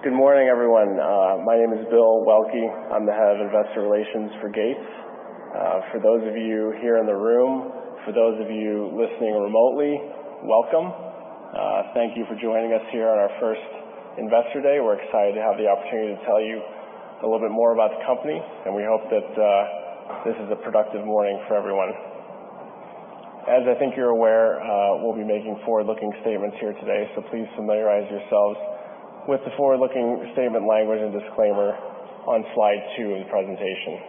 Good morning, everyone. My name is Bill Waelke. I'm the head of investor relations for Gates. For those of you here in the room, for those of you listening remotely, welcome. Thank you for joining us here on our first Investor Day. We're excited to have the opportunity to tell you a little bit more about the company, and we hope that this is a productive morning for everyone. As I think you're aware, we'll be making forward-looking statements here today, so please familiarize yourselves with the forward-looking statement language and disclaimer on slide two of the presentation.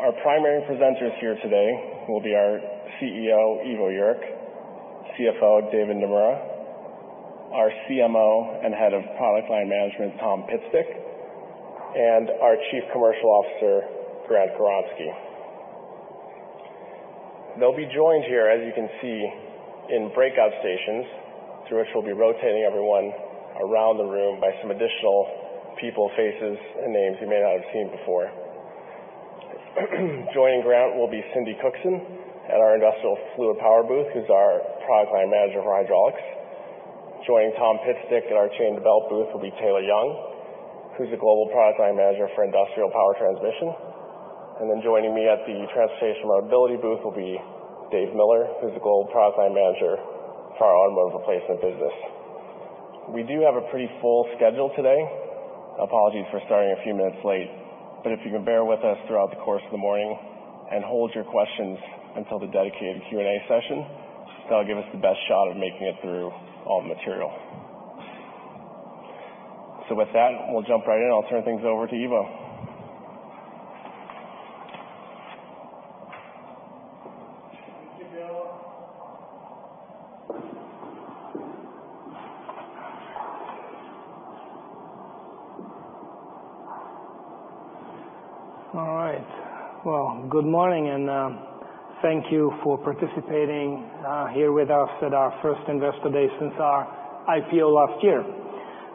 Our primary presenters here today will be our CEO, Ivo Jurek, CFO, David Nomura, our CMO and Head of Product Line Management, Tom Pitstick, and our Chief Commercial Officer, Grant Kronick. They'll be joined here, as you can see, in breakout stations through which we'll be rotating everyone around the room by some additional people, faces, and names you may not have seen before. Joining Grant will be Cindy Cookson at our industrial fluid power booth, who's our product line manager for hydraulics. Joining Tom Pitstick at our chain of development booth will be Taylor Young, who's a global product line manager for industrial power transmission. Then joining me at the transportation mobility booth will be Dave Miller, who's a global product line manager for our automotive replacement business. We do have a pretty full schedule today. Apologies for starting a few minutes late, but if you can bear with us throughout the course of the morning and hold your questions until the dedicated Q&A session, that'll give us the best shot at making it through all the material. With that, we'll jump right in. I'll turn things over to Ivo. Thank you, Bill. All right. Good morning and thank you for participating here with us at our first Investor Day since our IPO last year.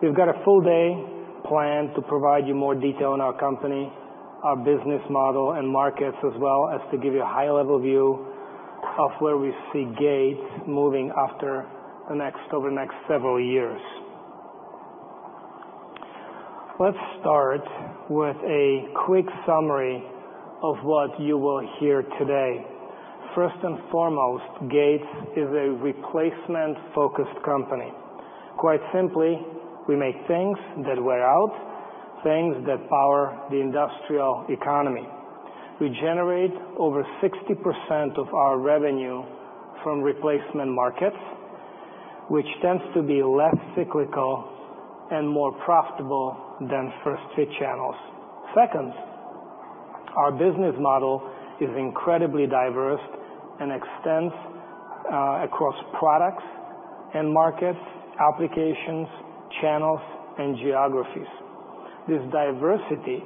We've got a full day planned to provide you more detail on our company, our business model, and markets, as well as to give you a high-level view of where we see Gates moving after the next several years. Let's start with a quick summary of what you will hear today. First and foremost, Gates is a replacement-focused company. Quite simply, we make things that wear out, things that power the industrial economy. We generate over 60% of our revenue from replacement markets, which tends to be less cyclical and more profitable than first-fit channels. Second, our business model is incredibly diverse and extends across products and markets, applications, channels, and geographies. This diversity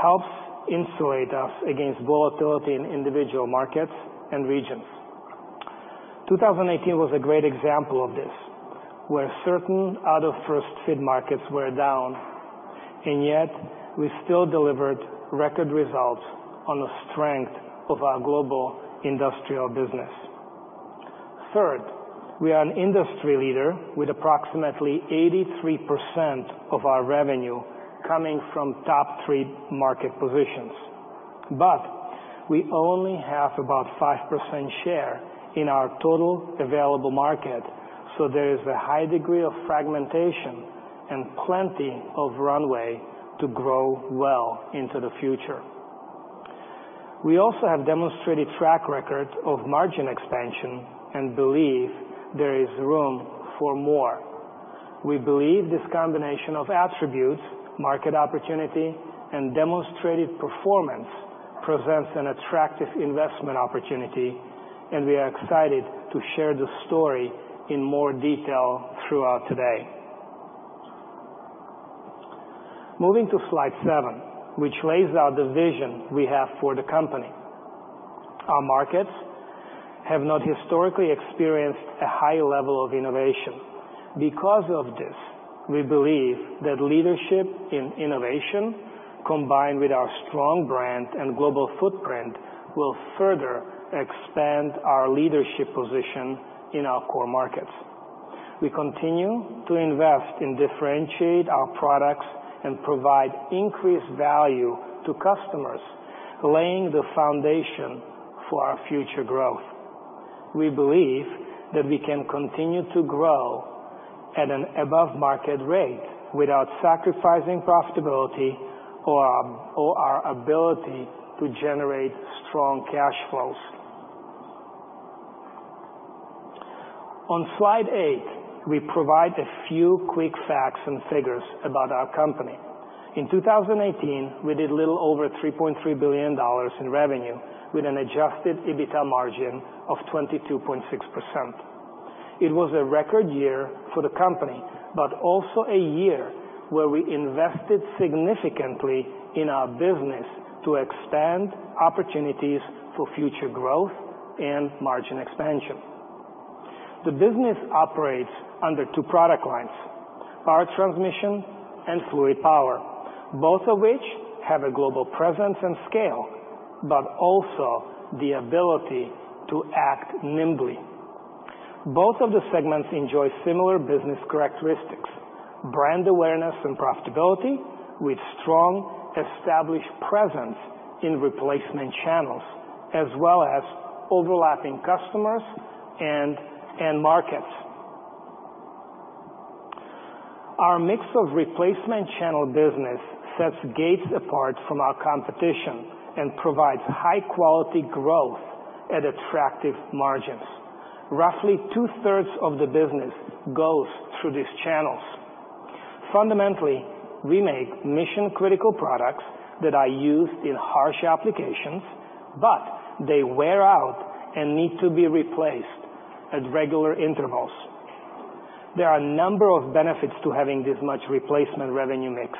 helps insulate us against volatility in individual markets and regions. 2018 was a great example of this, where certain out-of-first-fit markets were down, and yet we still delivered record results on the strength of our global industrial business. Third, we are an industry leader with approximately 83% of our revenue coming from top-three market positions. We only have about 5% share in our total available market, so there is a high degree of fragmentation and plenty of runway to grow well into the future. We also have a demonstrated track record of margin expansion and believe there is room for more. We believe this combination of attributes, market opportunity, and demonstrated performance presents an attractive investment opportunity, and we are excited to share the story in more detail throughout today. Moving to slide seven, which lays out the vision we have for the company. Our markets have not historically experienced a high level of innovation. Because of this, we believe that leadership in innovation, combined with our strong brand and global footprint, will further expand our leadership position in our core markets. We continue to invest in differentiating our products and providing increased value to customers, laying the foundation for our future growth. We believe that we can continue to grow at an above-market rate without sacrificing profitability or our ability to generate strong cash flows. On slide eight, we provide a few quick facts and figures about our company. In 2018, we did a little over $3.3 billion in revenue with an Adjusted EBITDA margin of 22.6%. It was a record year for the company, but also a year where we invested significantly in our business to expand opportunities for future growth and margin expansion. The business operates under two product lines: power transmission and fluid power, both of which have a global presence and scale, but also the ability to act nimbly. Both of the segments enjoy similar business characteristics: brand awareness and profitability, with strong, established presence in replacement channels, as well as overlapping customers and markets. Our mix of replacement channel business sets Gates apart from our competition and provides high-quality growth at attractive margins. Roughly two-thirds of the business goes through these channels. Fundamentally, we make mission-critical products that are used in harsh applications, but they wear out and need to be replaced at regular intervals. There are a number of benefits to having this much replacement revenue mix,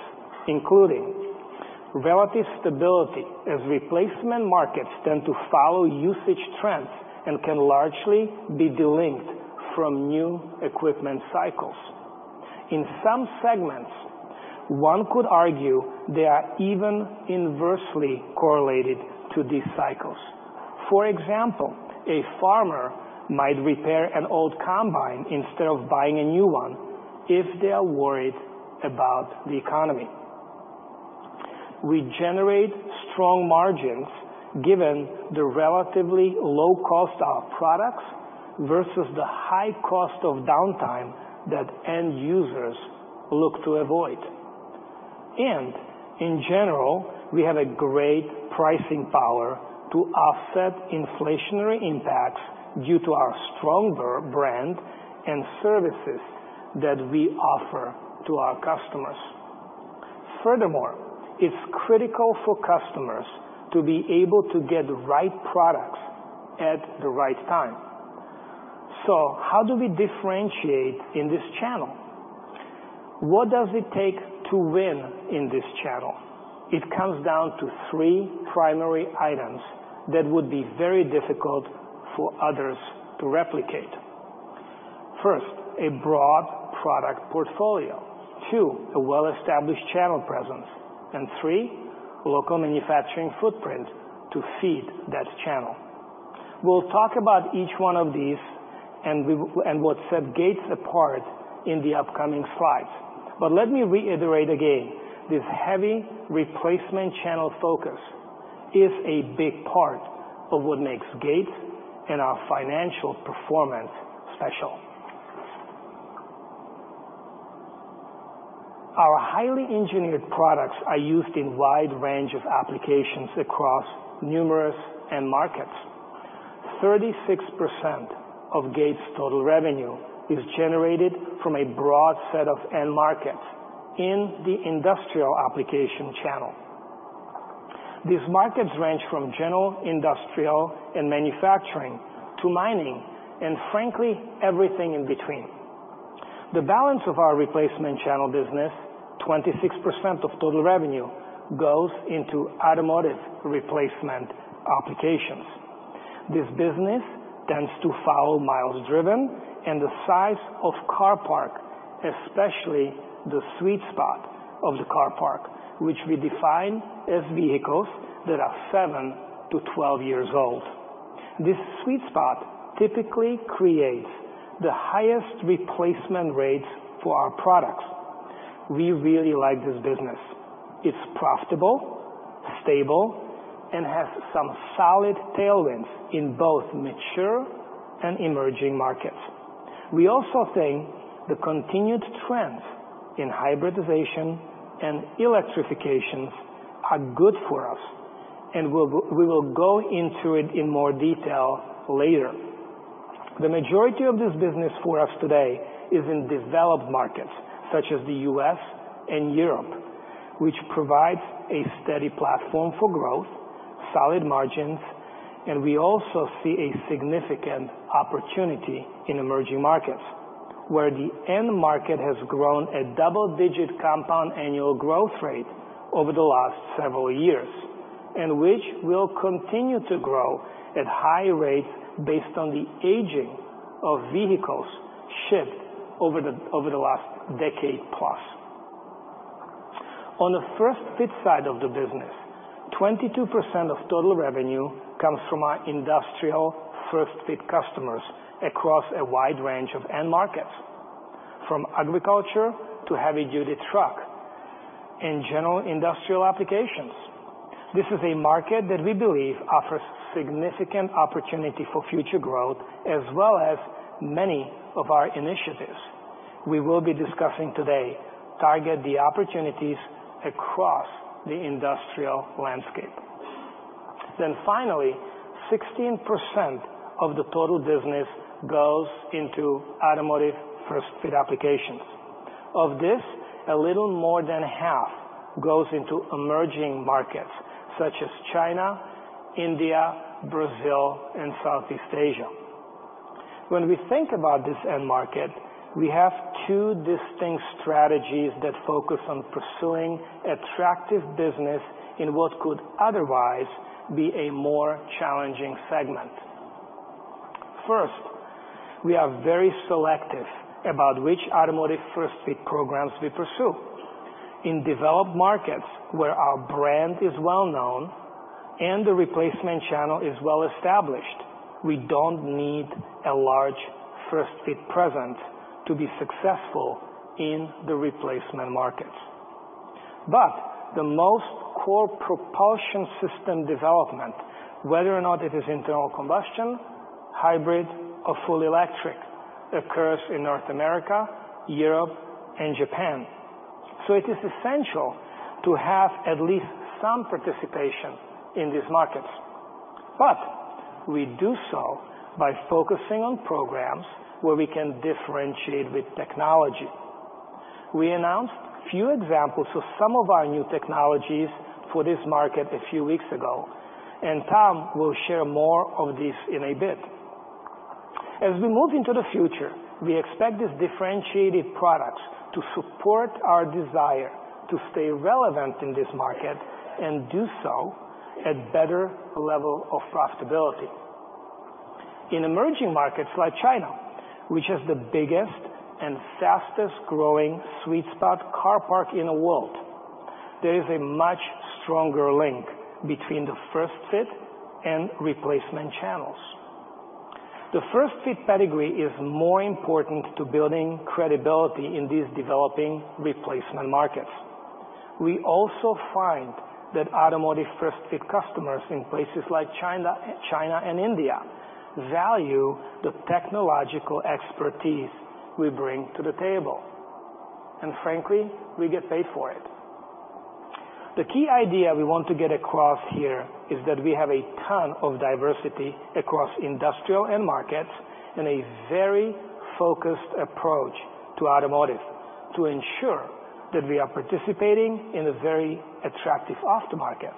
including relative stability, as replacement markets tend to follow usage trends and can largely be delinked from new equipment cycles. In some segments, one could argue they are even inversely correlated to these cycles. For example, a farmer might repair an old combine instead of buying a new one if they are worried about the economy. We generate strong margins given the relatively low cost of our products versus the high cost of downtime that end users look to avoid. In general, we have great pricing power to offset inflationary impacts due to our strong brand and services that we offer to our customers. Furthermore, it is critical for customers to be able to get the right products at the right time. How do we differentiate in this channel? What does it take to win in this channel? It comes down to three primary items that would be very difficult for others to replicate. First, a broad product portfolio. Two, a well-established channel presence. Three, local manufacturing footprint to feed that channel. We'll talk about each one of these and what sets Gates apart in the upcoming slides. Let me reiterate again, this heavy replacement channel focus is a big part of what makes Gates and our financial performance special. Our highly engineered products are used in a wide range of applications across numerous end markets. 36% of Gates' total revenue is generated from a broad set of end markets in the industrial application channel. These markets range from general industrial and manufacturing to mining and, frankly, everything in between. The balance of our replacement channel business, 26% of total revenue, goes into automotive replacement applications. This business tends to follow miles driven and the size of car park, especially the sweet spot of the car park, which we define as vehicles that are seven to 12 years old. This sweet spot typically creates the highest replacement rates for our products. We really like this business. It's profitable, stable, and has some solid tailwinds in both mature and emerging markets. We also think the continued trends in hybridization and electrification are good for us, and we will go into it in more detail later. The majority of this business for us today is in developed markets, such as the U.S. and Europe, which provides a steady platform for growth, solid margins, and we also see a significant opportunity in emerging markets, where the end market has grown a double-digit compound annual growth rate over the last several years and which will continue to grow at high rates based on the aging of vehicles shipped over the last decade plus. On the first-fit side of the business, 22% of total revenue comes from our industrial first-fit customers across a wide range of end markets, from agriculture to heavy-duty truck and general industrial applications. This is a market that we believe offers significant opportunity for future growth, as well as many of our initiatives we will be discussing today target the opportunities across the industrial landscape. Finally, 16% of the total business goes into automotive first-fit applications. Of this, a little more than half goes into emerging markets, such as China, India, Brazil, and Southeast Asia. When we think about this end market, we have two distinct strategies that focus on pursuing attractive business in what could otherwise be a more challenging segment. First, we are very selective about which automotive first-fit programs we pursue. In developed markets, where our brand is well-known and the replacement channel is well-established, we don't need a large first-fit presence to be successful in the replacement markets. The most core propulsion system development, whether or not it is internal combustion, hybrid, or fully electric, occurs in North America, Europe, and Japan. It is essential to have at least some participation in these markets. We do so by focusing on programs where we can differentiate with technology. We announced a few examples of some of our new technologies for this market a few weeks ago, and Tom will share more of this in a bit. As we move into the future, we expect these differentiated products to support our desire to stay relevant in this market and do so at a better level of profitability. In emerging markets like China, which has the biggest and fastest-growing sweet spot car park in the world, there is a much stronger link between the first-fit and replacement channels. The first-fit pedigree is more important to building credibility in these developing replacement markets. We also find that automotive first-fit customers in places like China and India value the technological expertise we bring to the table. Frankly, we get paid for it. The key idea we want to get across here is that we have a ton of diversity across industrial end markets and a very focused approach to automotive to ensure that we are participating in a very attractive aftermarket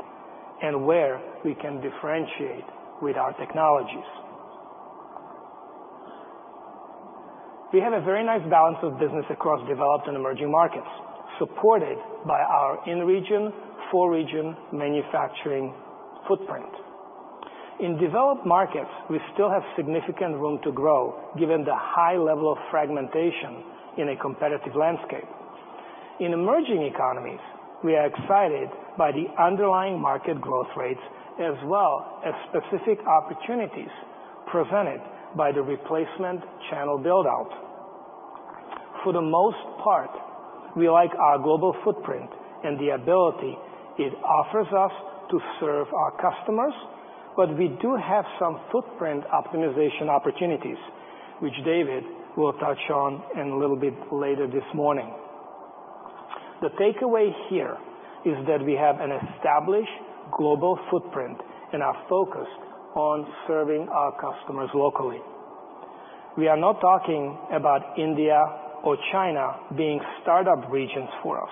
and where we can differentiate with our technologies. We have a very nice balance of business across developed and emerging markets, supported by our in-region, for-region manufacturing footprint. In developed markets, we still have significant room to grow given the high level of fragmentation in a competitive landscape. In emerging economies, we are excited by the underlying market growth rates, as well as specific opportunities presented by the replacement channel build-out. For the most part, we like our global footprint and the ability it offers us to serve our customers, but we do have some footprint optimization opportunities, which David will touch on a little bit later this morning. The takeaway here is that we have an established global footprint and are focused on serving our customers locally. We are not talking about India or China being startup regions for us.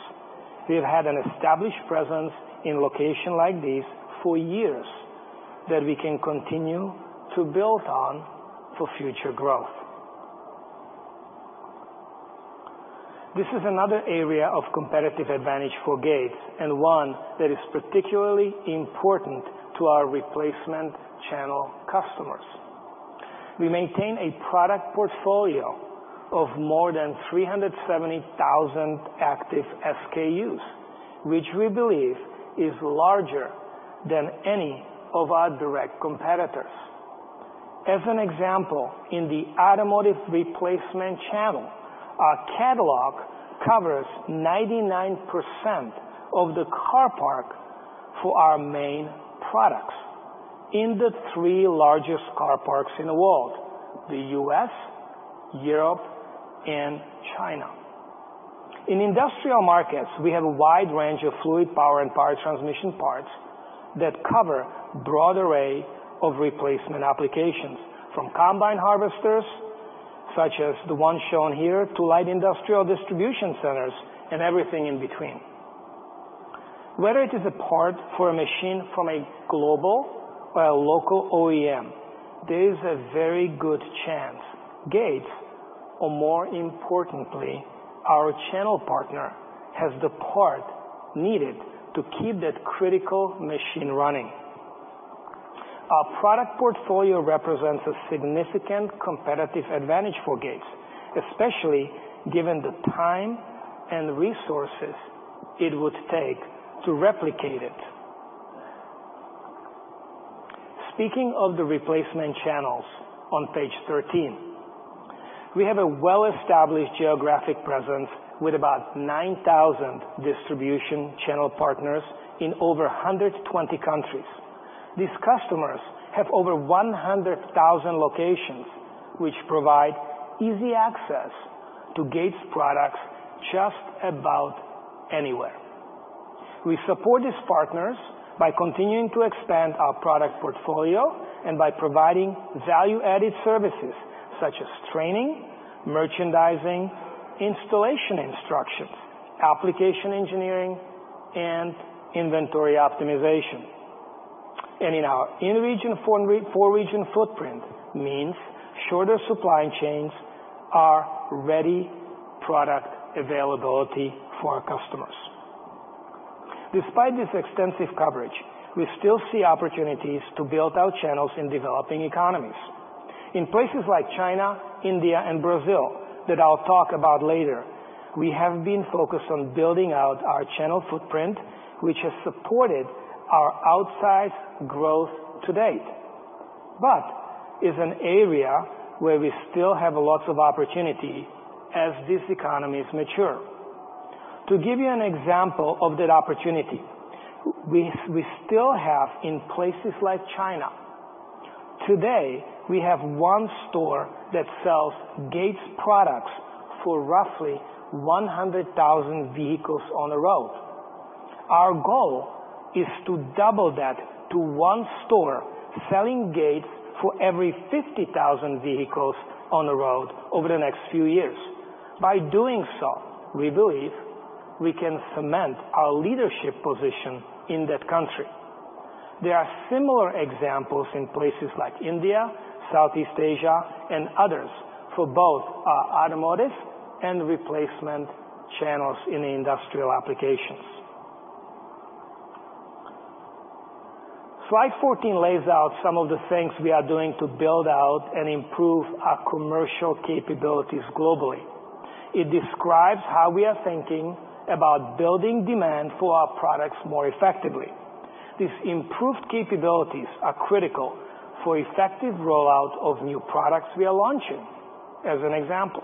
We have had an established presence in locations like these for years that we can continue to build on for future growth. This is another area of competitive advantage for Gates and one that is particularly important to our replacement channel customers. We maintain a product portfolio of more than 370,000 active SKUs, which we believe is larger than any of our direct competitors. As an example, in the automotive replacement channel, our catalog covers 99% of the car park for our main products in the three largest car parks in the world: the U.S., Europe, and China. In industrial markets, we have a wide range of fluid power and power transmission parts that cover a broad array of replacement applications, from combine harvesters, such as the one shown here, to light industrial distribution centers and everything in between. Whether it is a part for a machine from a global or a local OEM, there is a very good chance Gates, or more importantly, our channel partner, has the part needed to keep that critical machine running. Our product portfolio represents a significant competitive advantage for Gates, especially given the time and resources it would take to replicate it. Speaking of the replacement channels, on page 13, we have a well-established geographic presence with about 9,000 distribution channel partners in over 120 countries. These customers have over 100,000 locations, which provide easy access to Gates' products just about anywhere. We support these partners by continuing to expand our product portfolio and by providing value-added services such as training, merchandising, installation instructions, application engineering, and inventory optimization. In our in-region and for-region footprint, it means shorter supply chains and ready product availability for our customers. Despite this extensive coverage, we still see opportunities to build our channels in developing economies. In places like China, India, and Brazil that I'll talk about later, we have been focused on building out our channel footprint, which has supported our outsized growth to date, but is an area where we still have lots of opportunity as these economies mature. To give you an example of that opportunity, we still have in places like China. Today, we have one store that sells Gates' products for roughly 100,000 vehicles on the road. Our goal is to double that to one store selling Gates' for every 50,000 vehicles on the road over the next few years. By doing so, we believe we can cement our leadership position in that country. There are similar examples in places like India, Southeast Asia, and others for both our automotive and replacement channels in industrial applications. Slide 14 lays out some of the things we are doing to build out and improve our commercial capabilities globally. It describes how we are thinking about building demand for our products more effectively. These improved capabilities are critical for effective rollout of new products we are launching, as an example.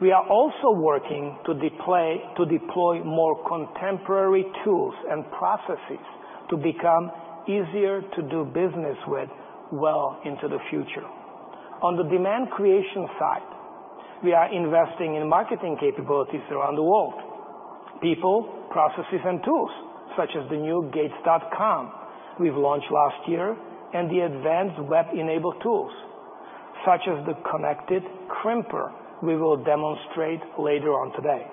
We are also working to deploy more contemporary tools and processes to become easier to do business with well into the future. On the demand creation side, we are investing in marketing capabilities around the world. People, processes, and tools, such as the new Gates.com we launched last year and the advanced web-enabled tools, such as the connected Crimper we will demonstrate later on today.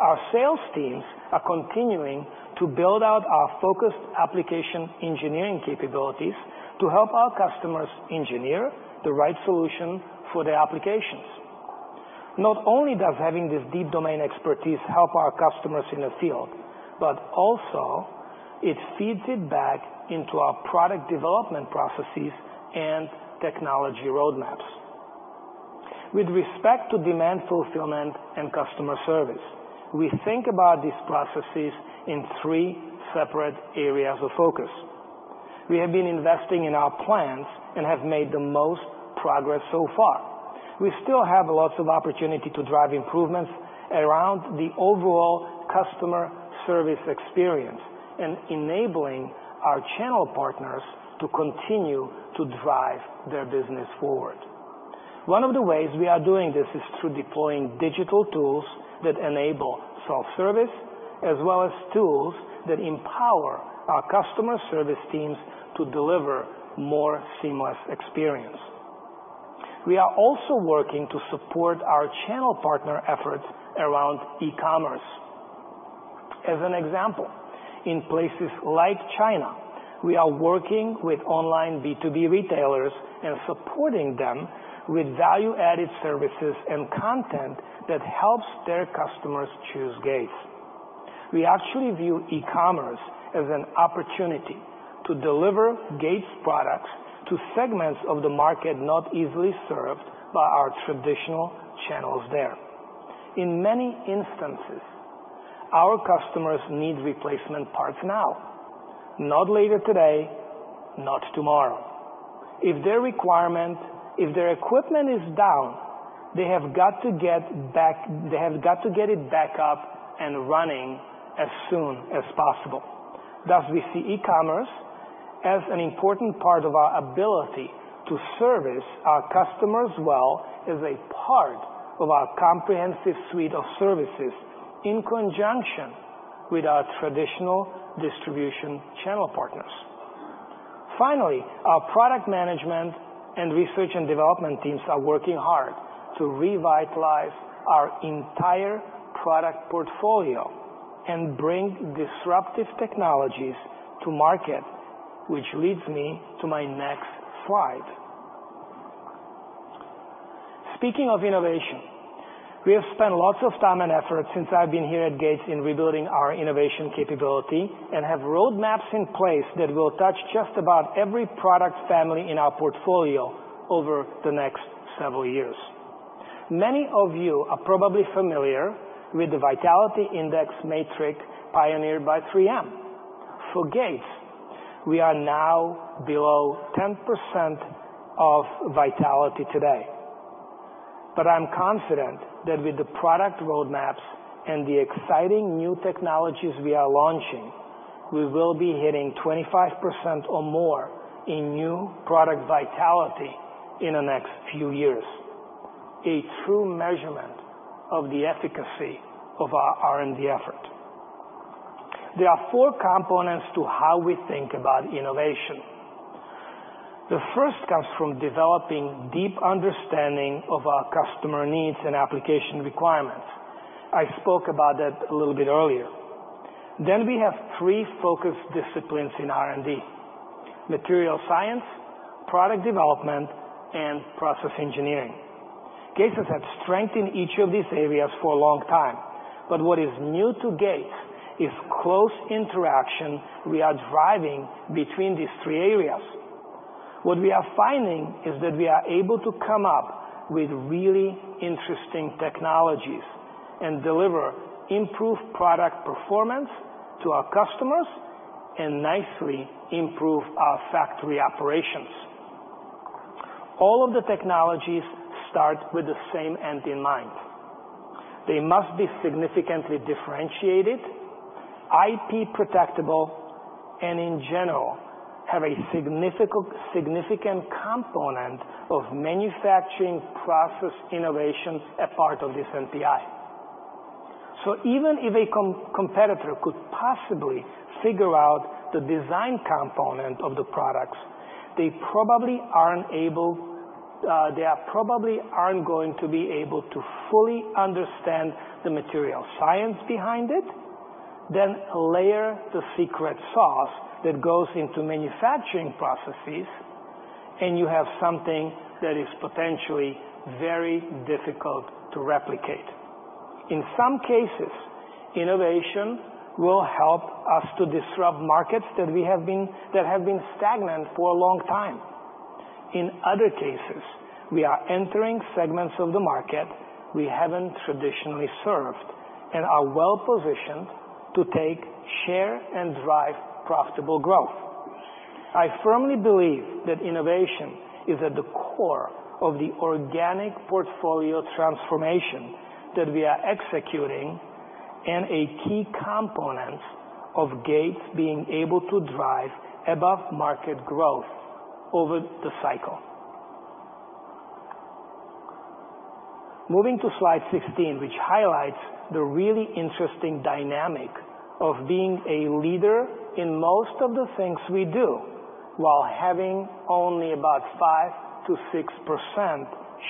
Our sales teams are continuing to build out our focused application engineering capabilities to help our customers engineer the right solution for their applications. Not only does having this deep domain expertise help our customers in the field, but also it feeds it back into our product development processes and technology roadmaps. With respect to demand fulfillment and customer service, we think about these processes in three separate areas of focus. We have been investing in our plans and have made the most progress so far. We still have lots of opportunity to drive improvements around the overall customer service experience and enabling our channel partners to continue to drive their business forward. One of the ways we are doing this is through deploying digital tools that enable self-service, as well as tools that empower our customer service teams to deliver a more seamless experience. We are also working to support our channel partner efforts around e-commerce. As an example, in places like China, we are working with online B2B retailers and supporting them with value-added services and content that helps their customers choose Gates. We actually view e-commerce as an opportunity to deliver Gates' products to segments of the market not easily served by our traditional channels there. In many instances, our customers need replacement parts now, not later today, not tomorrow. If their equipment is down, they have got to get it back up and running as soon as possible. Thus, we see e-commerce as an important part of our ability to service our customers well as a part of our comprehensive suite of services in conjunction with our traditional distribution channel partners. Finally, our product management and research and development teams are working hard to revitalize our entire product portfolio and bring disruptive technologies to market, which leads me to my next slide. Speaking of innovation, we have spent lots of time and effort since I've been here at Gates in rebuilding our innovation capability and have roadmaps in place that will touch just about every product family in our portfolio over the next several years. Many of you are probably familiar with the Vitality Index Matrix pioneered by 3M. For Gates, we are now below 10% of vitality today. I'm confident that with the product roadmaps and the exciting new technologies we are launching, we will be hitting 25% or more in new product vitality in the next few years, a true measurement of the efficacy of our R&D effort. There are four components to how we think about innovation. The first comes from developing a deep understanding of our customer needs and application requirements. I spoke about that a little bit earlier. We have three focus disciplines in R&D: material science, product development, and process engineering. Gates has had strength in each of these areas for a long time, but what is new to Gates is the close interaction we are driving between these three areas. What we are finding is that we are able to come up with really interesting technologies and deliver improved product performance to our customers and nicely improve our factory operations. All of the technologies start with the same end in mind. They must be significantly differentiated, IP protectable, and in general, have a significant component of manufacturing process innovation as part of this MPI. Even if a competitor could possibly figure out the design component of the products, they probably aren't able—they probably aren't going to be able to fully understand the material science behind it, then layer the secret sauce that goes into manufacturing processes, and you have something that is potentially very difficult to replicate. In some cases, innovation will help us to disrupt markets that have been stagnant for a long time. In other cases, we are entering segments of the market we haven't traditionally served and are well-positioned to take share and drive profitable growth. I firmly believe that innovation is at the core of the organic portfolio transformation that we are executing and a key component of Gates being able to drive above-market growth over the cycle. Moving to slide 16, which highlights the really interesting dynamic of being a leader in most of the things we do while having only about 5%-6%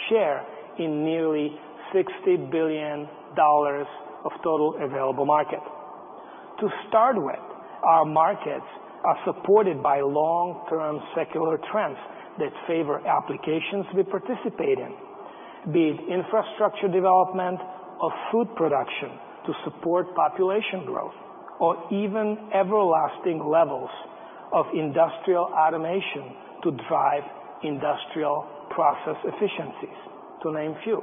share in nearly $60 billion of total available market. To start with, our markets are supported by long-term secular trends that favor applications we participate in, be it infrastructure development or food production to support population growth, or even everlasting levels of industrial automation to drive industrial process efficiencies, to name a few.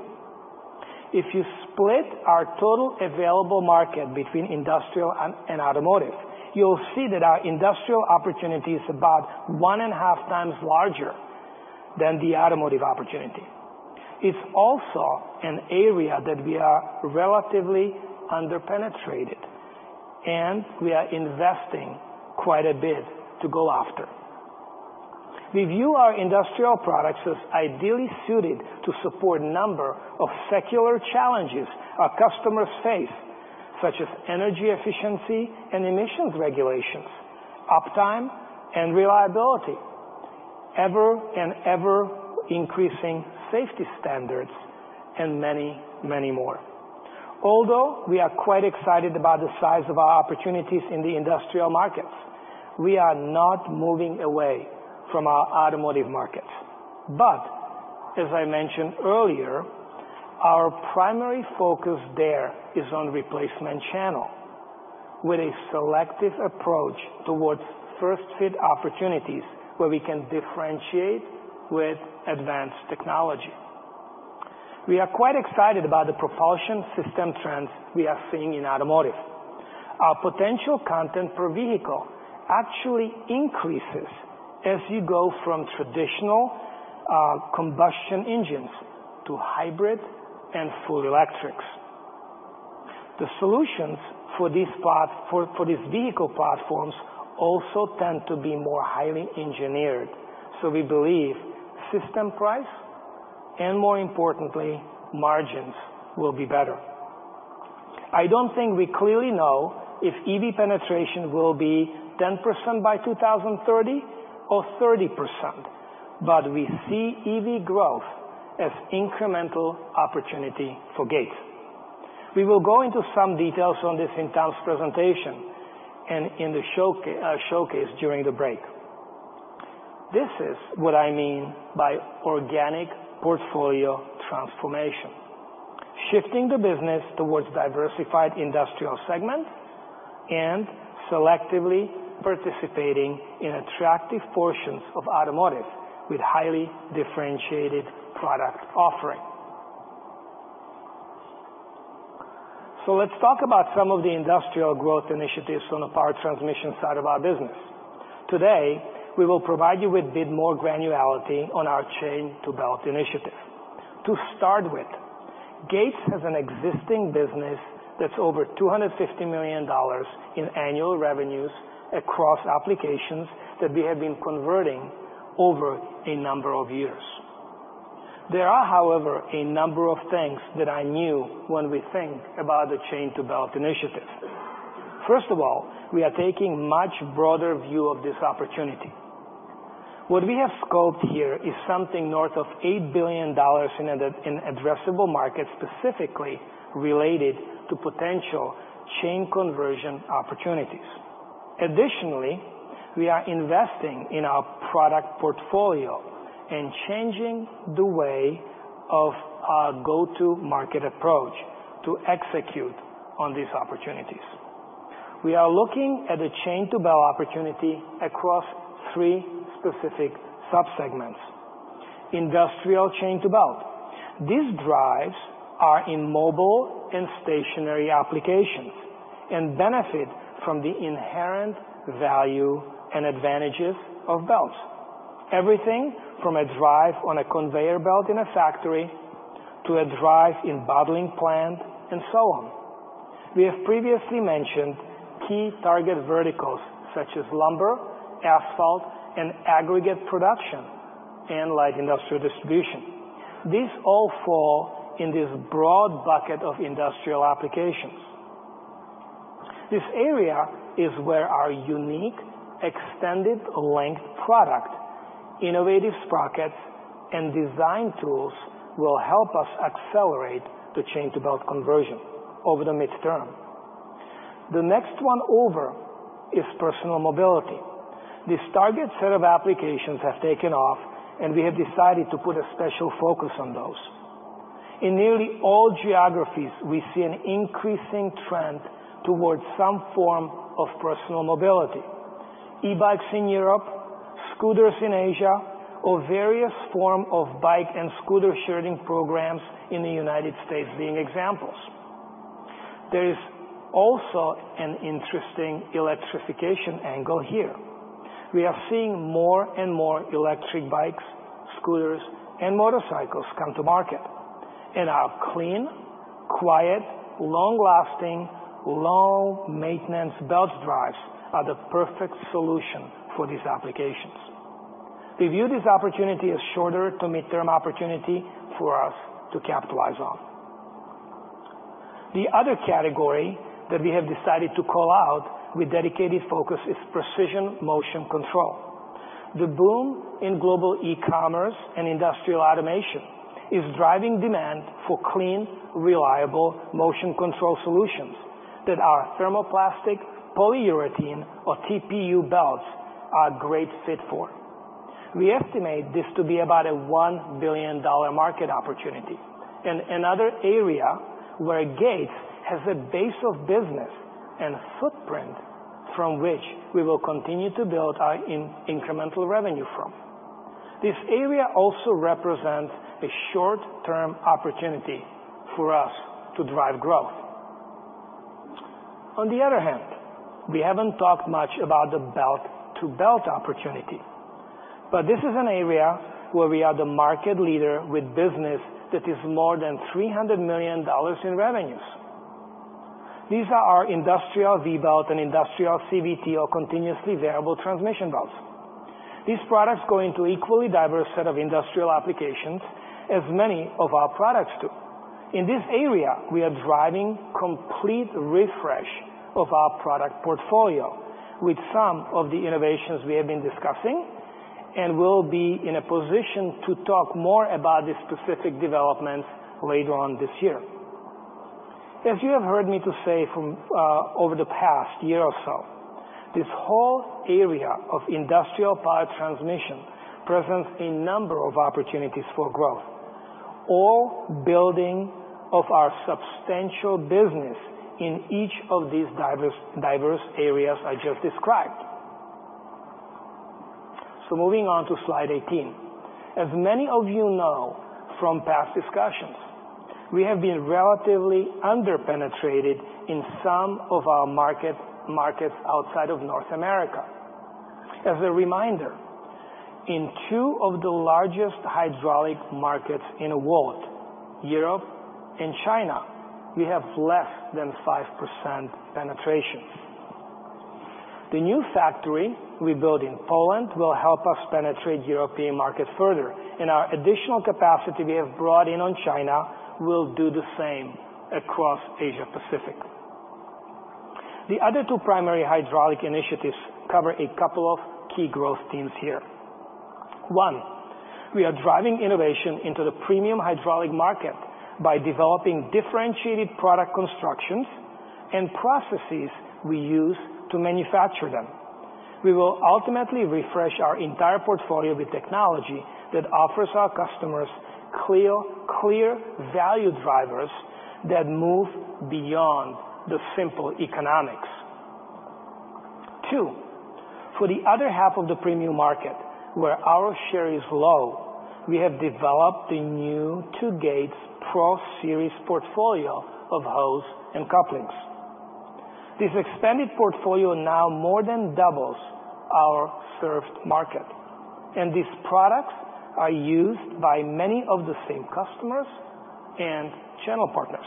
If you split our total available market between industrial and automotive, you'll see that our industrial opportunity is about one and a half times larger than the automotive opportunity. It's also an area that we are relatively under-penetrated, and we are investing quite a bit to go after. We view our industrial products as ideally suited to support a number of secular challenges our customers face, such as energy efficiency and emissions regulations, uptime and reliability, ever-increasing safety standards, and many, many more. Although we are quite excited about the size of our opportunities in the industrial markets, we are not moving away from our automotive markets. As I mentioned earlier, our primary focus there is on the replacement channel with a selective approach towards first-fit opportunities where we can differentiate with advanced technology. We are quite excited about the propulsion system trends we are seeing in automotive. Our potential content per vehicle actually increases as you go from traditional combustion engines to hybrid and full electrics. The solutions for these vehicle platforms also tend to be more highly engineered, so we believe system price and, more importantly, margins will be better. I don't think we clearly know if EV penetration will be 10% by 2030 or 30%, but we see EV growth as an incremental opportunity for Gates. We will go into some details on this in Tom's presentation and in the showcase during the break. This is what I mean by organic portfolio transformation: shifting the business towards a diversified industrial segment and selectively participating in attractive portions of automotive with highly differentiated product offering. Let's talk about some of the industrial growth initiatives on the power transmission side of our business. Today, we will provide you with a bit more granularity on our chain-to-belt initiative. To start with, Gates has an existing business that's over $250 million in annual revenues across applications that we have been converting over a number of years. There are, however, a number of things that are new when we think about the chain-to-belt initiative. First of all, we are taking a much broader view of this opportunity. What we have scoped here is something north of $8 billion in addressable markets specifically related to potential chain conversion opportunities. Additionally, we are investing in our product portfolio and changing the way of our go-to-market approach to execute on these opportunities. We are looking at the chain-to-belt opportunity across three specific subsegments: industrial chain-to-belt. These drives are in mobile and stationary applications and benefit from the inherent value and advantages of belts, everything from a drive on a conveyor belt in a factory to a drive in a bottling plant, and so on. We have previously mentioned key target verticals such as lumber, asphalt, and aggregate production, and light industrial distribution. These all fall in this broad bucket of industrial applications. This area is where our unique extended-length product, innovative sprockets, and design tools will help us accelerate the chain-to-belt conversion over the midterm. The next one over is personal mobility. This target set of applications has taken off, and we have decided to put a special focus on those. In nearly all geographies, we see an increasing trend towards some form of personal mobility: eBikes in Europe, scooters in Asia, or various forms of bike and scooter sharing programs in the United States being examples. There is also an interesting electrification angle here. We are seeing more and more electric bikes, scooters, and motorcycles come to market, and our clean, quiet, long-lasting, low-maintenance belt drives are the perfect solution for these applications. We view this opportunity as a shorter-to-midterm opportunity for us to capitalize on. The other category that we have decided to call out with dedicated focus is precision motion control. The boom in global e-commerce and industrial automation is driving demand for clean, reliable motion control solutions that our thermoplastic polyurethane or TPU belts are a great fit for. We estimate this to be about a $1 billion market opportunity and another area where Gates has a base of business and a footprint from which we will continue to build our incremental revenue from. This area also represents a short-term opportunity for us to drive growth. On the other hand, we have not talked much about the belt-to-belt opportunity, but this is an area where we are the market leader with business that is more than $300 million in revenues. These are our industrial V-belt and industrial CVT, or continuously variable transmission belts. These products go into an equally diverse set of industrial applications, as many of our products do. In this area, we are driving a complete refresh of our product portfolio with some of the innovations we have been discussing and will be in a position to talk more about the specific developments later on this year. As you have heard me say over the past year or so, this whole area of industrial power transmission presents a number of opportunities for growth, all building our substantial business in each of these diverse areas I just described. Moving on to slide 18. As many of you know from past discussions, we have been relatively under-penetrated in some of our markets outside of North America. As a reminder, in two of the largest hydraulic markets in the world, Europe and China, we have less than 5% penetrations. The new factory we built in Poland will help us penetrate the European market further, and our additional capacity we have brought in on China will do the same across Asia-Pacific. The other two primary hydraulic initiatives cover a couple of key growth themes here. One, we are driving innovation into the premium hydraulic market by developing differentiated product constructions and processes we use to manufacture them. We will ultimately refresh our entire portfolio with technology that offers our customers clear value drivers that move beyond the simple economics. Two, for the other half of the premium market where our share is low, we have developed the new Gates Pro Series portfolio of hose and couplings. This expanded portfolio now more than doubles our served market, and these products are used by many of the same customers and channel partners.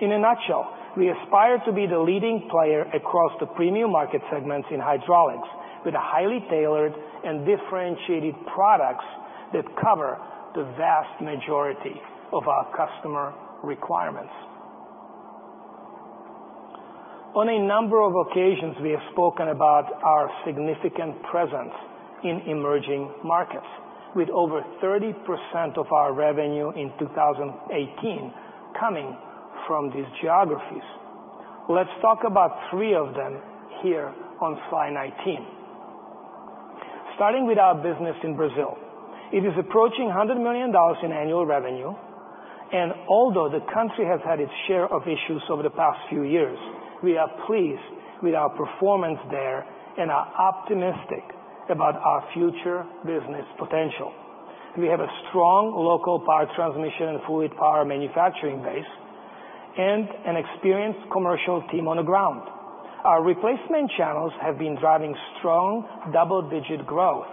In a nutshell, we aspire to be the leading player across the premium market segments in hydraulics with highly tailored and differentiated products that cover the vast majority of our customer requirements. On a number of occasions, we have spoken about our significant presence in emerging markets, with over 30% of our revenue in 2018 coming from these geographies. Let's talk about three of them here on slide 19. Starting with our business in Brazil, it is approaching $100 million in annual revenue, and although the country has had its share of issues over the past few years, we are pleased with our performance there and are optimistic about our future business potential. We have a strong local power transmission and fluid power manufacturing base and an experienced commercial team on the ground. Our replacement channels have been driving strong double-digit growth,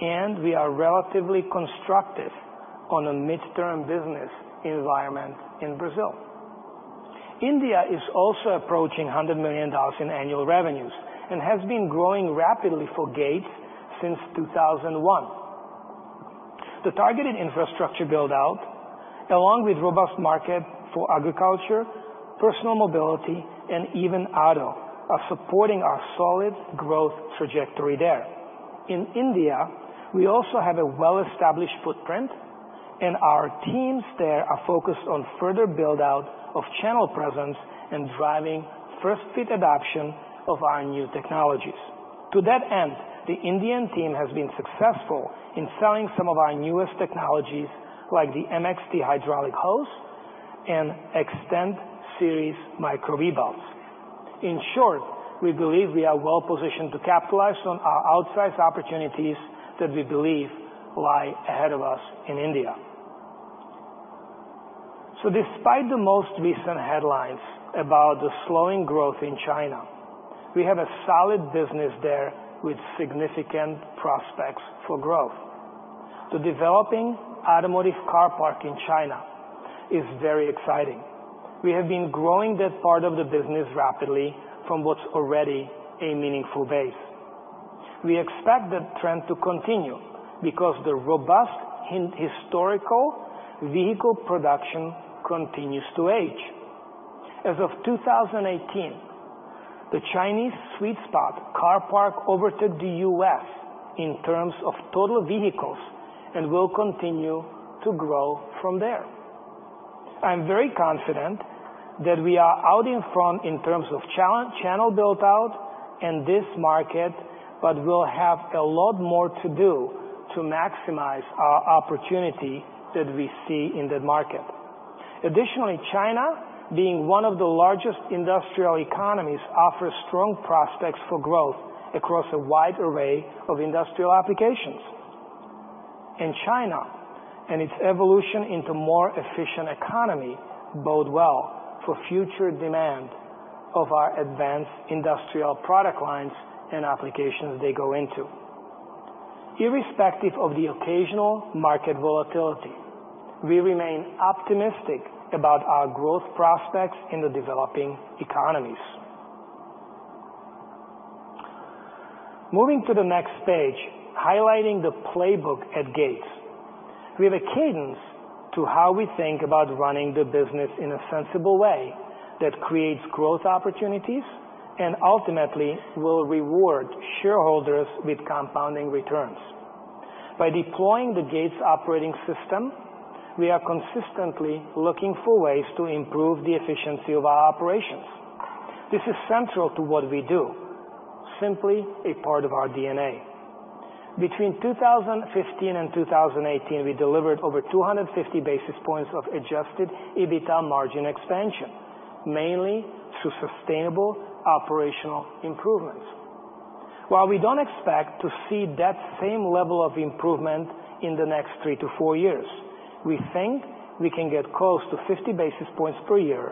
and we are relatively constructive on a midterm business environment in Brazil. India is also approaching $100 million in annual revenues and has been growing rapidly for Gates since 2001. The targeted infrastructure build-out, along with robust markets for agriculture, personal mobility, and even auto, are supporting our solid growth trajectory there. In India, we also have a well-established footprint, and our teams there are focused on further build-out of channel presence and driving first-fit adoption of our new technologies. To that end, the Indian team has been successful in selling some of our newest technologies, like the MXT hydraulic hose and Extend Series Micro V-Belts. In short, we believe we are well-positioned to capitalize on our outsized opportunities that we believe lie ahead of us in India. Despite the most recent headlines about the slowing growth in China, we have a solid business there with significant prospects for growth. The developing automotive car park in China is very exciting. We have been growing that part of the business rapidly from what's already a meaningful base. We expect that trend to continue because the robust historical vehicle production continues to age. As of 2018, the Chinese sweet spot car park overtook the U.S. in terms of total vehicles and will continue to grow from there. I'm very confident that we are out in front in terms of channel build-out in this market, but we'll have a lot more to do to maximize our opportunity that we see in that market. Additionally, China, being one of the largest industrial economies, offers strong prospects for growth across a wide array of industrial applications. China and its evolution into a more efficient economy bode well for future demand of our advanced industrial product lines and applications they go into. Irrespective of the occasional market volatility, we remain optimistic about our growth prospects in the developing economies. Moving to the next page, highlighting the playbook at Gates, we have a cadence to how we think about running the business in a sensible way that creates growth opportunities and ultimately will reward shareholders with compounding returns. By deploying the Gates operating system, we are consistently looking for ways to improve the efficiency of our operations. This is central to what we do, simply a part of our DNA. Between 2015 and 2018, we delivered over 250 basis points of Adjusted EBITDA margin expansion, mainly through sustainable operational improvements. While we don't expect to see that same level of improvement in the next three to four years, we think we can get close to 50 basis points per year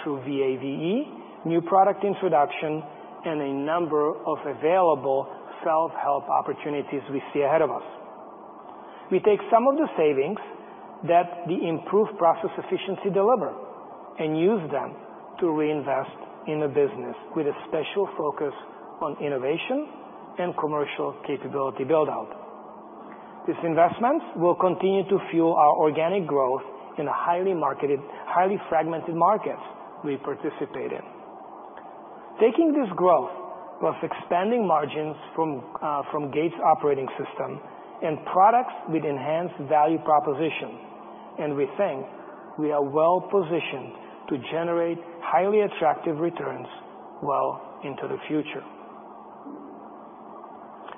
through VAVE, new product introduction, and a number of available self-help opportunities we see ahead of us. We take some of the savings that the improved process efficiency delivers and use them to reinvest in the business with a special focus on innovation and commercial capability build-out. These investments will continue to fuel our organic growth in highly fragmented markets we participate in. Taking this growth, we're expanding margins from Gates operating system and products with enhanced value proposition, and we think we are well-positioned to generate highly attractive returns well into the future.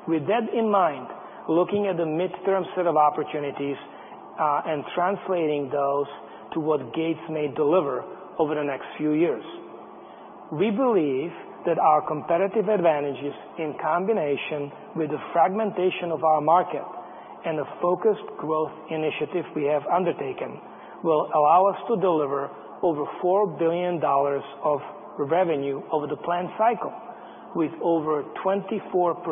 With that in mind, looking at the midterm set of opportunities and translating those to what Gates may deliver over the next few years, we believe that our competitive advantages, in combination with the fragmentation of our market and the focused growth initiative we have undertaken, will allow us to deliver over $4 billion of revenue over the planned cycle with over 24%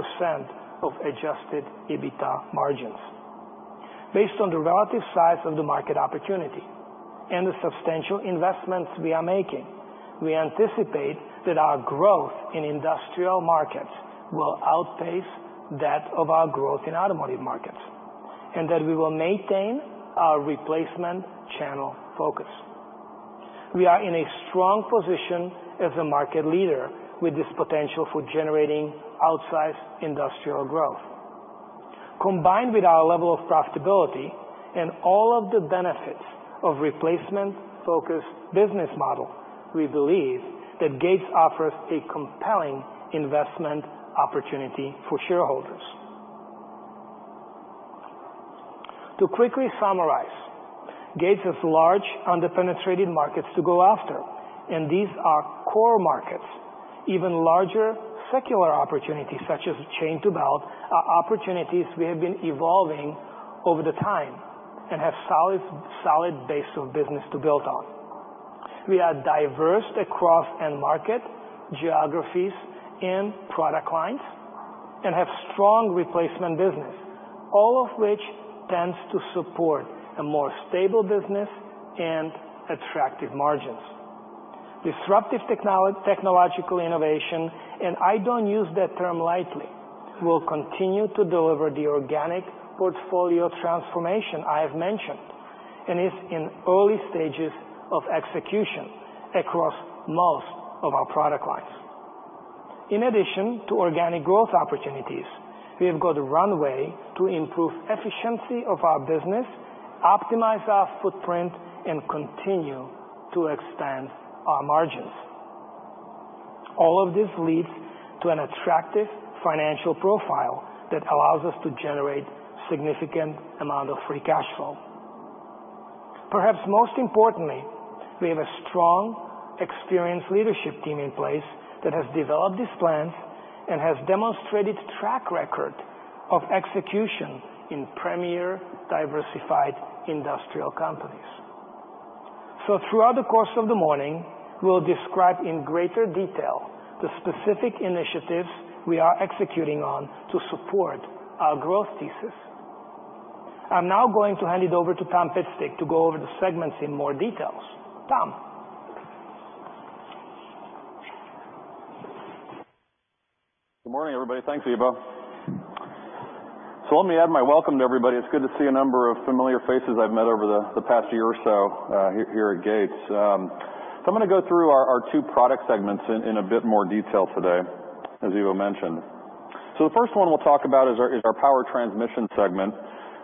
of Adjusted EBITDA margins. Based on the relative size of the market opportunity and the substantial investments we are making, we anticipate that our growth in industrial markets will outpace that of our growth in automotive markets and that we will maintain our replacement channel focus. We are in a strong position as a market leader with this potential for generating outsized industrial growth. Combined with our level of profitability and all of the benefits of the replacement-focused business model, we believe that Gates offers a compelling investment opportunity for shareholders. To quickly summarize, Gates has large under-penetrated markets to go after, and these are core markets. Even larger secular opportunities, such as chain-to-belt, are opportunities we have been evolving over the time and have a solid base of business to build on. We are diverse across end market geographies and product lines and have strong replacement business, all of which tends to support a more stable business and attractive margins. Disruptive technological innovation, and I do not use that term lightly, will continue to deliver the organic portfolio transformation I have mentioned and is in early stages of execution across most of our product lines. In addition to organic growth opportunities, we have got a runway to improve the efficiency of our business, optimize our footprint, and continue to expand our margins. All of this leads to an attractive financial profile that allows us to generate a significant amount of free cash flow. Perhaps most importantly, we have a strong, experienced leadership team in place that has developed these plans and has a demonstrated track record of execution in premier diversified industrial companies. Throughout the course of the morning, we'll describe in greater detail the specific initiatives we are executing on to support our growth thesis. I'm now going to hand it over to Tom Pitstick to go over the segments in more detail. Tom. Good morning, everybody. Thanks, Ivo. Let me add my welcome to everybody. It's good to see a number of familiar faces I've met over the past year or so here at Gates. I'm going to go through our two product segments in a bit more detail today, as Ivo mentioned. The first one we'll talk about is our power transmission segment.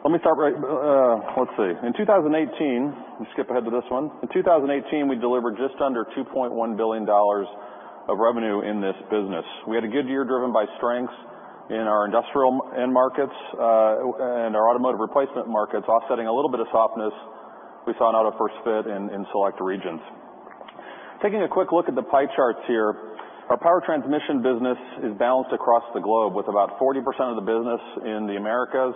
Let me start right—let's see. In 2018, let me skip ahead to this one. In 2018, we delivered just under $2.1 billion of revenue in this business. We had a good year driven by strengths in our industrial end markets and our automotive replacement markets, offsetting a little bit of softness we saw in auto first-fit in select regions. Taking a quick look at the pie charts here, our power transmission business is balanced across the globe with about 40% of the business in the Americas,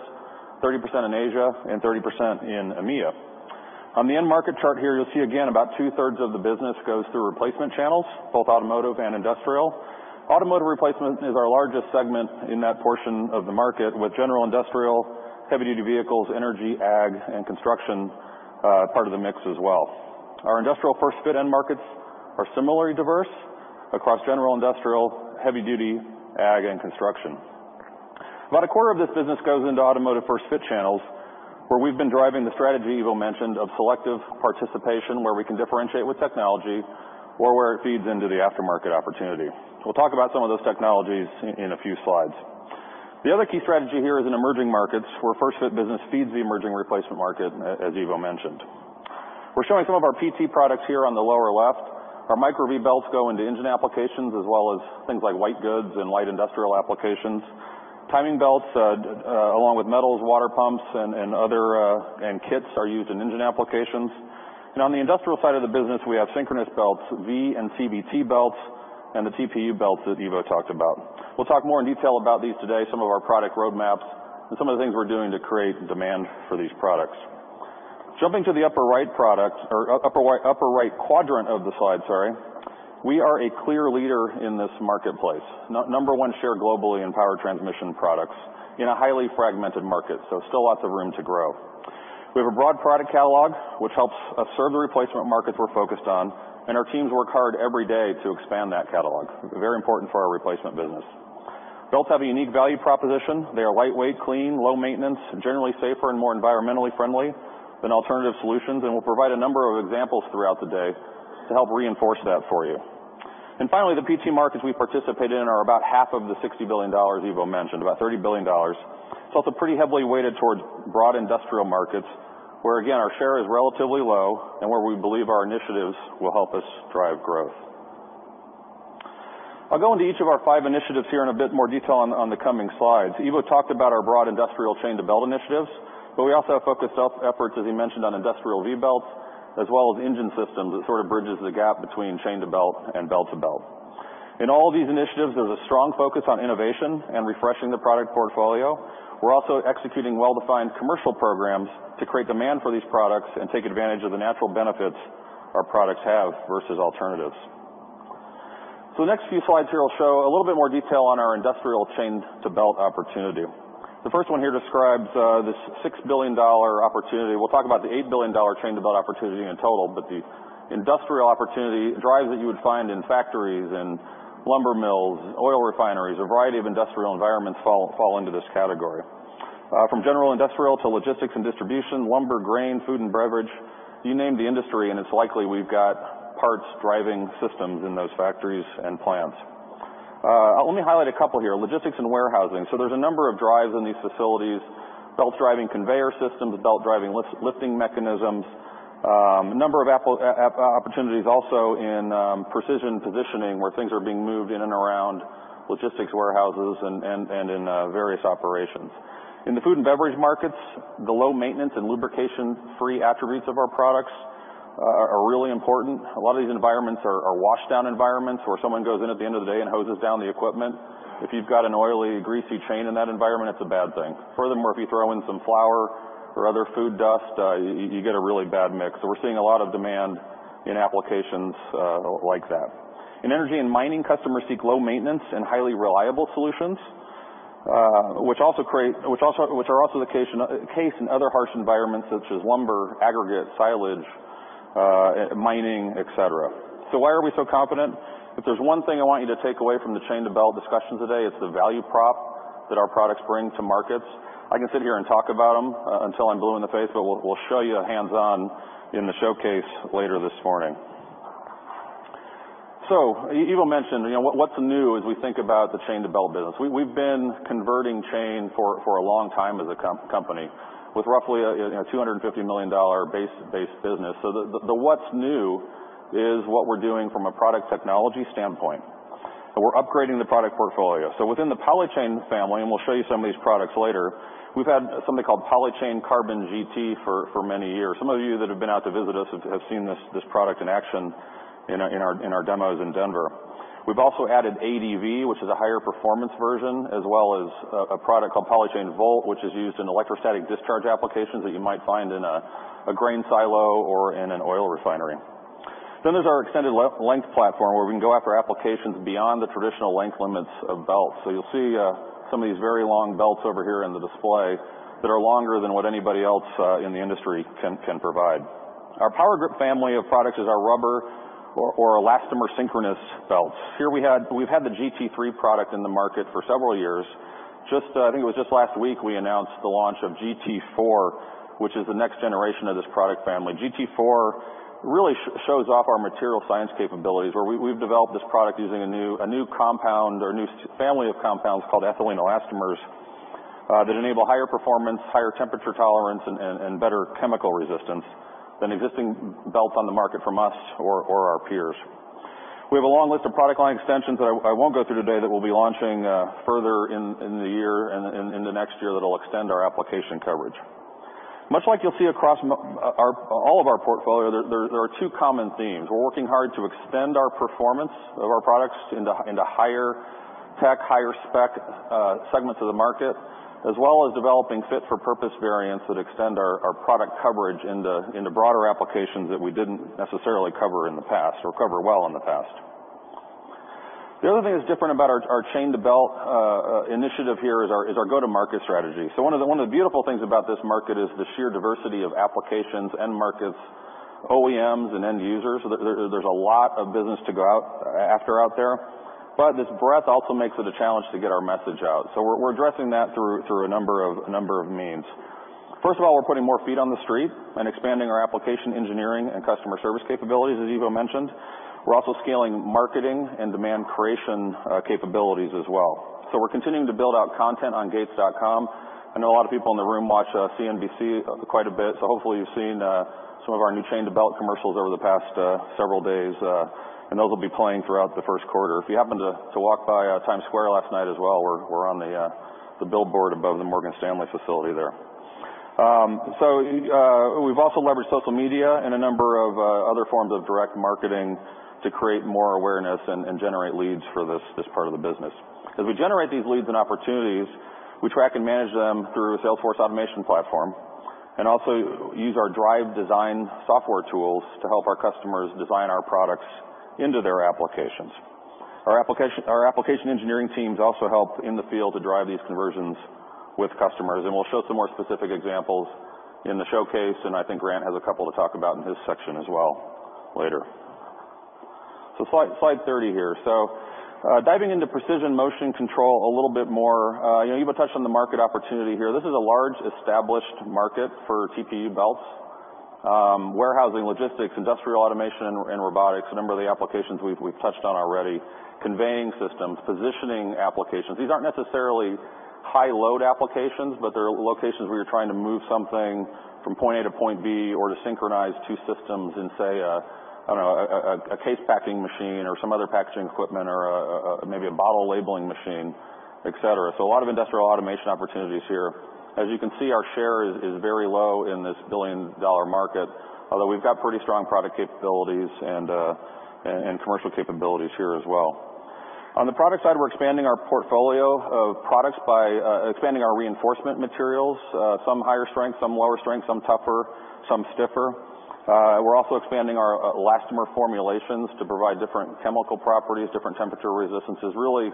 30% in Asia, and 30% in EMEA. On the end market chart here, you'll see again about two-thirds of the business goes through replacement channels, both automotive and industrial. Automotive replacement is our largest segment in that portion of the market, with general industrial, heavy-duty vehicles, energy, ag, and construction part of the mix as well. Our industrial first-fit end markets are similarly diverse across general industrial, heavy-duty, ag, and construction. About a quarter of this business goes into automotive first-fit channels, where we've been driving the strategy Ivo mentioned of selective participation, where we can differentiate with technology or where it feeds into the aftermarket opportunity. We'll talk about some of those technologies in a few slides. The other key strategy here is in emerging markets, where first-fit business feeds the emerging replacement market, as Ivo mentioned. We're showing some of our PT products here on the lower left. Our micro V-belts go into engine applications as well as things like white goods and light industrial applications. Timing belts, along with metals, water pumps, and kits are used in engine applications. On the industrial side of the business, we have synchronous belts, V and CVT belts, and the TPU belts that Ivo talked about. We'll talk more in detail about these today, some of our product roadmaps, and some of the things we're doing to create demand for these products. Jumping to the upper right product or upper right quadrant of the slide, sorry, we are a clear leader in this marketplace, number one share globally in power transmission products in a highly fragmented market, so still lots of room to grow. We have a broad product catalog, which helps us serve the replacement markets we're focused on, and our teams work hard every day to expand that catalog. Very important for our replacement business. Belts have a unique value proposition. They are lightweight, clean, low maintenance, generally safer, and more environmentally friendly than alternative solutions, and we'll provide a number of examples throughout the day to help reinforce that for you. Finally, the PT markets we participate in are about half of the $60 billion Ivo mentioned, about $30 billion. It is pretty heavily weighted towards broad industrial markets where, again, our share is relatively low and where we believe our initiatives will help us drive growth. I'll go into each of our five initiatives here in a bit more detail on the coming slides. Ivo talked about our broad industrial chain-to-belt initiatives, but we also have focused efforts, as he mentioned, on industrial V-belts as well as engine systems that sort of bridges the gap between chain-to-belt and belt-to-belt. In all of these initiatives, there is a strong focus on innovation and refreshing the product portfolio. We are also executing well-defined commercial programs to create demand for these products and take advantage of the natural benefits our products have versus alternatives. The next few slides here will show a little bit more detail on our industrial chain-to-belt opportunity. The first one here describes this $6 billion opportunity. We will talk about the $8 billion chain-to-belt opportunity in total, but the industrial opportunity drives that you would find in factories, in lumber mills, oil refineries, a variety of industrial environments fall into this category. From general industrial to logistics and distribution, lumber, grain, food, and beverage, you name the industry, and it's likely we've got parts driving systems in those factories and plants. Let me highlight a couple here. Logistics and warehousing. There's a number of drives in these facilities: belts driving conveyor systems, belts driving lifting mechanisms, a number of opportunities also in precision positioning where things are being moved in and around logistics warehouses and in various operations. In the food and beverage markets, the low maintenance and lubrication-free attributes of our products are really important. A lot of these environments are washed-down environments where someone goes in at the end of the day and hoses down the equipment. If you've got an oily, greasy chain in that environment, it's a bad thing. Furthermore, if you throw in some flour or other food dust, you get a really bad mix. We're seeing a lot of demand in applications like that. In energy and mining, customers seek low maintenance and highly reliable solutions, which are also the case in other harsh environments such as lumber, aggregate, silage, mining, etc. Why are we so confident? If there's one thing I want you to take away from the chain-to-belt discussion today, it's the value prop that our products bring to markets. I can sit here and talk about them until I'm blue in the face, but we'll show you hands-on in the showcase later this morning. Ivo mentioned what's new as we think about the chain-to-belt business. We've been converting chain for a long time as a company with roughly a $250 million base business. The what's new is what we're doing from a product technology standpoint, and we're upgrading the product portfolio. Within the Pallet Chain family, and we'll show you some of these products later, we've had something called Poly Chain Carbon GT for many years. Some of you that have been out to visit us have seen this product in action in our demos in Denver. We've also added ADV, which is a higher performance version, as well as a product called Pallet Chain Volt, which is used in electrostatic discharge applications that you might find in a grain silo or in an oil refinery. There is our extended length platform where we can go after applications beyond the traditional length limits of belts. You'll see some of these very long belts over here in the display that are longer than what anybody else in the industry can provide. Our Power Grip family of products is our rubber or elastomer synchronous belts. Here we've had the GT3 product in the market for several years. I think it was just last week we announced the launch of GT4, which is the next generation of this product family. GT4 really shows off our material science capabilities where we've developed this product using a new compound or a new family of compounds called ethylene elastomers that enable higher performance, higher temperature tolerance, and better chemical resistance than existing belts on the market from us or our peers. We have a long list of product line extensions that I won't go through today that we'll be launching further in the year and in the next year that will extend our application coverage. Much like you'll see across all of our portfolio, there are two common themes. We're working hard to extend our performance of our products into higher tech, higher spec segments of the market, as well as developing fit-for-purpose variants that extend our product coverage into broader applications that we did not necessarily cover in the past or cover well in the past. The other thing that is different about our chain-to-belt initiative here is our go-to-market strategy. One of the beautiful things about this market is the sheer diversity of applications, end markets, OEMs, and end users. There is a lot of business to go out after out there, but this breadth also makes it a challenge to get our message out. We are addressing that through a number of means. First of all, we are putting more feet on the street and expanding our application engineering and customer service capabilities, as Ivo mentioned. We are also scaling marketing and demand creation capabilities as well. We're continuing to build out content on gates.com. I know a lot of people in the room watch CNBC quite a bit, so hopefully you've seen some of our new chain-to-belt commercials over the past several days, and those will be playing throughout the first quarter. If you happen to walk by Times Square last night as well, we're on the Billboard above the Morgan Stanley facility there. We've also leveraged social media and a number of other forms of direct marketing to create more awareness and generate leads for this part of the business. As we generate these leads and opportunities, we track and manage them through a Salesforce automation platform and also use our drive design software tools to help our customers design our products into their applications. Our application engineering teams also help in the field to drive these conversions with customers, and we'll show some more specific examples in the showcase, and I think Grant has a couple to talk about in his section as well later. Slide 30 here. Diving into precision motion control a little bit more. Ivo touched on the market opportunity here. This is a large established market for TPU belts, warehousing, logistics, industrial automation, and robotics. A number of the applications we've touched on already, conveying systems, positioning applications. These aren't necessarily high-load applications, but they're locations where you're trying to move something from point A to point B or to synchronize two systems in, say, I don't know, a case packing machine or some other packaging equipment or maybe a bottle labeling machine, etc. A lot of industrial automation opportunities here. As you can see, our share is very low in this billion-dollar market, although we've got pretty strong product capabilities and commercial capabilities here as well. On the product side, we're expanding our portfolio of products by expanding our reinforcement materials, some higher strength, some lower strength, some tougher, some stiffer. We're also expanding our elastomer formulations to provide different chemical properties, different temperature resistances. Really,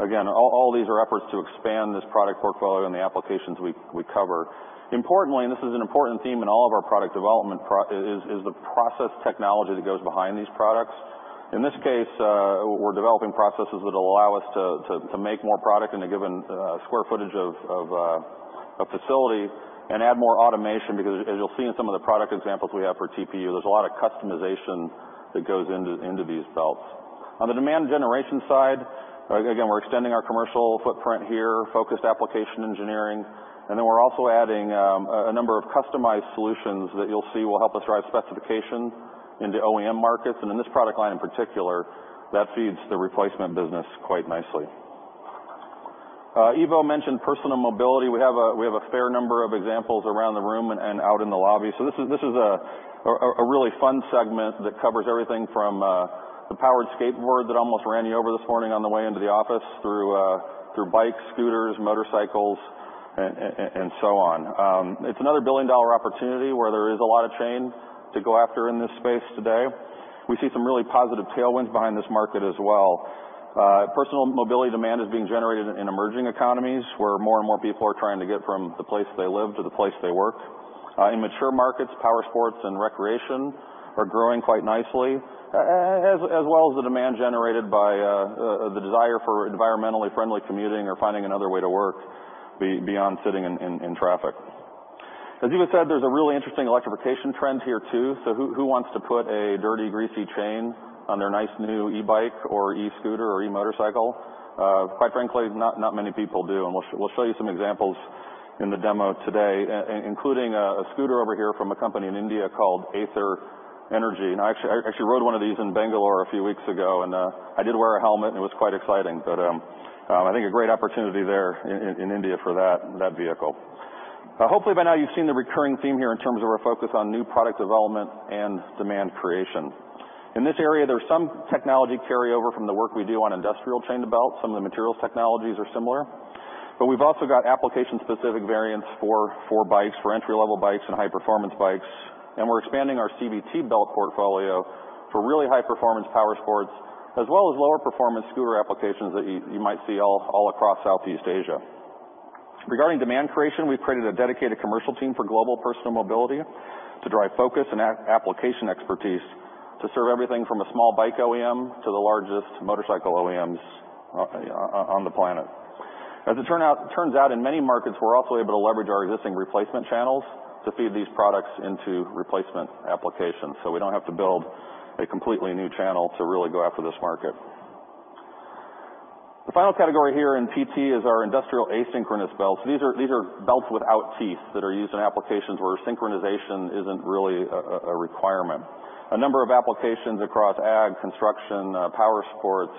again, all these are efforts to expand this product portfolio and the applications we cover. Importantly, and this is an important theme in all of our product development, is the process technology that goes behind these products. In this case, we're developing processes that allow us to make more product in a given square footage of facility and add more automation because, as you'll see in some of the product examples we have for TPU, there's a lot of customization that goes into these belts. On the demand generation side, again, we're extending our commercial footprint here, focused application engineering, and then we're also adding a number of customized solutions that you'll see will help us drive specification into OEM markets. In this product line in particular, that feeds the replacement business quite nicely. Ivo mentioned personal mobility. We have a fair number of examples around the room and out in the lobby. This is a really fun segment that covers everything from the powered skateboard that almost ran you over this morning on the way into the office through bikes, scooters, motorcycles, and so on. It's another billion-dollar opportunity where there is a lot of chain to go after in this space today. We see some really positive tailwinds behind this market as well. Personal mobility demand is being generated in emerging economies where more and more people are trying to get from the place they live to the place they work. In mature markets, power sports and recreation are growing quite nicely, as well as the demand generated by the desire for environmentally friendly commuting or finding another way to work beyond sitting in traffic. As Ivo said, there's a really interesting electrification trend here too. Who wants to put a dirty, greasy chain on their nice new eBike or e-scooter or e-motorcycle? Quite frankly, not many people do. We will show you some examples in the demo today, including a scooter over here from a company in India called Aether Energy. I actually rode one of these in Bangalore a few weeks ago, and I did wear a helmet, and it was quite exciting. I think a great opportunity there in India for that vehicle. Hopefully, by now, you have seen the recurring theme here in terms of our focus on new product development and demand creation. In this area, there is some technology carryover from the work we do on industrial chain-to-belt. Some of the materials technologies are similar, but we've also got application-specific variants for bikes, for entry-level bikes and high-performance bikes, and we're expanding our CVT belt portfolio for really high-performance power sports as well as lower-performance scooter applications that you might see all across Southeast Asia. Regarding demand creation, we've created a dedicated commercial team for global personal mobility to drive focus and application expertise to serve everything from a small bike OEM to the largest motorcycle OEMs on the planet. As it turns out, in many markets, we're also able to leverage our existing replacement channels to feed these products into replacement applications. We don't have to build a completely new channel to really go after this market. The final category here in PT is our industrial asynchronous belts. These are belts without teeth that are used in applications where synchronization isn't really a requirement. A number of applications across ag, construction, power sports,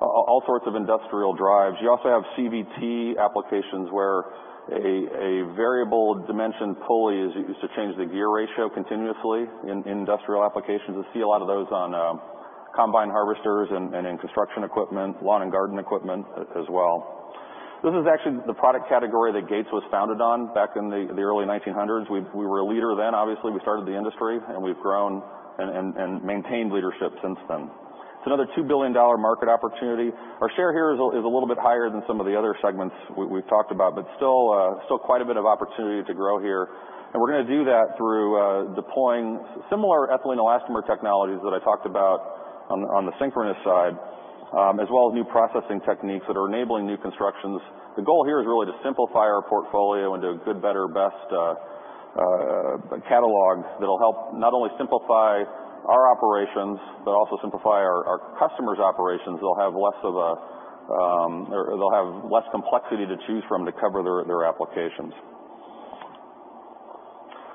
all sorts of industrial drives. You also have CVT applications where a variable dimension pulley is used to change the gear ratio continuously in industrial applications. You see a lot of those on combine harvesters and in construction equipment, lawn and garden equipment as well. This is actually the product category that Gates was founded on back in the early 1900s. We were a leader then, obviously. We started the industry, and we've grown and maintained leadership since then. It's another $2 billion market opportunity. Our share here is a little bit higher than some of the other segments we've talked about, but still quite a bit of opportunity to grow here. We're going to do that through deploying similar ethylene elastomer technologies that I talked about on the synchronous side, as well as new processing techniques that are enabling new constructions. The goal here is really to simplify our portfolio into a good, better, best catalog that will help not only simplify our operations, but also simplify our customers' operations. They'll have less complexity to choose from to cover their applications.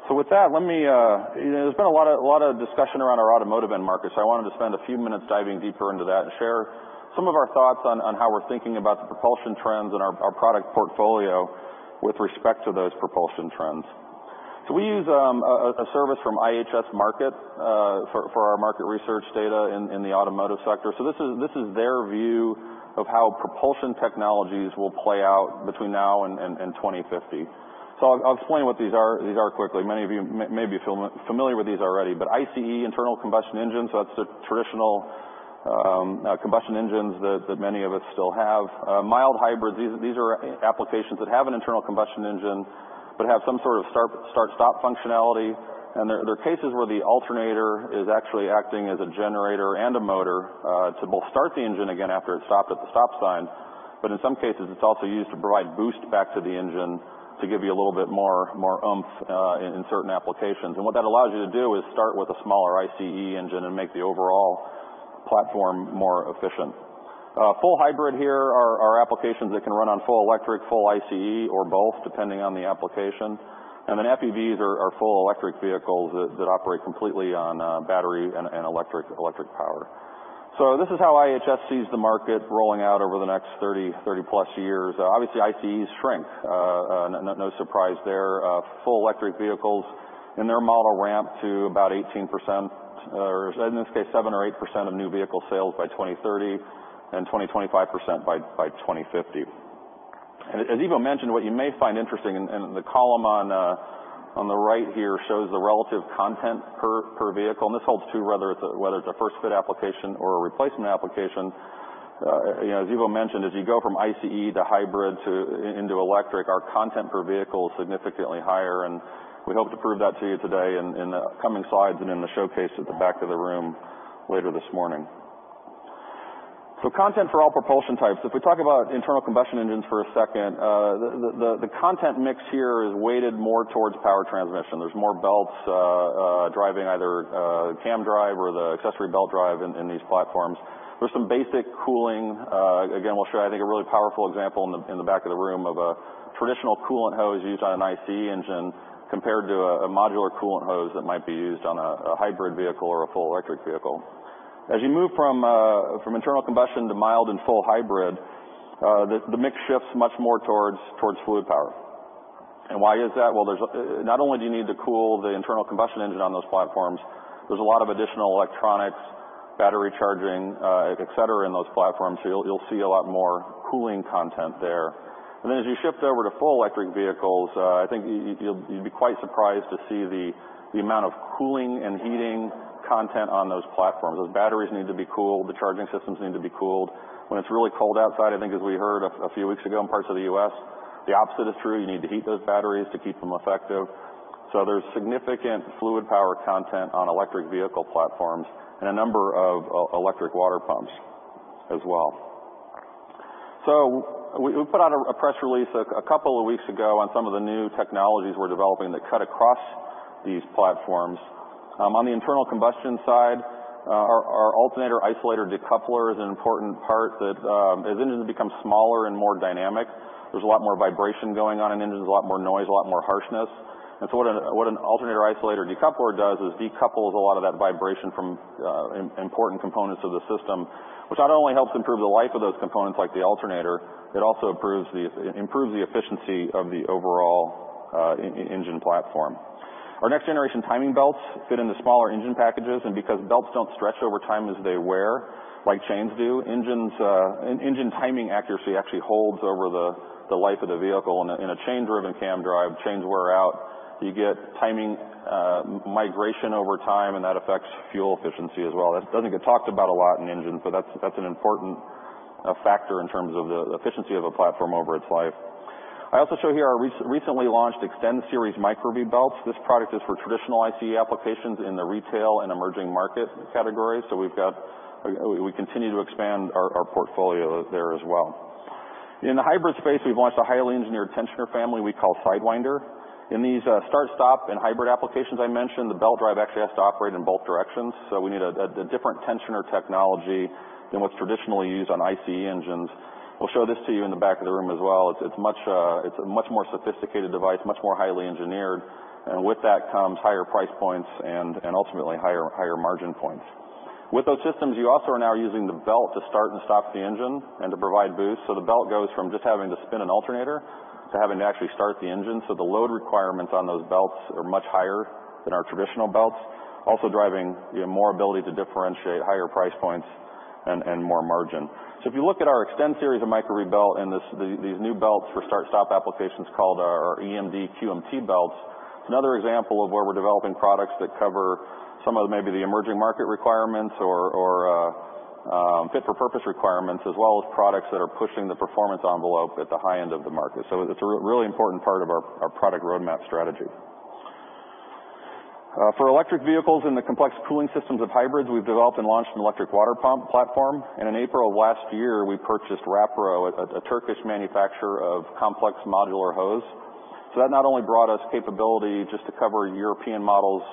With that, let me— there's been a lot of discussion around our automotive end market, so I wanted to spend a few minutes diving deeper into that and share some of our thoughts on how we're thinking about the propulsion trends and our product portfolio with respect to those propulsion trends. We use a service from IHS Markit for our market research data in the automotive sector. This is their view of how propulsion technologies will play out between now and 2050. I'll explain what these are quickly. Many of you may be familiar with these already, but ICE, internal combustion engines, that's the traditional combustion engines that many of us still have. Mild hybrids, these are applications that have an internal combustion engine but have some sort of start-stop functionality. There are cases where the alternator is actually acting as a generator and a motor to both start the engine again after it's stopped at the stop sign, but in some cases, it's also used to provide boost back to the engine to give you a little bit more oomph in certain applications. What that allows you to do is start with a smaller ICE engine and make the overall platform more efficient. Full hybrid here are applications that can run on full electric, full ICE, or both, depending on the application. FEVs are full electric vehicles that operate completely on battery and electric power. This is how IHS sees the market rolling out over the next 30+ years. Obviously, ICEs shrink, no surprise there. Full electric vehicles in their model ramp to about 18%, or in this case, 7 or 8% of new vehicle sales by 2030 and 20-25% by 2050. As Ivo mentioned, what you may find interesting in the column on the right here shows the relative content per vehicle. This holds true whether it's a first-fit application or a replacement application. As Ivo mentioned, as you go from ICE to hybrid into electric, our content per vehicle is significantly higher, and we hope to prove that to you today in the coming slides and in the showcase at the back of the room later this morning. Content for all propulsion types. If we talk about internal combustion engines for a second, the content mix here is weighted more towards power transmission. There are more belts driving either cam drive or the accessory belt drive in these platforms. There is some basic cooling. Again, we will show, I think, a really powerful example in the back of the room of a traditional coolant hose used on an ICE engine compared to a modular coolant hose that might be used on a hybrid vehicle or a full electric vehicle. As you move from internal combustion to mild and full hybrid, the mix shifts much more towards fluid power. Why is that? Not only do you need to cool the internal combustion engine on those platforms, there is a lot of additional electronics, battery charging, etc., in those platforms, so you will see a lot more cooling content there. As you shift over to full electric vehicles, I think you would be quite surprised to see the amount of cooling and heating content on those platforms. Those batteries need to be cooled. The charging systems need to be cooled. When it is really cold outside, I think, as we heard a few weeks ago in parts of the U.S., the opposite is true. You need to heat those batteries to keep them effective. There is significant fluid power content on electric vehicle platforms and a number of electric water pumps as well. We put out a press release a couple of weeks ago on some of the new technologies we are developing that cut across these platforms. On the internal combustion side, our alternator isolator decoupler is an important part that, as engines become smaller and more dynamic, there is a lot more vibration going on in engines, a lot more noise, a lot more harshness. What an alternator isolator decoupler does is decouples a lot of that vibration from important components of the system, which not only helps improve the life of those components like the alternator, it also improves the efficiency of the overall engine platform. Our next generation timing belts fit into smaller engine packages, and because belts don't stretch over time as they wear like chains do, engine timing accuracy actually holds over the life of the vehicle. In a chain-driven cam drive, chains wear out. You get timing migration over time, and that affects fuel efficiency as well. That doesn't get talked about a lot in engines, but that's an important factor in terms of the efficiency of a platform over its life. I also show here our recently launched Extend Series Micro V-Belts. This product is for traditional ICE applications in the retail and emerging market category. We continue to expand our portfolio there as well. In the hybrid space, we've launched a highly engineered tensioner family we call Sidewinder. In these start-stop and hybrid applications I mentioned, the belt drive actually has to operate in both directions, so we need a different tensioner technology than what's traditionally used on ICE engines. We'll show this to you in the back of the room as well. It's a much more sophisticated device, much more highly engineered, and with that comes higher price points and ultimately higher margin points. With those systems, you also are now using the belt to start and stop the engine and to provide boost. The belt goes from just having to spin an alternator to having to actually start the engine. The load requirements on those belts are much higher than our traditional belts, also driving more ability to differentiate higher price points and more margin. If you look at our Extend Series of Micro V-belt and these new belts for start-stop applications called our EMD QMT belts, it's another example of where we're developing products that cover some of maybe the emerging market requirements or fit-for-purpose requirements, as well as products that are pushing the performance envelope at the high end of the market. It's a really important part of our product roadmap strategy. For electric vehicles and the complex cooling systems of hybrids, we've developed and launched an electric water pump platform. In April of last year, we purchased Wrapro, a Turkish manufacturer of complex modular hose. That not only brought us capability just to cover European models,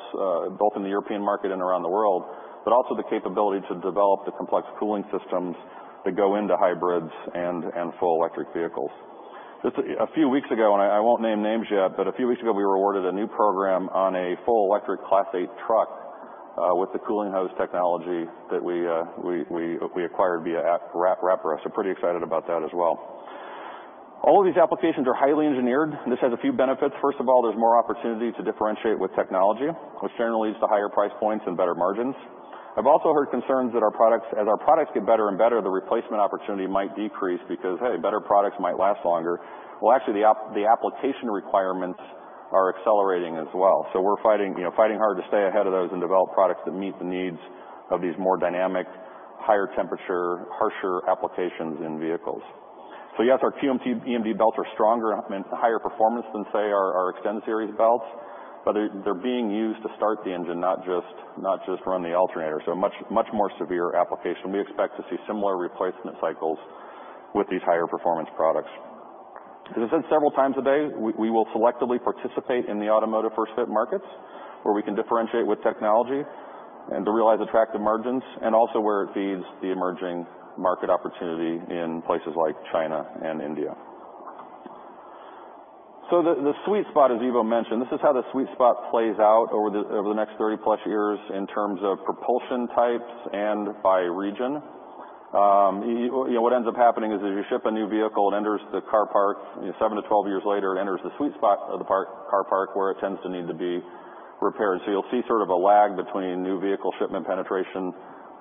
both in the European market and around the world, but also the capability to develop the complex cooling systems that go into hybrids and full electric vehicles. Just a few weeks ago, and I won't name names yet, but a few weeks ago, we were awarded a new program on a full electric Class 8 truck with the cooling hose technology that we acquired via Wrapro. Pretty excited about that as well. All of these applications are highly engineered. This has a few benefits. First of all, there's more opportunity to differentiate with technology, which generally leads to higher price points and better margins. I've also heard concerns that as our products get better and better, the replacement opportunity might decrease because, hey, better products might last longer. Actually, the application requirements are accelerating as well. We're fighting hard to stay ahead of those and develop products that meet the needs of these more dynamic, higher temperature, harsher applications in vehicles. Yes, our QMT EMD belts are stronger, meant higher performance than, say, our Extend Series belts, but they're being used to start the engine, not just run the alternator. A much more severe application. We expect to see similar replacement cycles with these higher performance products. As I said several times today, we will selectively participate in the automotive first-fit markets where we can differentiate with technology and to realize attractive margins and also where it feeds the emerging market opportunity in places like China and India. The sweet spot, as Ivo mentioned, this is how the sweet spot plays out over the next 30+ years in terms of propulsion types and by region. What ends up happening is as you ship a new vehicle, it enters the car park. Seven to twelve years later, it enters the sweet spot of the car park where it tends to need to be repaired. You will see sort of a lag between new vehicle shipment penetration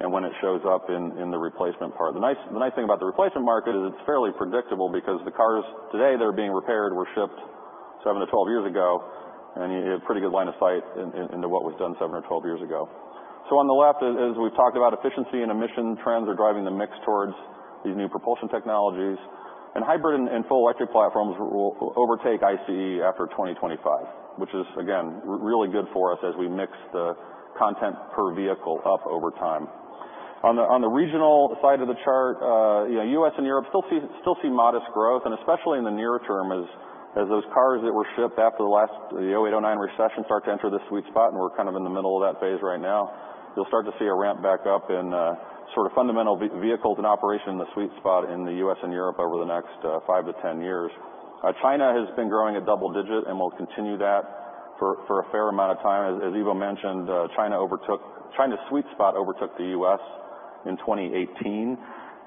and when it shows up in the replacement part. The nice thing about the replacement market is it is fairly predictable because the cars today that are being repaired were shipped seven to twelve years ago, and you have a pretty good line of sight into what was done seven or twelve years ago. On the left, as we have talked about, efficiency and emission trends are driving the mix towards these new propulsion technologies. Hybrid and full electric platforms will overtake ICE after 2025, which is, again, really good for us as we mix the content per vehicle up over time. On the regional side of the chart, U.S. and Europe still see modest growth, and especially in the near term as those cars that were shipped after the last, the 2008, 2009 recession start to enter the sweet spot, and we're kind of in the middle of that phase right now. You'll start to see a ramp back up in sort of fundamental vehicles and operation in the sweet spot in the U.S. and Europe over the next 5 to 10 years. China has been growing at double digit and will continue that for a fair amount of time. As Ivo mentioned, China's sweet spot overtook the U.S. in 2018,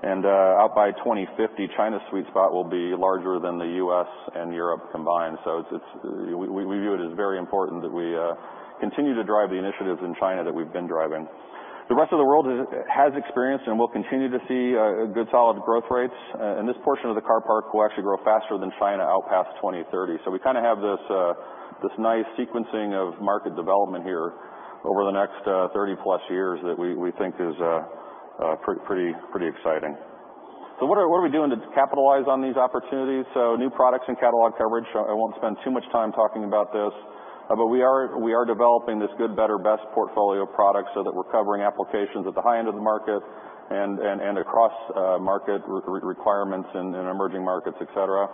and out by 2050, China's sweet spot will be larger than the U.S. and Europe combined. We view it as very important that we continue to drive the initiatives in China that we've been driving. The rest of the world has experienced and will continue to see good solid growth rates, and this portion of the car park will actually grow faster than China out past 2030. We kind of have this nice sequencing of market development here over the next 30+ years that we think is pretty exciting. What are we doing to capitalize on these opportunities? New products and catalog coverage. I won't spend too much time talking about this, but we are developing this good, better, best portfolio of products so that we're covering applications at the high end of the market and across market requirements in emerging markets, etc.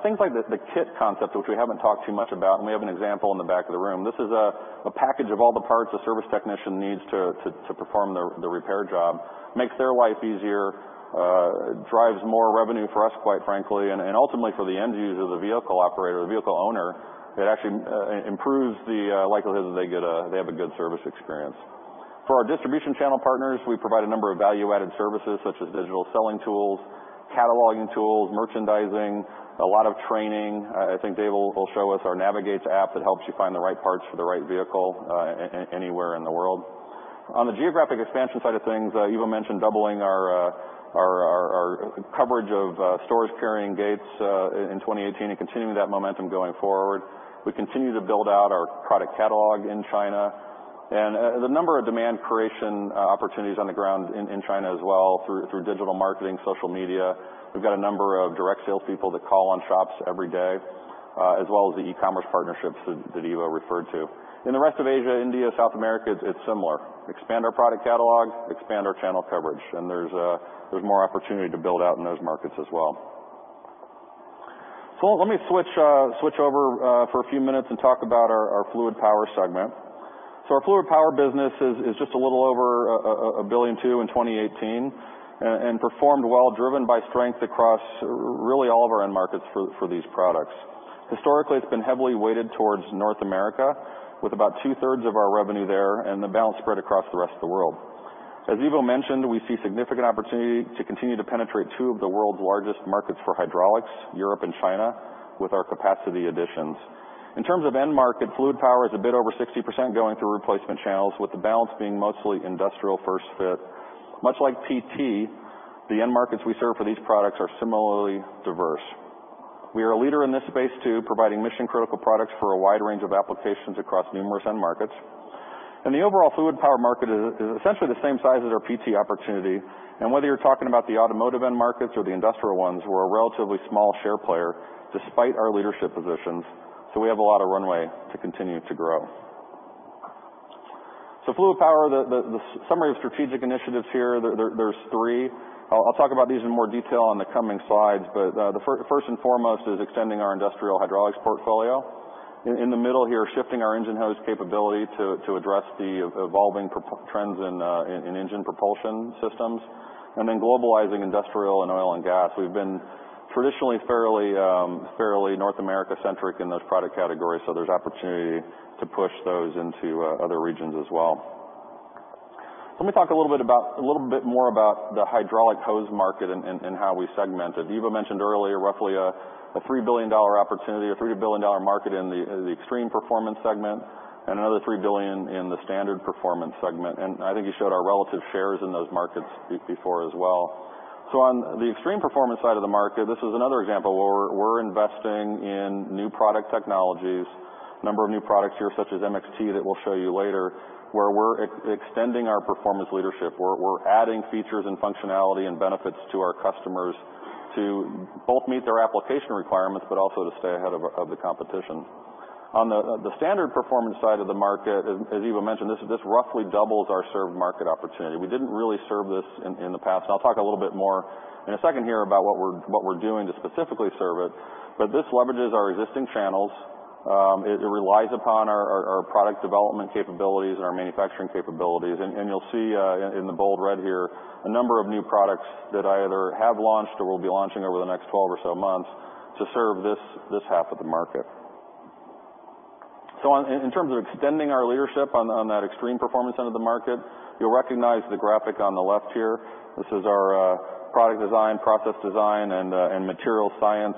Things like the kit concept, which we haven't talked too much about, and we have an example in the back of the room. This is a package of all the parts a service technician needs to perform the repair job, makes their life easier, drives more revenue for us, quite frankly, and ultimately for the end user, the vehicle operator, the vehicle owner. It actually improves the likelihood that they have a good service experience. For our distribution channel partners, we provide a number of value-added services such as digital selling tools, cataloging tools, merchandising, a lot of training. I think Dave will show us our Navigate app that helps you find the right parts for the right vehicle anywhere in the world. On the geographic expansion side of things, Ivo mentioned doubling our coverage of storage carrying Gates in 2018 and continuing that momentum going forward. We continue to build out our product catalog in China, and the number of demand creation opportunities on the ground in China as well through digital marketing, social media. We've got a number of direct salespeople that call on shops every day, as well as the e-commerce partnerships that Ivo referred to. In the rest of Asia, India, South America, it's similar. Expand our product catalog, expand our channel coverage, and there's more opportunity to build out in those markets as well. Let me switch over for a few minutes and talk about our fluid power segment. Our fluid power business is just a little over $1.2 billion in 2018 and performed well, driven by strength across really all of our end markets for these products. Historically, it's been heavily weighted towards North America with about two-thirds of our revenue there and the balance spread across the rest of the world. As Ivo mentioned, we see significant opportunity to continue to penetrate two of the world's largest markets for hydraulics, Europe and China, with our capacity additions. In terms of end market, fluid power is a bit over 60% going through replacement channels, with the balance being mostly industrial first-fit. Much like PT, the end markets we serve for these products are similarly diverse. We are a leader in this space too, providing mission-critical products for a wide range of applications across numerous end markets. The overall fluid power market is essentially the same size as our PT opportunity. Whether you're talking about the automotive end markets or the industrial ones, we're a relatively small share player despite our leadership positions. We have a lot of runway to continue to grow. Fluid power, the summary of strategic initiatives here, there's three. I'll talk about these in more detail on the coming slides, but first and foremost is extending our industrial hydraulics portfolio. In the middle here, shifting our engine hose capability to address the evolving trends in engine propulsion systems, and then globalizing industrial and oil and gas. We've been traditionally fairly North America-centric in those product categories, so there's opportunity to push those into other regions as well. Let me talk a little bit more about the hydraulic hose market and how we segment it. Ivo mentioned earlier roughly a $3 billion opportunity, a $3 billion market in the extreme performance segment, and another $3 billion in the standard performance segment. I think you showed our relative shares in those markets before as well. On the extreme performance side of the market, this is another example where we're investing in new product technologies, a number of new products here such as MXT that we'll show you later, where we're extending our performance leadership. We're adding features and functionality and benefits to our customers to both meet their application requirements but also to stay ahead of the competition. On the standard performance side of the market, as Ivo mentioned, this roughly doubles our served market opportunity. We didn't really serve this in the past, and I'll talk a little bit more in a second here about what we're doing to specifically serve it, but this leverages our existing channels. It relies upon our product development capabilities and our manufacturing capabilities. You'll see in the bold red here a number of new products that either have launched or will be launching over the next 12 or so months to serve this half of the market. In terms of extending our leadership on that extreme performance end of the market, you'll recognize the graphic on the left here. This is our product design, process design, and material science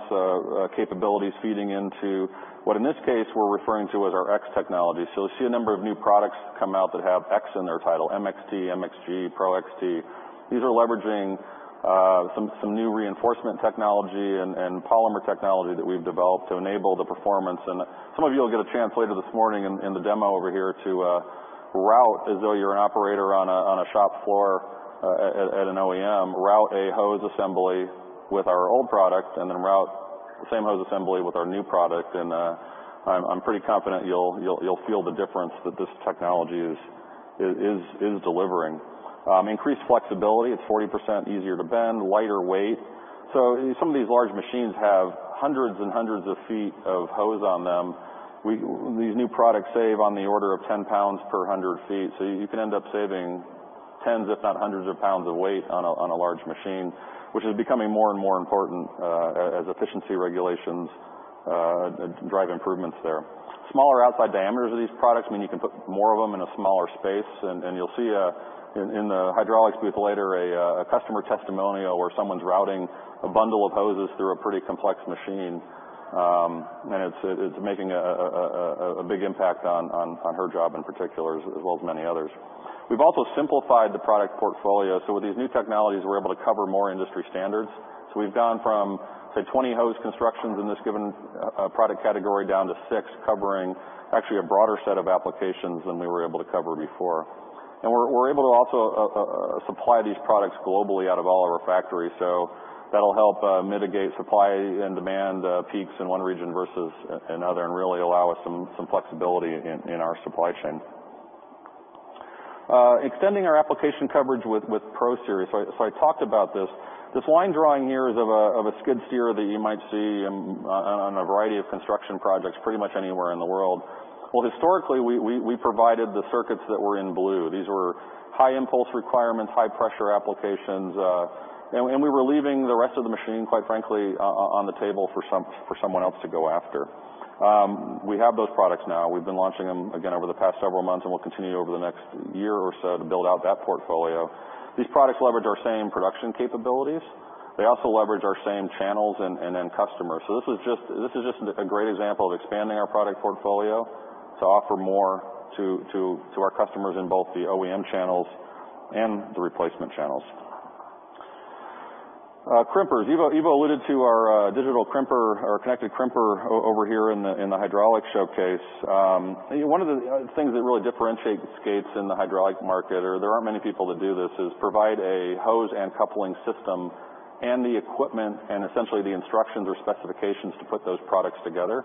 capabilities feeding into what in this case we're referring to as our X technology. You'll see a number of new products come out that have X in their title: MXT, MXG, Pro XT. These are leveraging some new reinforcement technology and polymer technology that we've developed to enable the performance. Some of you will get a chance later this morning in the demo over here to route, as though you're an operator on a shop floor at an OEM, route a hose assembly with our old product and then route the same hose assembly with our new product. I'm pretty confident you'll feel the difference that this technology is delivering. Increased flexibility. It's 40% easier to bend, lighter weight. Some of these large machines have hundreds and hundreds of feet of hose on them. These new products save on the order of 10 lbs per 100 ft. You can end up saving tens, if not hundreds, of pounds of weight on a large machine, which is becoming more and more important as efficiency regulations drive improvements there. Smaller outside diameters of these products mean you can put more of them in a smaller space. You'll see in the hydraulics booth later a customer testimonial where someone's routing a bundle of hoses through a pretty complex machine, and it's making a big impact on her job in particular, as well as many others. We've also simplified the product portfolio. With these new technologies, we're able to cover more industry standards. We've gone from, say, 20 hose constructions in this given product category down to 6, covering actually a broader set of applications than we were able to cover before. We're able to also supply these products globally out of all of our factories. That'll help mitigate supply and demand peaks in one region versus another and really allow us some flexibility in our supply chain. Extending our application coverage with Pro Series. I talked about this. This line drawing here is of a skid steer that you might see on a variety of construction projects pretty much anywhere in the world. Historically, we provided the circuits that were in blue. These were high impulse requirements, high pressure applications, and we were leaving the rest of the machine, quite frankly, on the table for someone else to go after. We have those products now. We've been launching them again over the past several months, and we'll continue over the next year or so to build out that portfolio. These products leverage our same production capabilities. They also leverage our same channels and then customers. This is just a great example of expanding our product portfolio to offer more to our customers in both the OEM channels and the replacement channels. Crimpers. Ivo alluded to our digital crimper, our connected crimper over here in the hydraulic showcase. One of the things that really differentiates Gates in the hydraulic market, where there aren't many people that do this, is provide a hose and coupling system and the equipment and essentially the instructions or specifications to put those products together.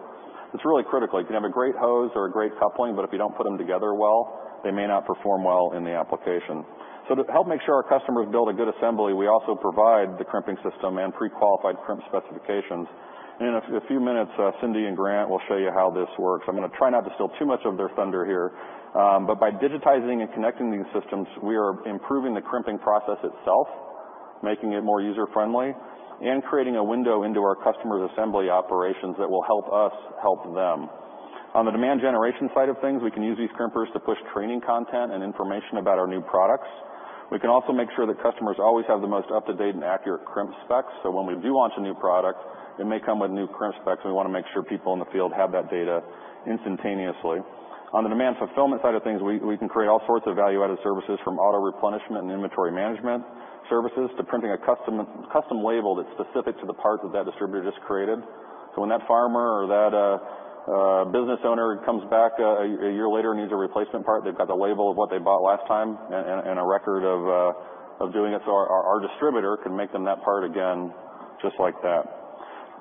It's really critical. You can have a great hose or a great coupling, but if you don't put them together well, they may not perform well in the application. To help make sure our customers build a good assembly, we also provide the crimping system and pre-qualified crimp specifications. In a few minutes, Cindy and Grant will show you how this works. I'm going to try not to steal too much of their thunder here, but by digitizing and connecting these systems, we are improving the crimping process itself, making it more user-friendly, and creating a window into our customers' assembly operations that will help us help them. On the demand generation side of things, we can use these crimpers to push training content and information about our new products. We can also make sure that customers always have the most up-to-date and accurate crimp specs. When we do launch a new product, it may come with new crimp specs, and we want to make sure people in the field have that data instantaneously. On the demand fulfillment side of things, we can create all sorts of value-added services, from auto replenishment and inventory management services to printing a custom label that's specific to the parts that that distributor just created. When that farmer or that business owner comes back a year later and needs a replacement part, they've got the label of what they bought last time and a record of doing it. Our distributor can make them that part again just like that.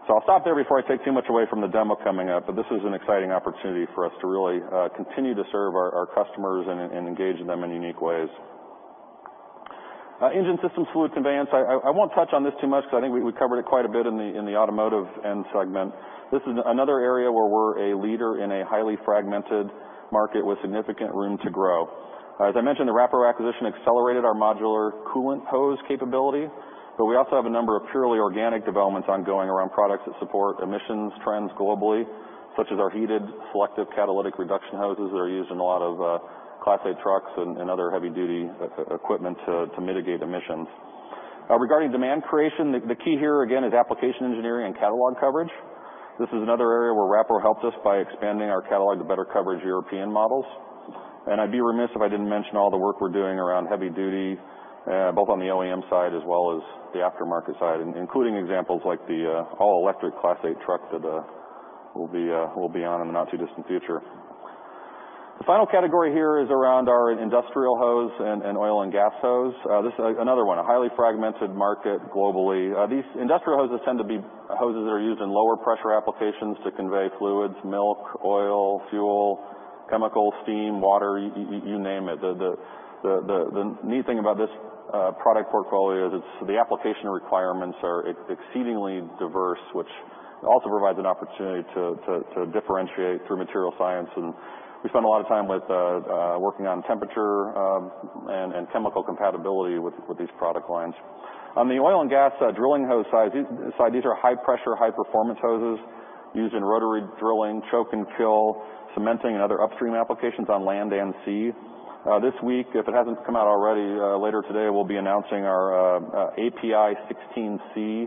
I'll stop there before I take too much away from the demo coming up, but this is an exciting opportunity for us to really continue to serve our customers and engage them in unique ways. Engine systems, fluid conveyance. I won't touch on this too much because I think we covered it quite a bit in the automotive end segment. This is another area where we're a leader in a highly fragmented market with significant room to grow. As I mentioned, the Wrapro acquisition accelerated our modular coolant hose capability, but we also have a number of purely organic developments ongoing around products that support emissions trends globally, such as our heated selective catalytic reduction hoses that are used in a lot of Class A trucks and other heavy-duty equipment to mitigate emissions. Regarding demand creation, the key here, again, is application engineering and catalog coverage. This is another area where Wrapro helped us by expanding our catalog to better coverage of European models. I'd be remiss if I didn't mention all the work we're doing around heavy-duty, both on the OEM side as well as the aftermarket side, including examples like the all-electric Class A truck that will be on in the not-too-distant future. The final category here is around our industrial hose and oil and gas hose. This is another one, a highly fragmented market globally. These industrial hoses tend to be hoses that are used in lower pressure applications to convey fluids, milk, oil, fuel, chemicals, steam, water, you name it. The neat thing about this product portfolio is the application requirements are exceedingly diverse, which also provides an opportunity to differentiate through material science. We spend a lot of time working on temperature and chemical compatibility with these product lines. On the oil and gas drilling hose side, these are high-pressure, high-performance hoses used in rotary drilling, choke and kill, cementing, and other upstream applications on land and sea. This week, if it hasn't come out already, later today, we'll be announcing our API 16C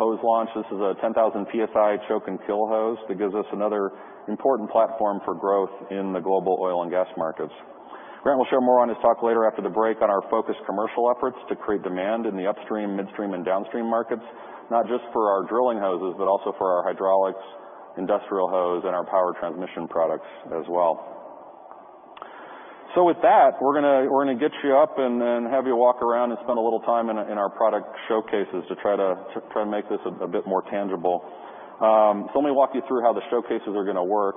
hose launch. This is a 10,000 PSI choke and kill hose that gives us another important platform for growth in the global oil and gas markets. Grant will share more on his talk later after the break on our focused commercial efforts to create demand in the upstream, midstream, and downstream markets, not just for our drilling hoses, but also for our hydraulics, industrial hose, and our power transmission products as well. With that, we're going to get you up and have you walk around and spend a little time in our product showcases to try to make this a bit more tangible. Let me walk you through how the showcases are going to work.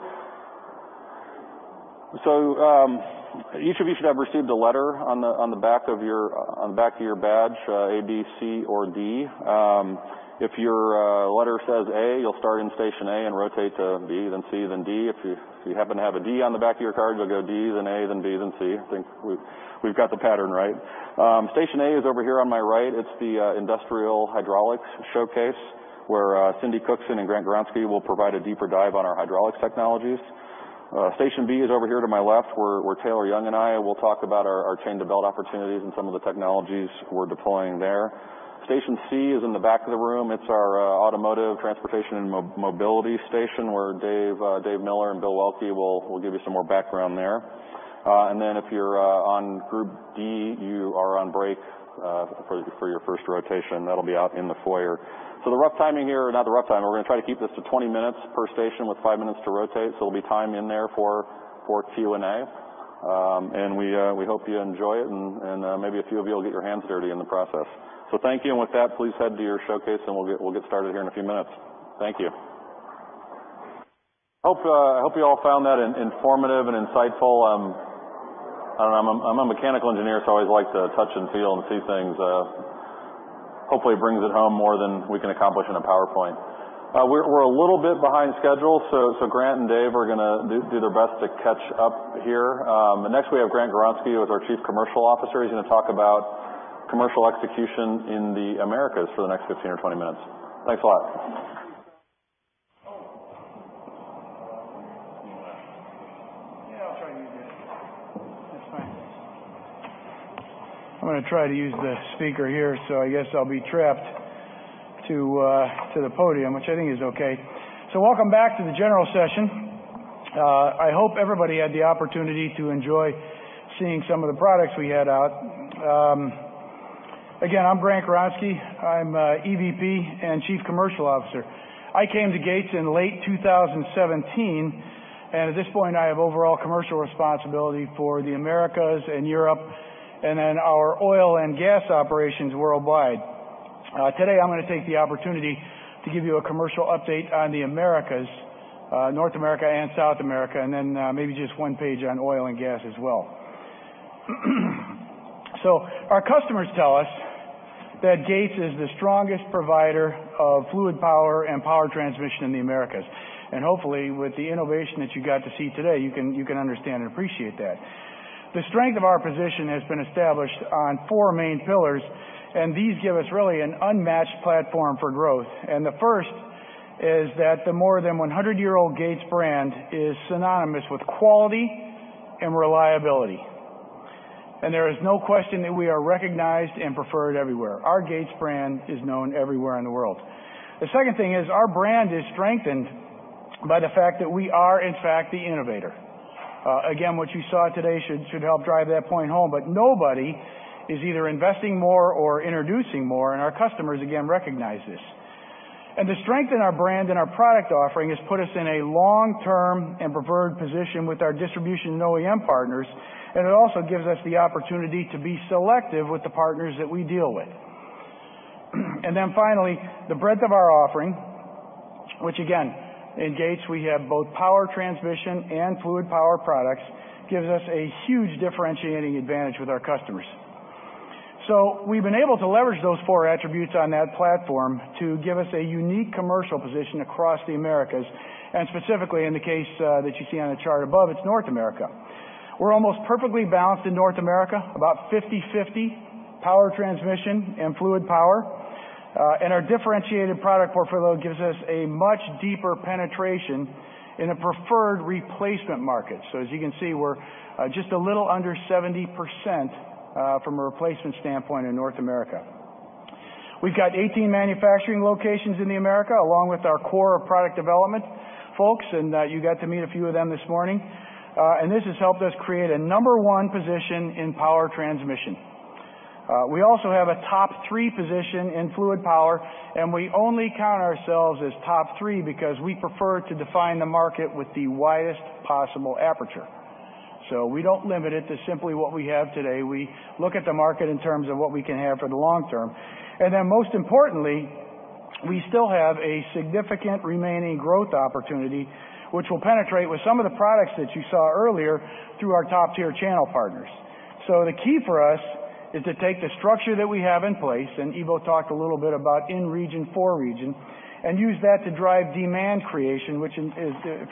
Each of you should have received a letter on the back of your badge, A, B, C, or D. If your letter says A, you'll start in station A and rotate to B, then C, then D. If you happen to have a D on the back of your card, you'll go D, then A, then B, then C. I think we've got the pattern right. Station A is over here on my right. It's the industrial hydraulics showcase where Cindy Cookson and Grant Kronick will provide a deeper dive on our hydraulics technologies. Station B is over here to my left, where Taylor Young and I will talk about our chain-to-belt opportunities and some of the technologies we're deploying there. Station C is in the back of the room. It's our automotive transportation and mobility station where Dave Miller and Bill Waelke will give you some more background there. If you're on group D, you are on break for your first rotation. That'll be out in the foyer. The rough timing here, not the rough time. We're going to try to keep this to 20 minutes per station with five minutes to rotate. There'll be time in there for Q&A. We hope you enjoy it, and maybe a few of you will get your hands dirty in the process. Thank you. With that, please head to your showcase, and we'll get started here in a few minutes. Thank you. I hope you all found that informative and insightful. I don't know. I'm a mechanical engineer, so I always like to touch and feel and see things. Hopefully, it brings it home more than we can accomplish in a PowerPoint. We're a little bit behind schedule, so Grant and Dave are going to do their best to catch up here. Next, we have Grant Kronick, who is our Chief Commercial Officer. He's going to talk about commercial execution in the Americas for the next 15 or 20 minutes. Thanks a lot. Yeah, I'll try to use the—it's fine. I'm going to try to use the speaker here, so I guess I'll be trapped to the podium, which I think is okay. Welcome back to the general session. I hope everybody had the opportunity to enjoy seeing some of the products we had out. Again, I'm Grant Kronick. I'm EVP and Chief Commercial Officer. I came to Gates in late 2017, and at this point, I have overall commercial responsibility for the Americas and Europe and then our oil and gas operations worldwide. Today, I'm going to take the opportunity to give you a commercial update on the Americas, North America and South America, and then maybe just one page on oil and gas as well. Our customers tell us that Gates is the strongest provider of fluid power and power transmission in the Americas. Hopefully, with the innovation that you got to see today, you can understand and appreciate that. The strength of our position has been established on four main pillars, and these give us really an unmatched platform for growth. The first is that the more than 100-year-old Gates brand is synonymous with quality and reliability. There is no question that we are recognized and preferred everywhere. Our Gates brand is known everywhere in the world. The second thing is our brand is strengthened by the fact that we are, in fact, the innovator. Again, what you saw today should help drive that point home, but nobody is either investing more or introducing more, and our customers, again, recognize this. To strengthen our brand and our product offering has put us in a long-term and preferred position with our distribution and OEM partners, and it also gives us the opportunity to be selective with the partners that we deal with. Finally, the breadth of our offering, which again, in Gates, we have both power transmission and fluid power products, gives us a huge differentiating advantage with our customers. We have been able to leverage those four attributes on that platform to give us a unique commercial position across the Americas. Specifically, in the case that you see on the chart above, it is North America. We are almost perfectly balanced in North America, about 50/50 power transmission and fluid power. Our differentiated product portfolio gives us a much deeper penetration in a preferred replacement market. As you can see, we're just a little under 70% from a replacement standpoint in North America. We've got 18 manufacturing locations in the Americas, along with our core product development folks, and you got to meet a few of them this morning. This has helped us create a number one position in power transmission. We also have a top three position in fluid power, and we only count ourselves as top three because we prefer to define the market with the widest possible aperture. We don't limit it to simply what we have today. We look at the market in terms of what we can have for the long term. Most importantly, we still have a significant remaining growth opportunity, which we will penetrate with some of the products that you saw earlier through our top-tier channel partners. The key for us is to take the structure that we have in place, and Ivo talked a little bit about in region for region, and use that to drive demand creation, which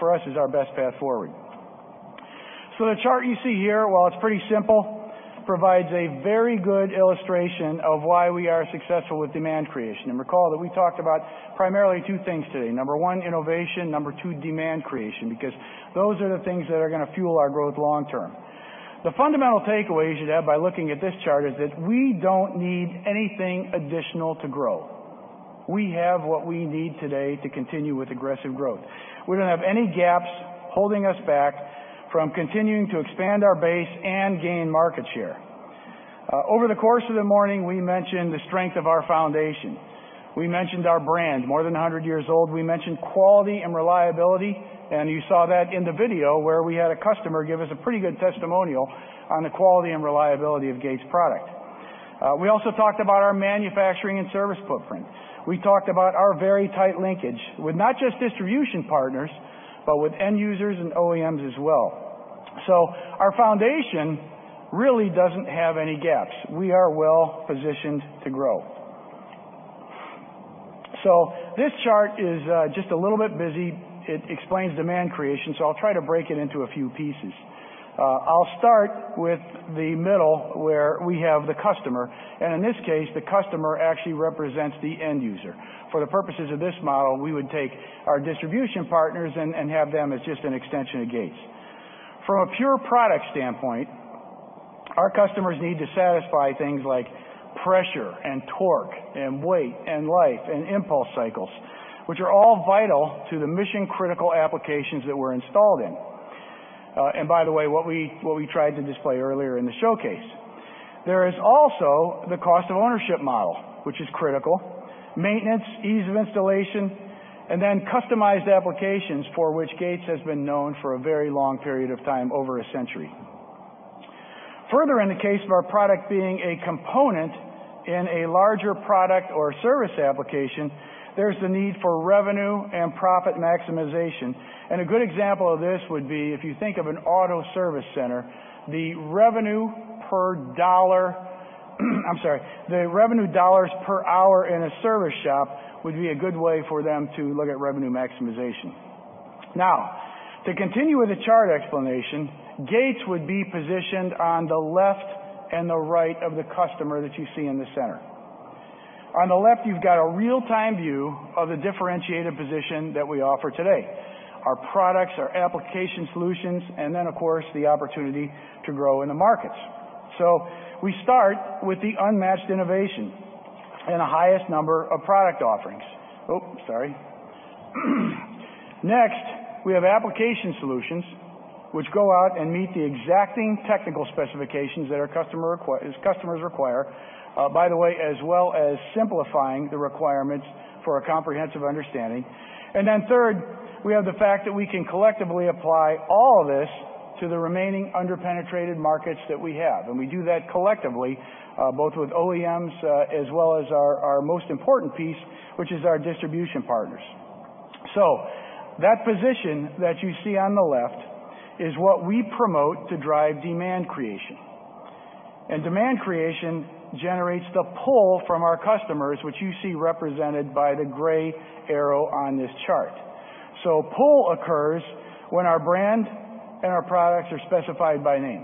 for us is our best path forward. The chart you see here, while it's pretty simple, provides a very good illustration of why we are successful with demand creation. Recall that we talked about primarily two things today. Number one, innovation. Number two, demand creation, because those are the things that are going to fuel our growth long term. The fundamental takeaway you should have by looking at this chart is that we don't need anything additional to grow. We have what we need today to continue with aggressive growth. We don't have any gaps holding us back from continuing to expand our base and gain market share. Over the course of the morning, we mentioned the strength of our foundation. We mentioned our brand, more than 100 years old. We mentioned quality and reliability, and you saw that in the video where we had a customer give us a pretty good testimonial on the quality and reliability of Gates' product. We also talked about our manufacturing and service footprint. We talked about our very tight linkage with not just distribution partners, but with end users and OEMs as well. Our foundation really does not have any gaps. We are well positioned to grow. This chart is just a little bit busy. It explains demand creation, so I will try to break it into a few pieces. I will start with the middle where we have the customer. In this case, the customer actually represents the end user. For the purposes of this model, we would take our distribution partners and have them as just an extension of Gates. From a pure product standpoint, our customers need to satisfy things like pressure and torque and weight and life and impulse cycles, which are all vital to the mission-critical applications that we're installed in. By the way, what we tried to display earlier in the showcase. There is also the cost of ownership model, which is critical, maintenance, ease of installation, and then customized applications for which Gates has been known for a very long period of time, over a century. Further, in the case of our product being a component in a larger product or service application, there's the need for revenue and profit maximization. A good example of this would be if you think of an auto service center, the revenue per dollar—I'm sorry, the revenue dollars per hour in a service shop would be a good way for them to look at revenue maximization. To continue with the chart explanation, Gates would be positioned on the left and the right of the customer that you see in the center. On the left, you've got a real-time view of the differentiated position that we offer today: our products, our application solutions, and then, of course, the opportunity to grow in the markets. We start with the unmatched innovation and the highest number of product offerings. Oh, sorry. Next, we have application solutions, which go out and meet the exacting technical specifications that our customers require, by the way, as well as simplifying the requirements for a comprehensive understanding. Third, we have the fact that we can collectively apply all of this to the remaining underpenetrated markets that we have. We do that collectively, both with OEMs as well as our most important piece, which is our distribution partners. That position that you see on the left is what we promote to drive demand creation. Demand creation generates the pull from our customers, which you see represented by the gray arrow on this chart. Pull occurs when our brand and our products are specified by name.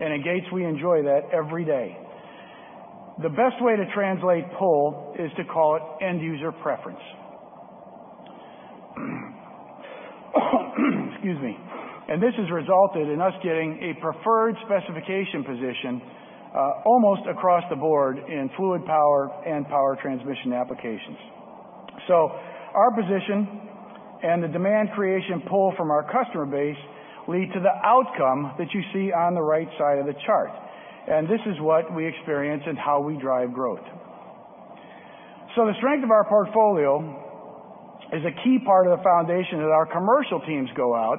At Gates, we enjoy that every day. The best way to translate pull is to call it end user preference. Excuse me. This has resulted in us getting a preferred specification position almost across the board in fluid power and power transmission applications. Our position and the demand creation pull from our customer base lead to the outcome that you see on the right side of the chart. This is what we experience and how we drive growth. The strength of our portfolio is a key part of the foundation that our commercial teams go out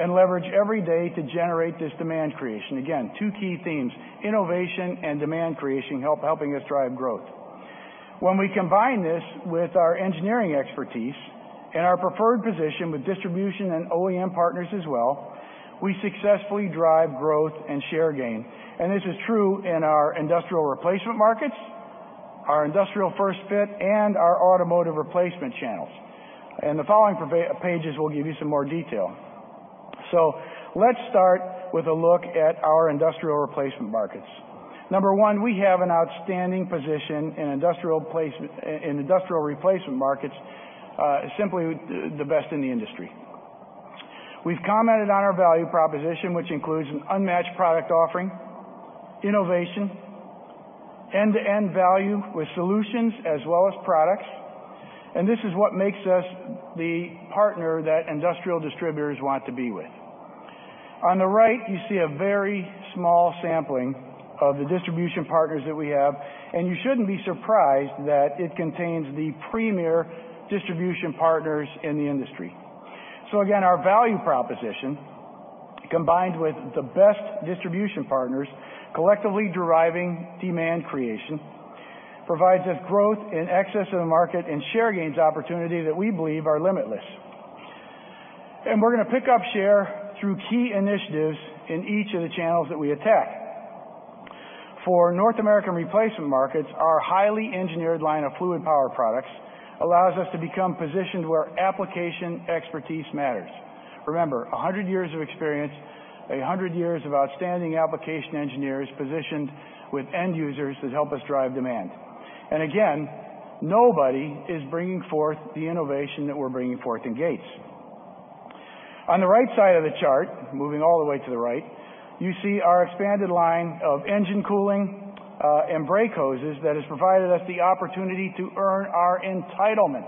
and leverage every day to generate this demand creation. Again, two key themes: innovation and demand creation, helping us drive growth. When we combine this with our engineering expertise and our preferred position with distribution and OEM partners as well, we successfully drive growth and share gain. This is true in our industrial replacement markets, our industrial first fit, and our automotive replacement channels. The following pages will give you some more detail. Let's start with a look at our industrial replacement markets. Number one, we have an outstanding position in industrial replacement markets, simply the best in the industry. We have commented on our value proposition, which includes an unmatched product offering, innovation, end-to-end value with solutions as well as products. This is what makes us the partner that industrial distributors want to be with. On the right, you see a very small sampling of the distribution partners that we have. You should not be surprised that it contains the premier distribution partners in the industry. Our value proposition, combined with the best distribution partners, collectively deriving demand creation, provides us growth in excess of the market and share gains opportunity that we believe are limitless. We are going to pick up share through key initiatives in each of the channels that we attack. For North American replacement markets, our highly engineered line of fluid power products allows us to become positioned where application expertise matters. Remember, 100 years of experience, 100 years of outstanding application engineers positioned with end users that help us drive demand. Nobody is bringing forth the innovation that we're bringing forth in Gates. On the right side of the chart, moving all the way to the right, you see our expanded line of engine cooling and brake hoses that has provided us the opportunity to earn our entitlement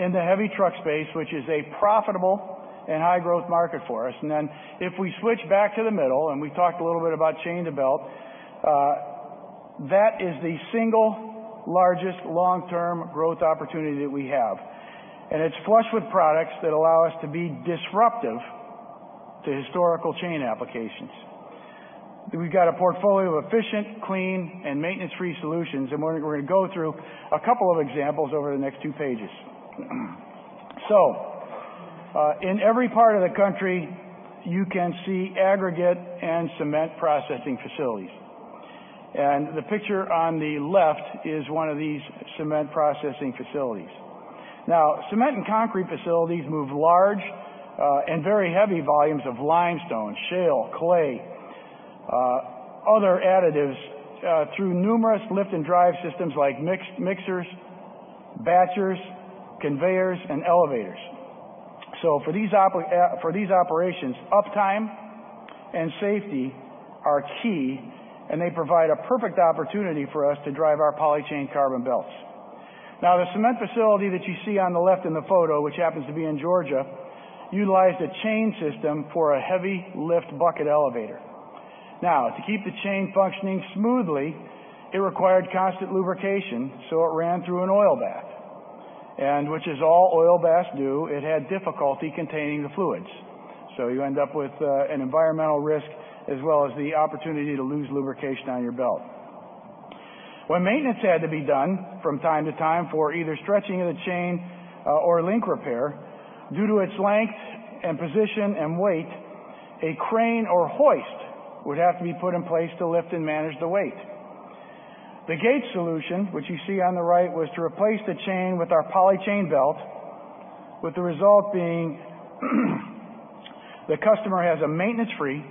in the heavy truck space, which is a profitable and high-growth market for us. If we switch back to the middle, and we've talked a little bit about chain to belt, that is the single largest long-term growth opportunity that we have. It is flush with products that allow us to be disruptive to historical chain applications. We've got a portfolio of efficient, clean, and maintenance-free solutions, and we're going to go through a couple of examples over the next two pages. In every part of the country, you can see aggregate and cement processing facilities. The picture on the left is one of these cement processing facilities. Now, cement and concrete facilities move large and very heavy volumes of limestone, shale, clay, and other additives through numerous lift and drive systems like mixers, batchers, conveyors, and elevators. For these operations, uptime and safety are key, and they provide a perfect opportunity for us to drive our Poly Chain Carbon belts. The cement facility that you see on the left in the photo, which happens to be in Georgia, utilized a chain system for a heavy lift bucket elevator. Now, to keep the chain functioning smoothly, it required constant lubrication, so it ran through an oil bath. As with all oil baths, it had difficulty containing the fluids. You end up with an environmental risk as well as the opportunity to lose lubrication on your belt. When maintenance had to be done from time to time for either stretching of the chain or link repair, due to its length and position and weight, a crane or hoist would have to be put in place to lift and manage the weight. The Gates solution, which you see on the right, was to replace the chain with our Poly Chain belt, with the result being the customer has a maintenance-free,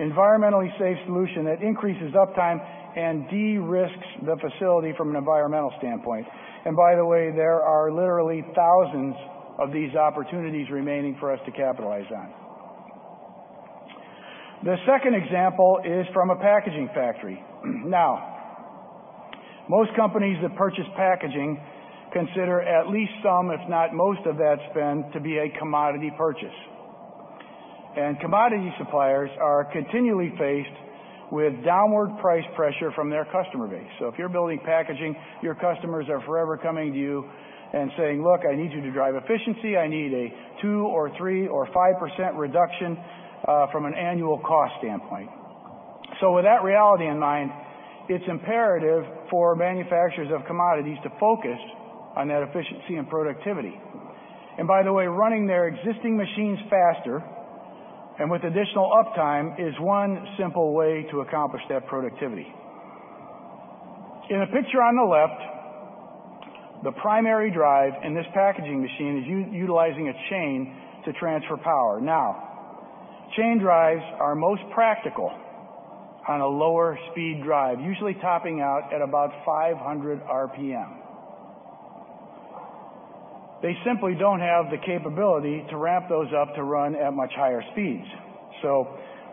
environmentally safe solution that increases uptime and de-risks the facility from an environmental standpoint. By the way, there are literally thousands of these opportunities remaining for us to capitalize on. The second example is from a packaging factory. Now, most companies that purchase packaging consider at least some, if not most, of that spend to be a commodity purchase. Commodity suppliers are continually faced with downward price pressure from their customer base. If you're building packaging, your customers are forever coming to you and saying, "Look, I need you to drive efficiency. I need a 2% or 3% or 5% reduction from an annual cost standpoint." With that reality in mind, it's imperative for manufacturers of commodities to focus on that efficiency and productivity. By the way, running their existing machines faster and with additional uptime is one simple way to accomplish that productivity. In the picture on the left, the primary drive in this packaging machine is utilizing a chain to transfer power. Now, chain drives are most practical on a lower speed drive, usually topping out at about 500 RPM. They simply don't have the capability to ramp those up to run at much higher speeds.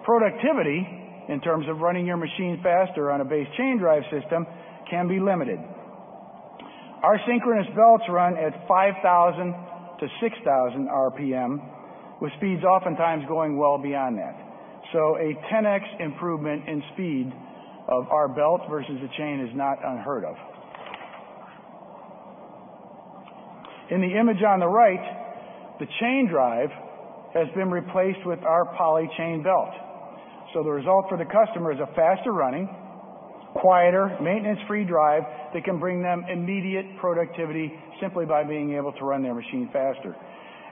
Productivity in terms of running your machine faster on a base chain drive system can be limited. Our synchronous belts run at 5,000-6,000 RPM, with speeds oftentimes going well beyond that. A 10x improvement in speed of our belt versus the chain is not unheard of. In the image on the right, the chain drive has been replaced with our Poly Chain belt. The result for the customer is a faster running, quieter, maintenance-free drive that can bring them immediate productivity simply by being able to run their machine faster.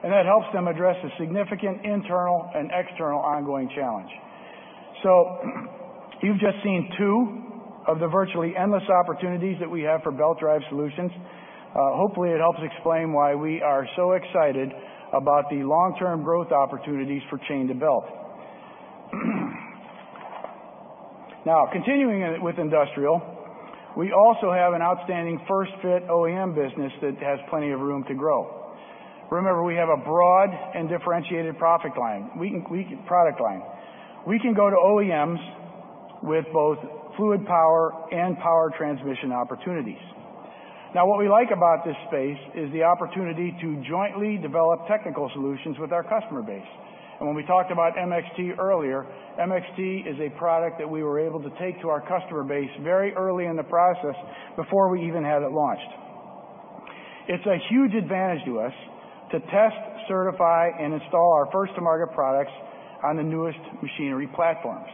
That helps them address a significant internal and external ongoing challenge. You have just seen two of the virtually endless opportunities that we have for belt drive solutions. Hopefully, it helps explain why we are so excited about the long-term growth opportunities for chain to belt. Now, continuing with industrial, we also have an outstanding first fit OEM business that has plenty of room to grow. Remember, we have a broad and differentiated product line. We can go to OEMs with both fluid power and power transmission opportunities. What we like about this space is the opportunity to jointly develop technical solutions with our customer base. When we talked about MXT earlier, MXT is a product that we were able to take to our customer base very early in the process before we even had it launched. It's a huge advantage to us to test, certify, and install our first-to-market products on the newest machinery platforms.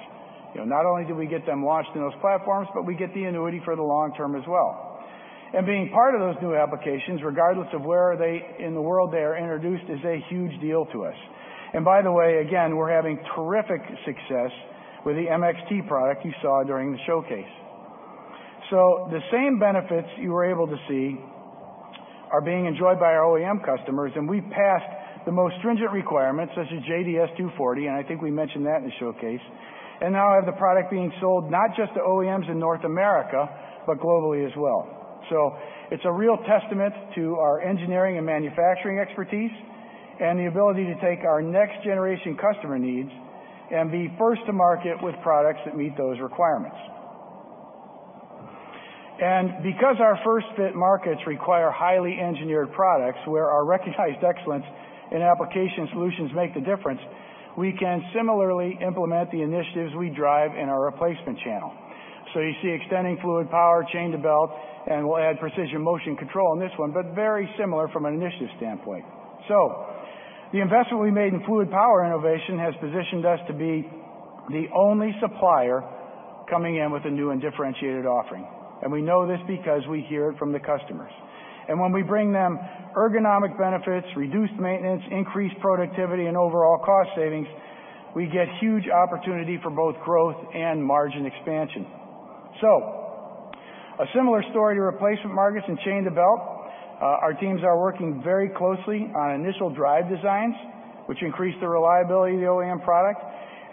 Not only do we get them launched in those platforms, but we get the annuity for the long term as well. Being part of those new applications, regardless of where they are in the world they are introduced, is a huge deal to us. By the way, again, we're having terrific success with the MXT product you saw during the showcase. The same benefits you were able to see are being enjoyed by our OEM customers, and we've passed the most stringent requirements such as JDS 240, and I think we mentioned that in the showcase. Now we have the product being sold not just to OEMs in North America, but globally as well. It is a real testament to our engineering and manufacturing expertise and the ability to take our next-generation customer needs and be first to market with products that meet those requirements. Because our first fit markets require highly engineered products where our recognized excellence in application solutions makes the difference, we can similarly implement the initiatives we drive in our replacement channel. You see extending fluid power, chain to belt, and we will add precision motion control on this one, but very similar from an initiative standpoint. The investment we made in fluid power innovation has positioned us to be the only supplier coming in with a new and differentiated offering. We know this because we hear it from the customers. When we bring them ergonomic benefits, reduced maintenance, increased productivity, and overall cost savings, we get huge opportunity for both growth and margin expansion. A similar story to replacement markets and chain to belt. Our teams are working very closely on initial drive designs, which increase the reliability of the OEM product.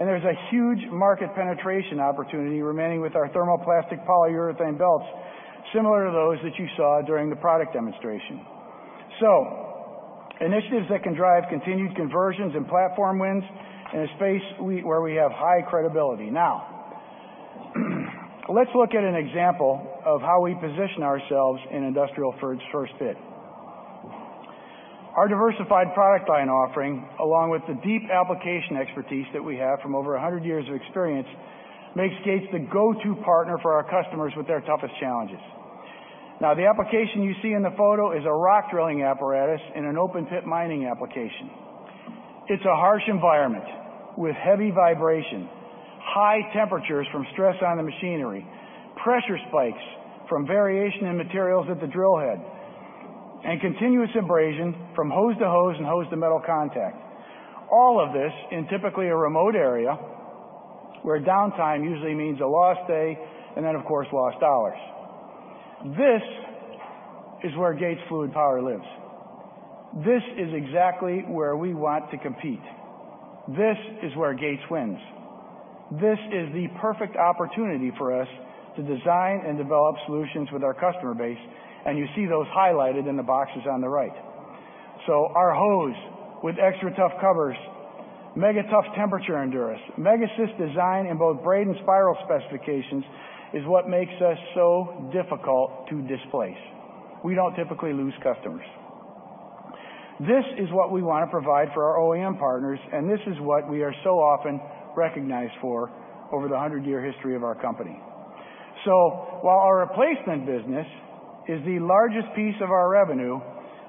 There's a huge market penetration opportunity remaining with our thermoplastic polyurethane belts, similar to those that you saw during the product demonstration. Initiatives that can drive continued conversions and platform wins in a space where we have high credibility. Now, let's look at an example of how we position ourselves in industrial first fit. Our diversified product line offering, along with the deep application expertise that we have from over 100 years of experience, makes Gates the go-to partner for our customers with their toughest challenges. The application you see in the photo is a rock drilling apparatus in an open pit mining application. It's a harsh environment with heavy vibration, high temperatures from stress on the machinery, pressure spikes from variation in materials at the drill head, and continuous abrasion from hose to hose and hose to metal contact. All of this in typically a remote area where downtime usually means a lost day and then, of course, lost dollars. This is where Gates fluid power lives. This is exactly where we want to compete. This is where Gates wins. This is the perfect opportunity for us to design and develop solutions with our customer base, and you see those highlighted in the boxes on the right. Our hose with extra tough covers, mega tough temperature endurance, mega system design in both braid and spiral specifications is what makes us so difficult to displace. We don't typically lose customers. This is what we want to provide for our OEM partners, and this is what we are so often recognized for over the 100-year history of our company. While our replacement business is the largest piece of our revenue,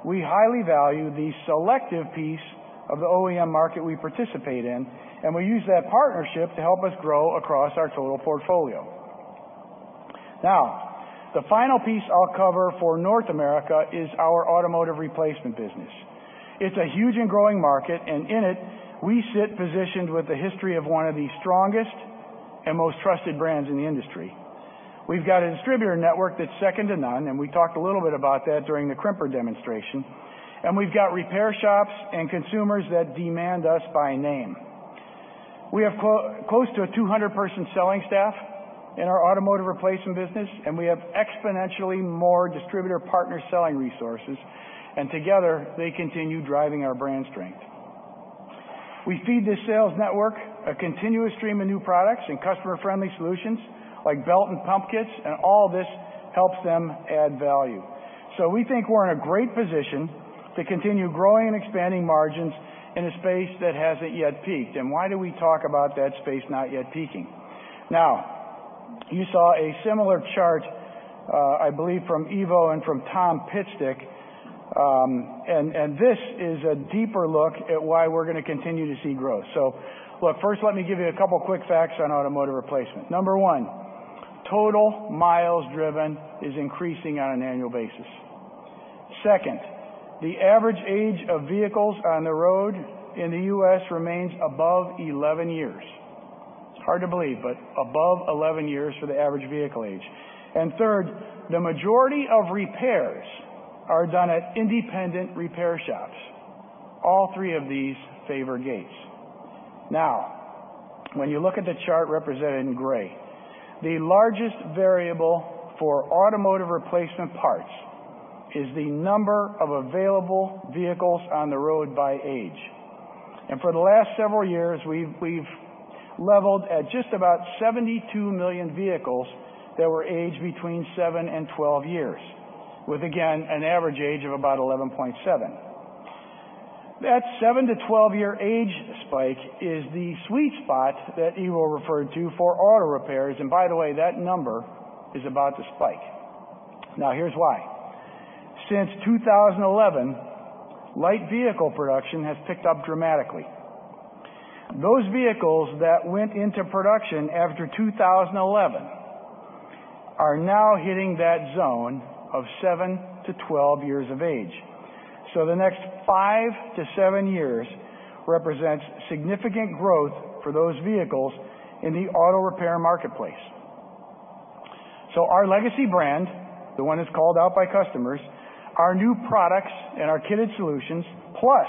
we highly value the selective piece of the OEM market we participate in, and we use that partnership to help us grow across our total portfolio. The final piece I'll cover for North America is our automotive replacement business. It's a huge and growing market, and in it, we sit positioned with the history of one of the strongest and most trusted brands in the industry. We've got a distributor network that's second to none, and we talked a little bit about that during the Crimper demonstration. We've got repair shops and consumers that demand us by name. We have close to a 200-person selling staff in our automotive replacement business, and we have exponentially more distributor partner selling resources, and together, they continue driving our brand strength. We feed this sales network a continuous stream of new products and customer-friendly solutions like belt and pump kits, and all this helps them add value. We think we're in a great position to continue growing and expanding margins in a space that hasn't yet peaked. Why do we talk about that space not yet peaking? You saw a similar chart, I believe, from Ivo and from Tom Pitstick, and this is a deeper look at why we're going to continue to see growth. Look, first, let me give you a couple of quick facts on automotive replacement. Number one, total miles driven is increasing on an annual basis. Second, the average age of vehicles on the road in the U.S. remains above 11 years. It's hard to believe, but above 11 years for the average vehicle age. Third, the majority of repairs are done at independent repair shops. All three of these favor Gates. Now, when you look at the chart represented in gray, the largest variable for automotive replacement parts is the number of available vehicles on the road by age. For the last several years, we've leveled at just about 72 million vehicles that were aged between seven and 12 years, with, again, an average age of about 11.7. That seven to 12-year age spike is the sweet spot that Ivo referred to for auto repairs, and by the way, that number is about to spike. Now, here's why. Since 2011, light vehicle production has picked up dramatically. Those vehicles that went into production after 2011 are now hitting that zone of seven-12 years of age. The next five-seven years represents significant growth for those vehicles in the auto repair marketplace. Our legacy brand, the one that's called out by customers, our new products and our kitted solutions, plus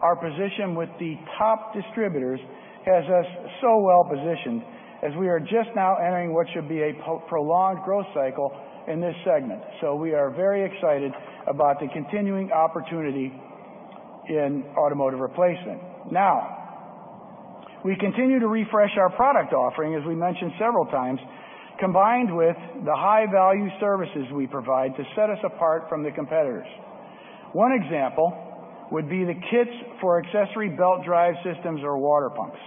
our position with the top distributors, has us so well positioned as we are just now entering what should be a prolonged growth cycle in this segment. We are very excited about the continuing opportunity in automotive replacement. We continue to refresh our product offering, as we mentioned several times, combined with the high-value services we provide to set us apart from the competitors. One example would be the kits for accessory belt drive systems or water pumps.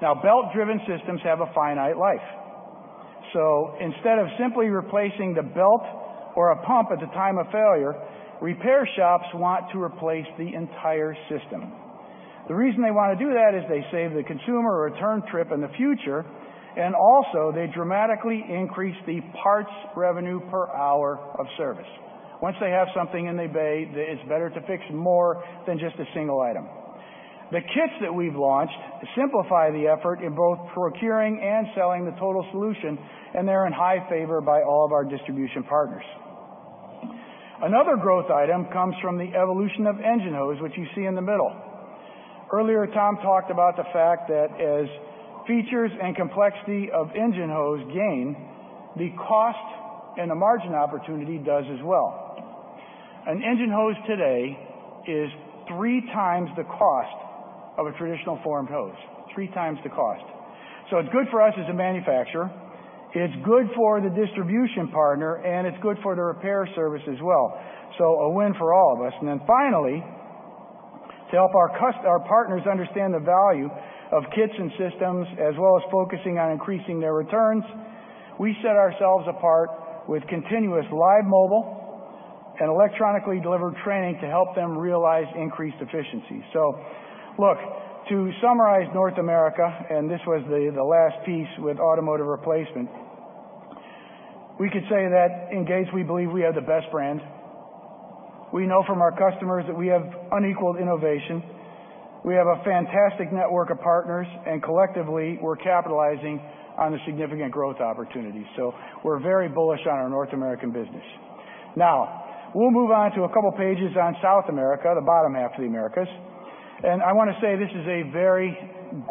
Belt-driven systems have a finite life. Instead of simply replacing the belt or a pump at the time of failure, repair shops want to replace the entire system. The reason they want to do that is they save the consumer a return trip in the future, and also, they dramatically increase the parts revenue per hour of service. Once they have something in their bay, it's better to fix more than just a single item. The kits that we've launched simplify the effort in both procuring and selling the total solution, and they're in high favor by all of our distribution partners. Another growth item comes from the evolution of engine hose, which you see in the middle. Earlier, Tom talked about the fact that as features and complexity of engine hose gain, the cost and the margin opportunity does as well. An engine hose today is three times the cost of a traditional formed hose, three times the cost. It is good for us as a manufacturer, it is good for the distribution partner, and it is good for the repair service as well. A win for all of us. Finally, to help our partners understand the value of kits and systems, as well as focusing on increasing their returns, we set ourselves apart with continuous live mobile and electronically delivered training to help them realize increased efficiency. To summarize North America, and this was the last piece with automotive replacement, we could say that in Gates, we believe we have the best brand. We know from our customers that we have unequaled innovation. We have a fantastic network of partners, and collectively, we are capitalizing on the significant growth opportunities. We are very bullish on our North American business. Now, we will move on to a couple of pages on South America, the bottom half of the Americas. I want to say this is a very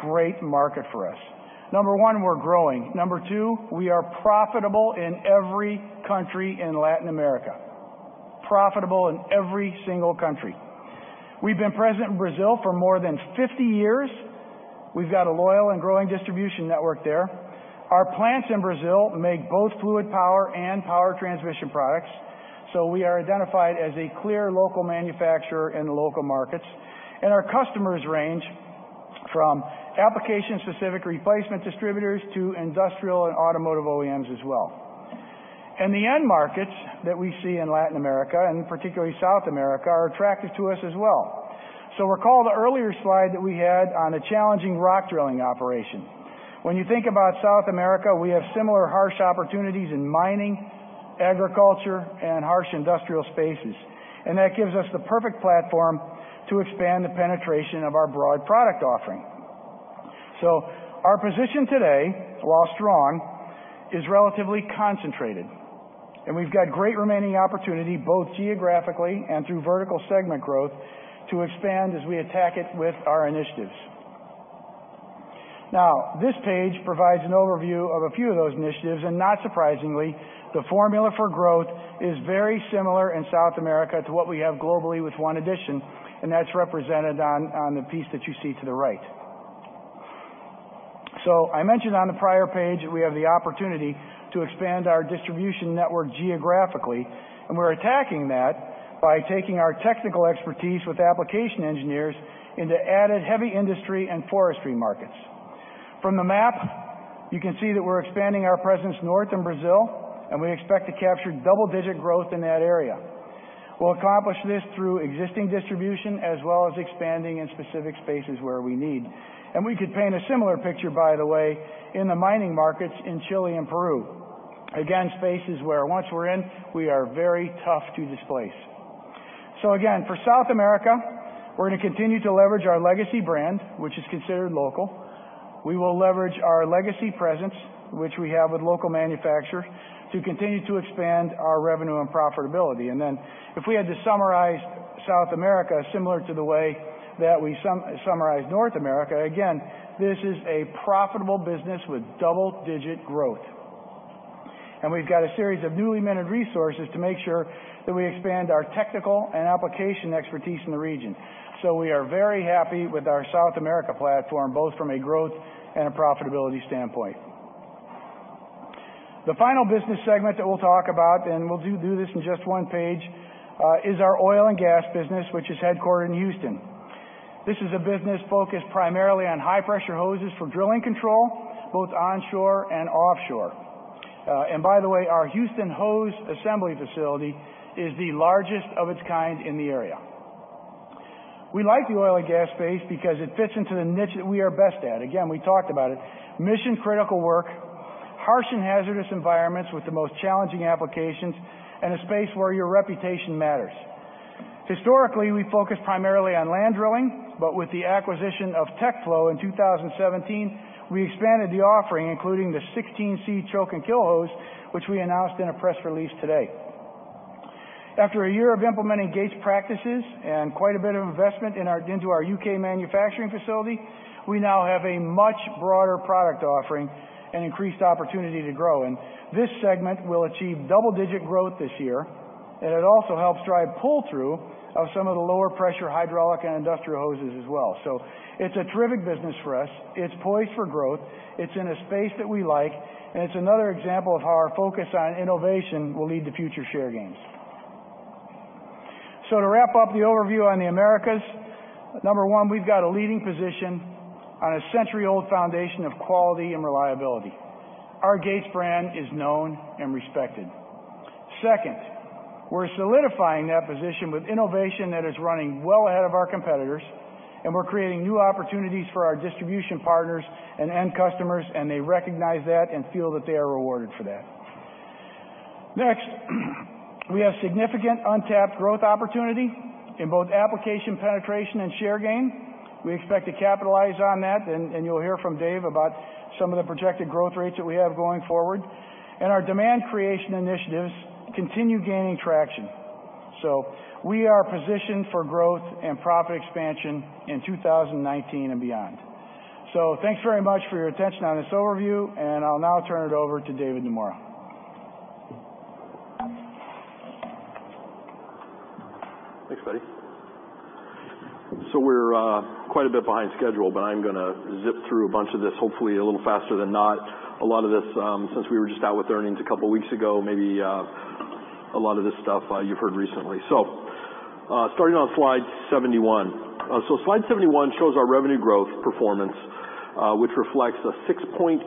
great market for us. Number one, we are growing. Number two, we are profitable in every country in Latin America, profitable in every single country. We have been present in Brazil for more than 50 years. We have a loyal and growing distribution network there. Our plants in Brazil make both fluid power and power transmission products. We are identified as a clear local manufacturer in the local markets. Our customers range from application-specific replacement distributors to industrial and automotive OEMs as well. The end markets that we see in Latin America, and particularly South America, are attractive to us as well. Recall the earlier slide that we had on the challenging rock drilling operation. When you think about South America, we have similar harsh opportunities in mining, agriculture, and harsh industrial spaces. That gives us the perfect platform to expand the penetration of our broad product offering. Our position today, while strong, is relatively concentrated. We have great remaining opportunity, both geographically and through vertical segment growth, to expand as we attack it with our initiatives. This page provides an overview of a few of those initiatives. Not surprisingly, the formula for growth is very similar in South America to what we have globally with one addition, and that is represented on the piece that you see to the right. I mentioned on the prior page that we have the opportunity to expand our distribution network geographically, and we're attacking that by taking our technical expertise with application engineers into added heavy industry and forestry markets. From the map, you can see that we're expanding our presence north in Brazil, and we expect to capture double-digit growth in that area. We'll accomplish this through existing distribution as well as expanding in specific spaces where we need. We could paint a similar picture, by the way, in the mining markets in Chile and Peru, again, spaces where once we're in, we are very tough to displace. Again, for South America, we're going to continue to leverage our legacy brand, which is considered local. We will leverage our legacy presence, which we have with local manufacturers, to continue to expand our revenue and profitability. If we had to summarize South America similar to the way that we summarize North America, this is a profitable business with double-digit growth. We have a series of newly minted resources to make sure that we expand our technical and application expertise in the region. We are very happy with our South America platform, both from a growth and a profitability standpoint. The final business segment that we'll talk about, and we'll do this in just one page, is our oil and gas business, which is headquartered in Houston. This is a business focused primarily on high-pressure hoses for drilling control, both onshore and offshore. By the way, our Houston hose assembly facility is the largest of its kind in the area. We like the oil and gas space because it fits into the niche that we are best at. Again, we talked about it. Mission-critical work, harsh and hazardous environments with the most challenging applications, and a space where your reputation matters. Historically, we focused primarily on land drilling, but with the acquisition of TechFlow in 2017, we expanded the offering, including the API 16C choke and kill hose, which we announced in a press release today. After a year of implementing Gates practices and quite a bit of investment into our U.K. manufacturing facility, we now have a much broader product offering and increased opportunity to grow. This segment will achieve double-digit growth this year, and it also helps drive pull-through of some of the lower-pressure hydraulic and industrial hoses as well. It is a terrific business for us. It is poised for growth. It is in a space that we like, and it is another example of how our focus on innovation will lead to future share gains. To wrap up the overview on the Americas, number one, we've got a leading position on a century-old foundation of quality and reliability. Our Gates brand is known and respected. Second, we're solidifying that position with innovation that is running well ahead of our competitors, and we're creating new opportunities for our distribution partners and end customers, and they recognize that and feel that they are rewarded for that. Next, we have significant untapped growth opportunity in both application penetration and share gain. We expect to capitalize on that, and you'll hear from Dave about some of the projected growth rates that we have going forward. Our demand creation initiatives continue gaining traction. We are positioned for growth and profit expansion in 2019 and beyond. Thanks very much for your attention on this overview, and I'll now turn it over to David Nomura. Thanks, buddy. We're quite a bit behind schedule, but I'm going to zip through a bunch of this, hopefully a little faster than not. A lot of this, since we were just out with earnings a couple of weeks ago, maybe a lot of this stuff you've heard recently. Starting on slide 71. Slide 71 shows our revenue growth performance, which reflects a 6.8%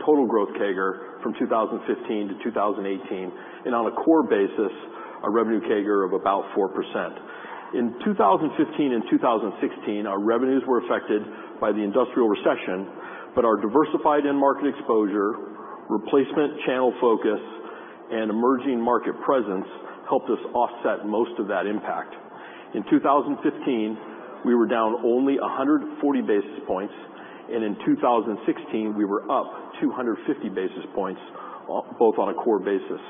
total growth CAGR from 2015 to 2018, and on a core basis, a revenue CAGR of about 4%. In 2015 and 2016, our revenues were affected by the industrial recession, but our diversified end market exposure, replacement channel focus, and emerging market presence helped us offset most of that impact. In 2015, we were down only 140 basis points, and in 2016, we were up 250 basis points, both on a core basis.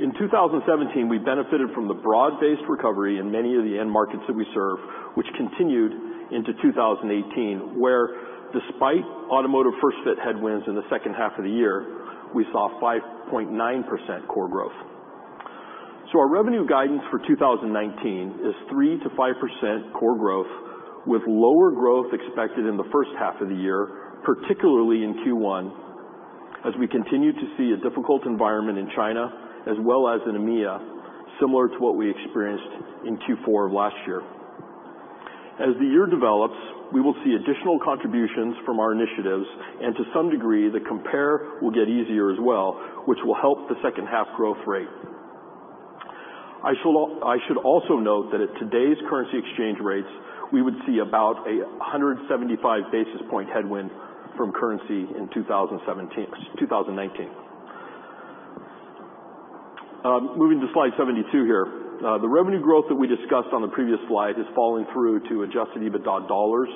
In 2017, we benefited from the broad-based recovery in many of the end markets that we serve, which continued into 2018, where, despite automotive first-fit headwinds in the second half of the year, we saw 5.9% core growth. Our revenue guidance for 2019 is 3-5% core growth, with lower growth expected in the first half of the year, particularly in Q1, as we continue to see a difficult environment in China, as well as in EMEA, similar to what we experienced in Q4 of last year. As the year develops, we will see additional contributions from our initiatives, and to some degree, the compare will get easier as well, which will help the second-half growth rate. I should also note that at today's currency exchange rates, we would see about a 175 basis point headwind from currency in 2019. Moving to slide 72 here, the revenue growth that we discussed on the previous slide is falling through to Adjusted EBITDA dollars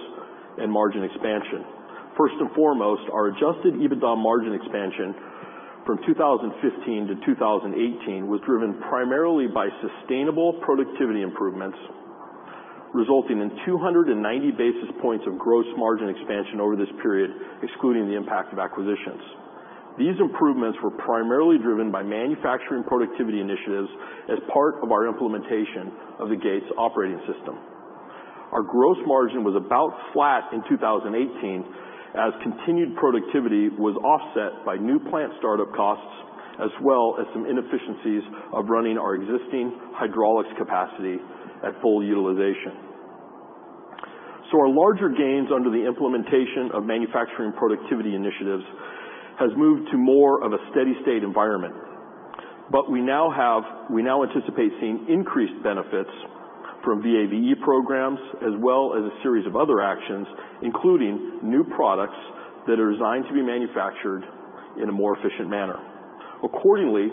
and margin expansion. First and foremost, our Adjusted EBITDA margin expansion from 2015 to 2018 was driven primarily by sustainable productivity improvements, resulting in 290 basis points of gross margin expansion over this period, excluding the impact of acquisitions. These improvements were primarily driven by manufacturing productivity initiatives as part of our implementation of the Gates operating system. Our gross margin was about flat in 2018, as continued productivity was offset by new plant startup costs, as well as some inefficiencies of running our existing hydraulics capacity at full utilization. Our larger gains under the implementation of manufacturing productivity initiatives have moved to more of a steady-state environment. We now anticipate seeing increased benefits from VAVE programs, as well as a series of other actions, including new products that are designed to be manufactured in a more efficient manner. Accordingly,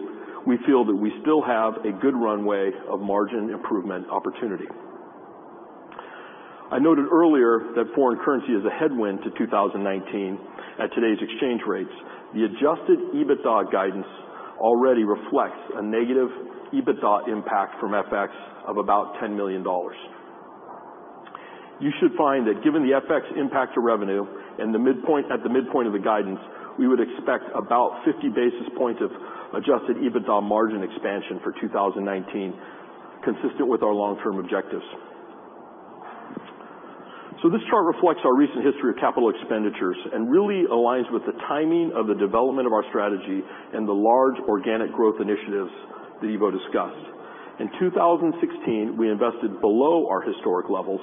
we feel that we still have a good runway of margin improvement opportunity. I noted earlier that foreign currency is a headwind to 2019 at today's exchange rates. The Adjusted EBITDA guidance already reflects a negative EBITDA impact from FX of about $10 million. You should find that given the FX impact to revenue at the midpoint of the guidance, we would expect about 50 basis points of Adjusted EBITDA margin expansion for 2019, consistent with our long-term objectives. This chart reflects our recent history of capital expenditures and really aligns with the timing of the development of our strategy and the large organic growth initiatives that Ivo discussed. In 2016, we invested below our historic levels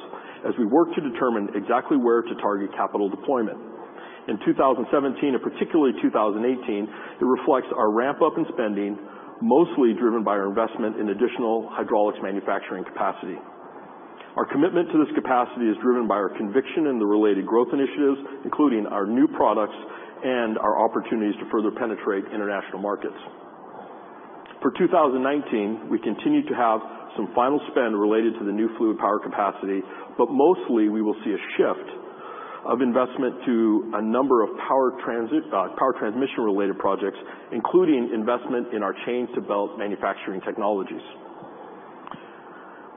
as we worked to determine exactly where to target capital deployment. In 2017, and particularly 2018, it reflects our ramp-up in spending, mostly driven by our investment in additional hydraulics manufacturing capacity. Our commitment to this capacity is driven by our conviction in the related growth initiatives, including our new products and our opportunities to further penetrate international markets. For 2019, we continue to have some final spend related to the new fluid power capacity, but mostly we will see a shift of investment to a number of power transmission-related projects, including investment in our chain-to-belt manufacturing technologies.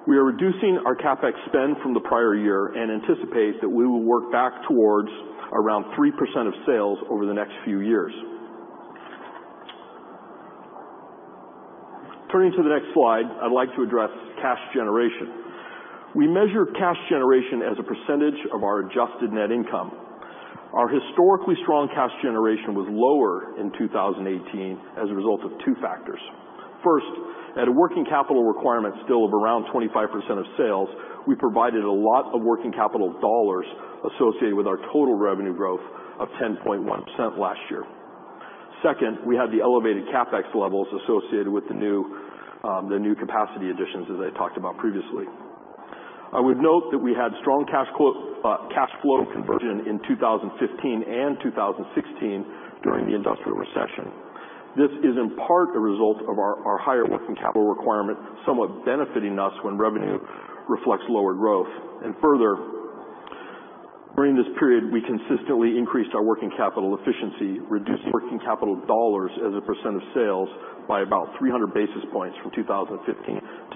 We are reducing our CapEx spend from the prior year and anticipate that we will work back towards around 3% of sales over the next few years. Turning to the next slide, I'd like to address cash generation. We measure cash generation as a percentage of our adjusted net income. Our historically strong cash generation was lower in 2018 as a result of two factors. First, at a working capital requirement still of around 25% of sales, we provided a lot of working capital dollars associated with our total revenue growth of 10.1% last year. Second, we had the elevated CapEx levels associated with the new capacity additions, as I talked about previously. I would note that we had strong cash flow conversion in 2015 and 2016 during the industrial recession. This is in part a result of our higher working capital requirement, somewhat benefiting us when revenue reflects lower growth. Further, during this period, we consistently increased our working capital efficiency, reduced working capital dollars as a percent of sales by about 300 basis points from 2015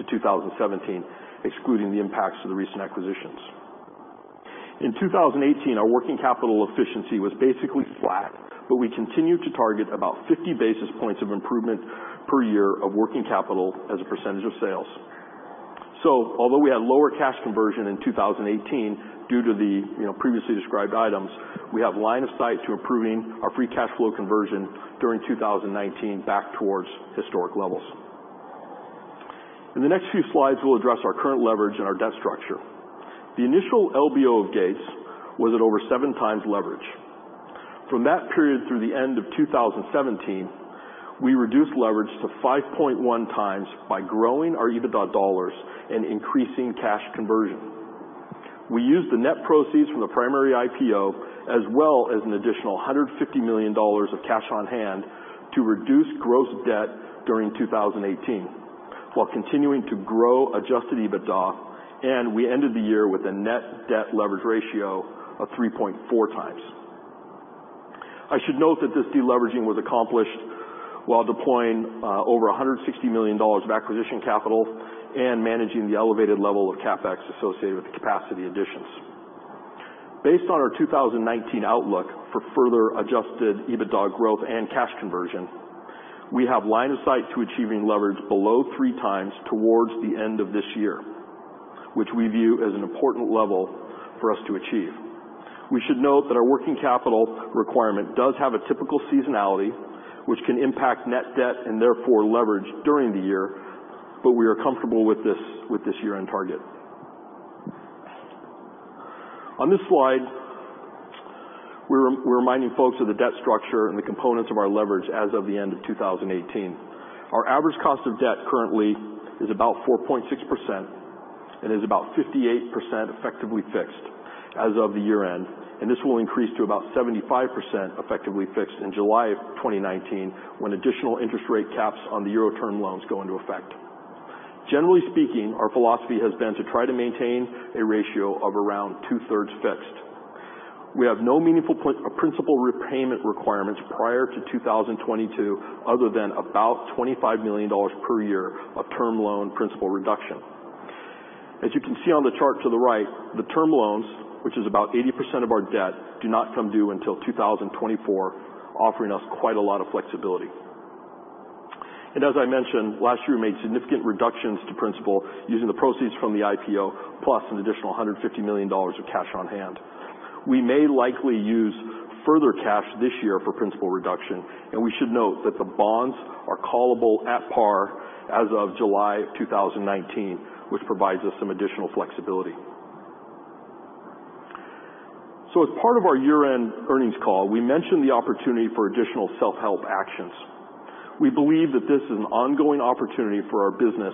to 2017, excluding the impacts of the recent acquisitions. In 2018, our working capital efficiency was basically flat, but we continued to target about 50 basis points of improvement per year of working capital as a percentage of sales. Although we had lower cash conversion in 2018 due to the previously described items, we have line of sight to improving our free cash flow conversion during 2019 back towards historic levels. In the next few slides, we'll address our current leverage and our debt structure. The initial LBO of Gates was at over seven times leverage. From that period through the end of 2017, we reduced leverage to 5.1 times by growing our EBITDA dollars and increasing cash conversion. We used the net proceeds from the primary IPO, as well as an additional $150 million of cash on hand to reduce gross debt during 2018, while continuing to grow Adjusted EBITDA, and we ended the year with a net debt leverage ratio of 3.4 times. I should note that this deleveraging was accomplished while deploying over $160 million of acquisition capital and managing the elevated level of CapEx associated with the capacity additions. Based on our 2019 outlook for further Adjusted EBITDA growth and cash conversion, we have line of sight to achieving leverage below three times towards the end of this year, which we view as an important level for us to achieve. We should note that our working capital requirement does have a typical seasonality, which can impact net debt and therefore leverage during the year, but we are comfortable with this year-end target. On this slide, we're reminding folks of the debt structure and the components of our leverage as of the end of 2018. Our average cost of debt currently is about 4.6% and is about 58% effectively fixed as of the year-end, and this will increase to about 75% effectively fixed in July of 2019 when additional interest rate caps on the Euro term loans go into effect. Generally speaking, our philosophy has been to try to maintain a ratio of around two-thirds fixed. We have no meaningful principal repayment requirements prior to 2022, other than about $25 million per year of term loan principal reduction. As you can see on the chart to the right, the term loans, which is about 80% of our debt, do not come due until 2024, offering us quite a lot of flexibility. As I mentioned, last year we made significant reductions to principal using the proceeds from the IPO, plus an additional $150 million of cash on hand. We may likely use further cash this year for principal reduction, and we should note that the bonds are callable at par as of July of 2019, which provides us some additional flexibility. As part of our year-end earnings call, we mentioned the opportunity for additional self-help actions. We believe that this is an ongoing opportunity for our business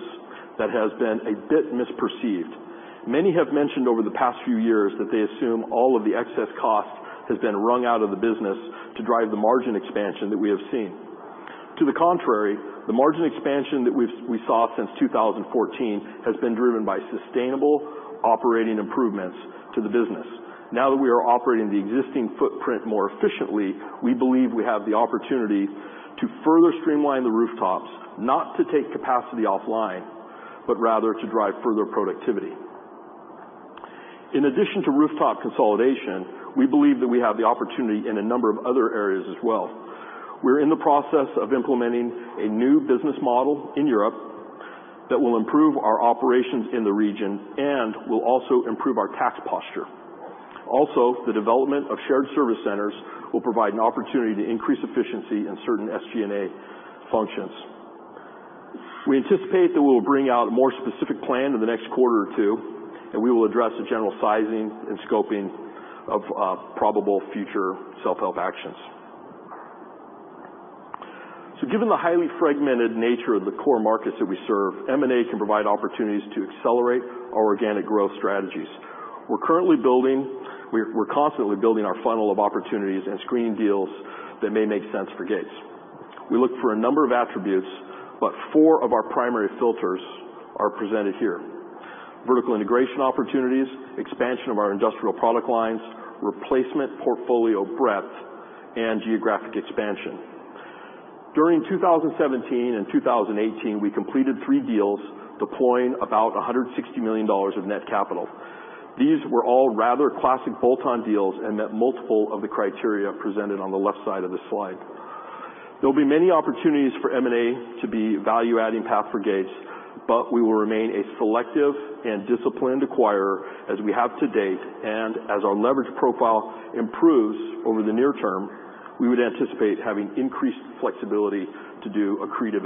that has been a bit misperceived. Many have mentioned over the past few years that they assume all of the excess cost has been rung out of the business to drive the margin expansion that we have seen. To the contrary, the margin expansion that we saw since 2014 has been driven by sustainable operating improvements to the business. Now that we are operating the existing footprint more efficiently, we believe we have the opportunity to further streamline the rooftops, not to take capacity offline, but rather to drive further productivity. In addition to rooftop consolidation, we believe that we have the opportunity in a number of other areas as well. We're in the process of implementing a new business model in Europe that will improve our operations in the region and will also improve our tax posture. Also, the development of shared service centers will provide an opportunity to increase efficiency in certain SG&A functions. We anticipate that we will bring out a more specific plan in the next quarter or two, and we will address the general sizing and scoping of probable future self-help actions. Given the highly fragmented nature of the core markets that we serve, M&A can provide opportunities to accelerate our organic growth strategies. We're constantly building our funnel of opportunities and screening deals that may make sense for Gates. We look for a number of attributes, but four of our primary filters are presented here: vertical integration opportunities, expansion of our industrial product lines, replacement portfolio breadth, and geographic expansion. During 2017 and 2018, we completed three deals deploying about $160 million of net capital. These were all rather classic bolt-on deals and met multiple of the criteria presented on the left side of this slide. There will be many opportunities for M&A to be a value-adding path for Gates, but we will remain a selective and disciplined acquirer as we have to date, and as our leverage profile improves over the near term, we would anticipate having increased flexibility to do accretive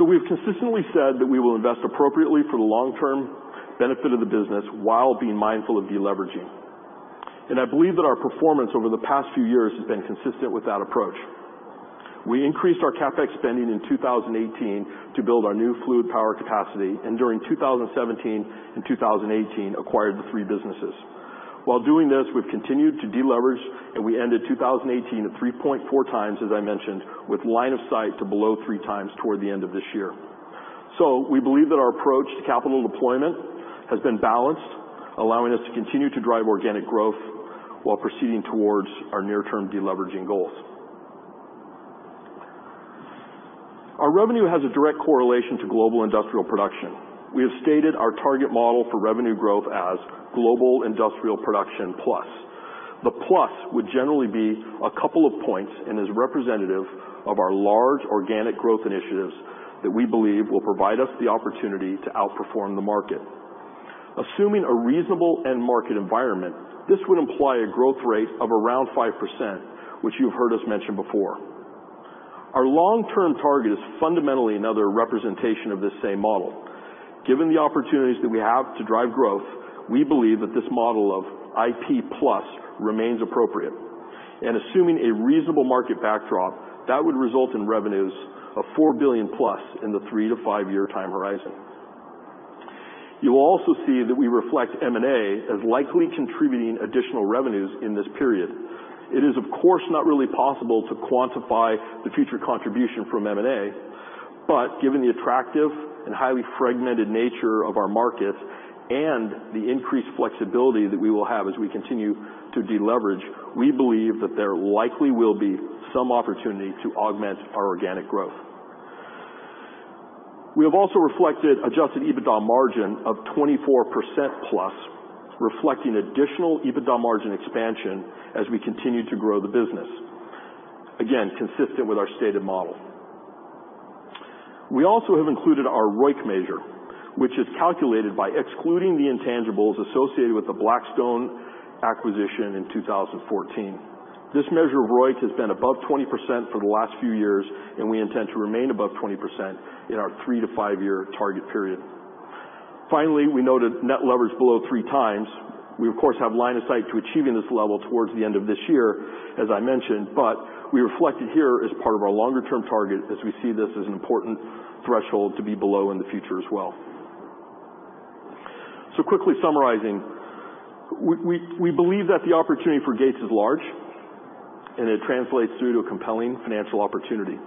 M&A. We have consistently said that we will invest appropriately for the long-term benefit of the business while being mindful of deleveraging. I believe that our performance over the past few years has been consistent with that approach. We increased our CapEx spending in 2018 to build our new fluid power capacity, and during 2017 and 2018, acquired the three businesses. While doing this, we have continued to deleverage, and we ended 2018 at 3.4 times, as I mentioned, with line of sight to below three times toward the end of this year. We believe that our approach to capital deployment has been balanced, allowing us to continue to drive organic growth while proceeding towards our near-term deleveraging goals. Our revenue has a direct correlation to global industrial production. We have stated our target model for revenue growth as global industrial production plus. The plus would generally be a couple of points and is representative of our large organic growth initiatives that we believe will provide us the opportunity to outperform the market. Assuming a reasonable end market environment, this would imply a growth rate of around 5%, which you've heard us mention before. Our long-term target is fundamentally another representation of this same model. Given the opportunities that we have to drive growth, we believe that this model of IP plus remains appropriate. Assuming a reasonable market backdrop, that would result in revenues of $4 billion plus in the three to five-year time horizon. You will also see that we reflect M&A as likely contributing additional revenues in this period. It is, of course, not really possible to quantify the future contribution from M&A, but given the attractive and highly fragmented nature of our market and the increased flexibility that we will have as we continue to deleverage, we believe that there likely will be some opportunity to augment our organic growth. We have also reflected Adjusted EBITDA margin of 24% plus, reflecting additional EBITDA margin expansion as we continue to grow the business, again, consistent with our stated model. We also have included our ROIC measure, which is calculated by excluding the intangibles associated with the Blackstone acquisition in 2014. This measure of ROIC has been above 20% for the last few years, and we intend to remain above 20% in our three to five-year target period. Finally, we noted net leverage below three times. We, of course, have line of sight to achieving this level towards the end of this year, as I mentioned, but we reflect it here as part of our longer-term target as we see this as an important threshold to be below in the future as well. Quickly summarizing, we believe that the opportunity for Gates is large, and it translates through to a compelling financial opportunity.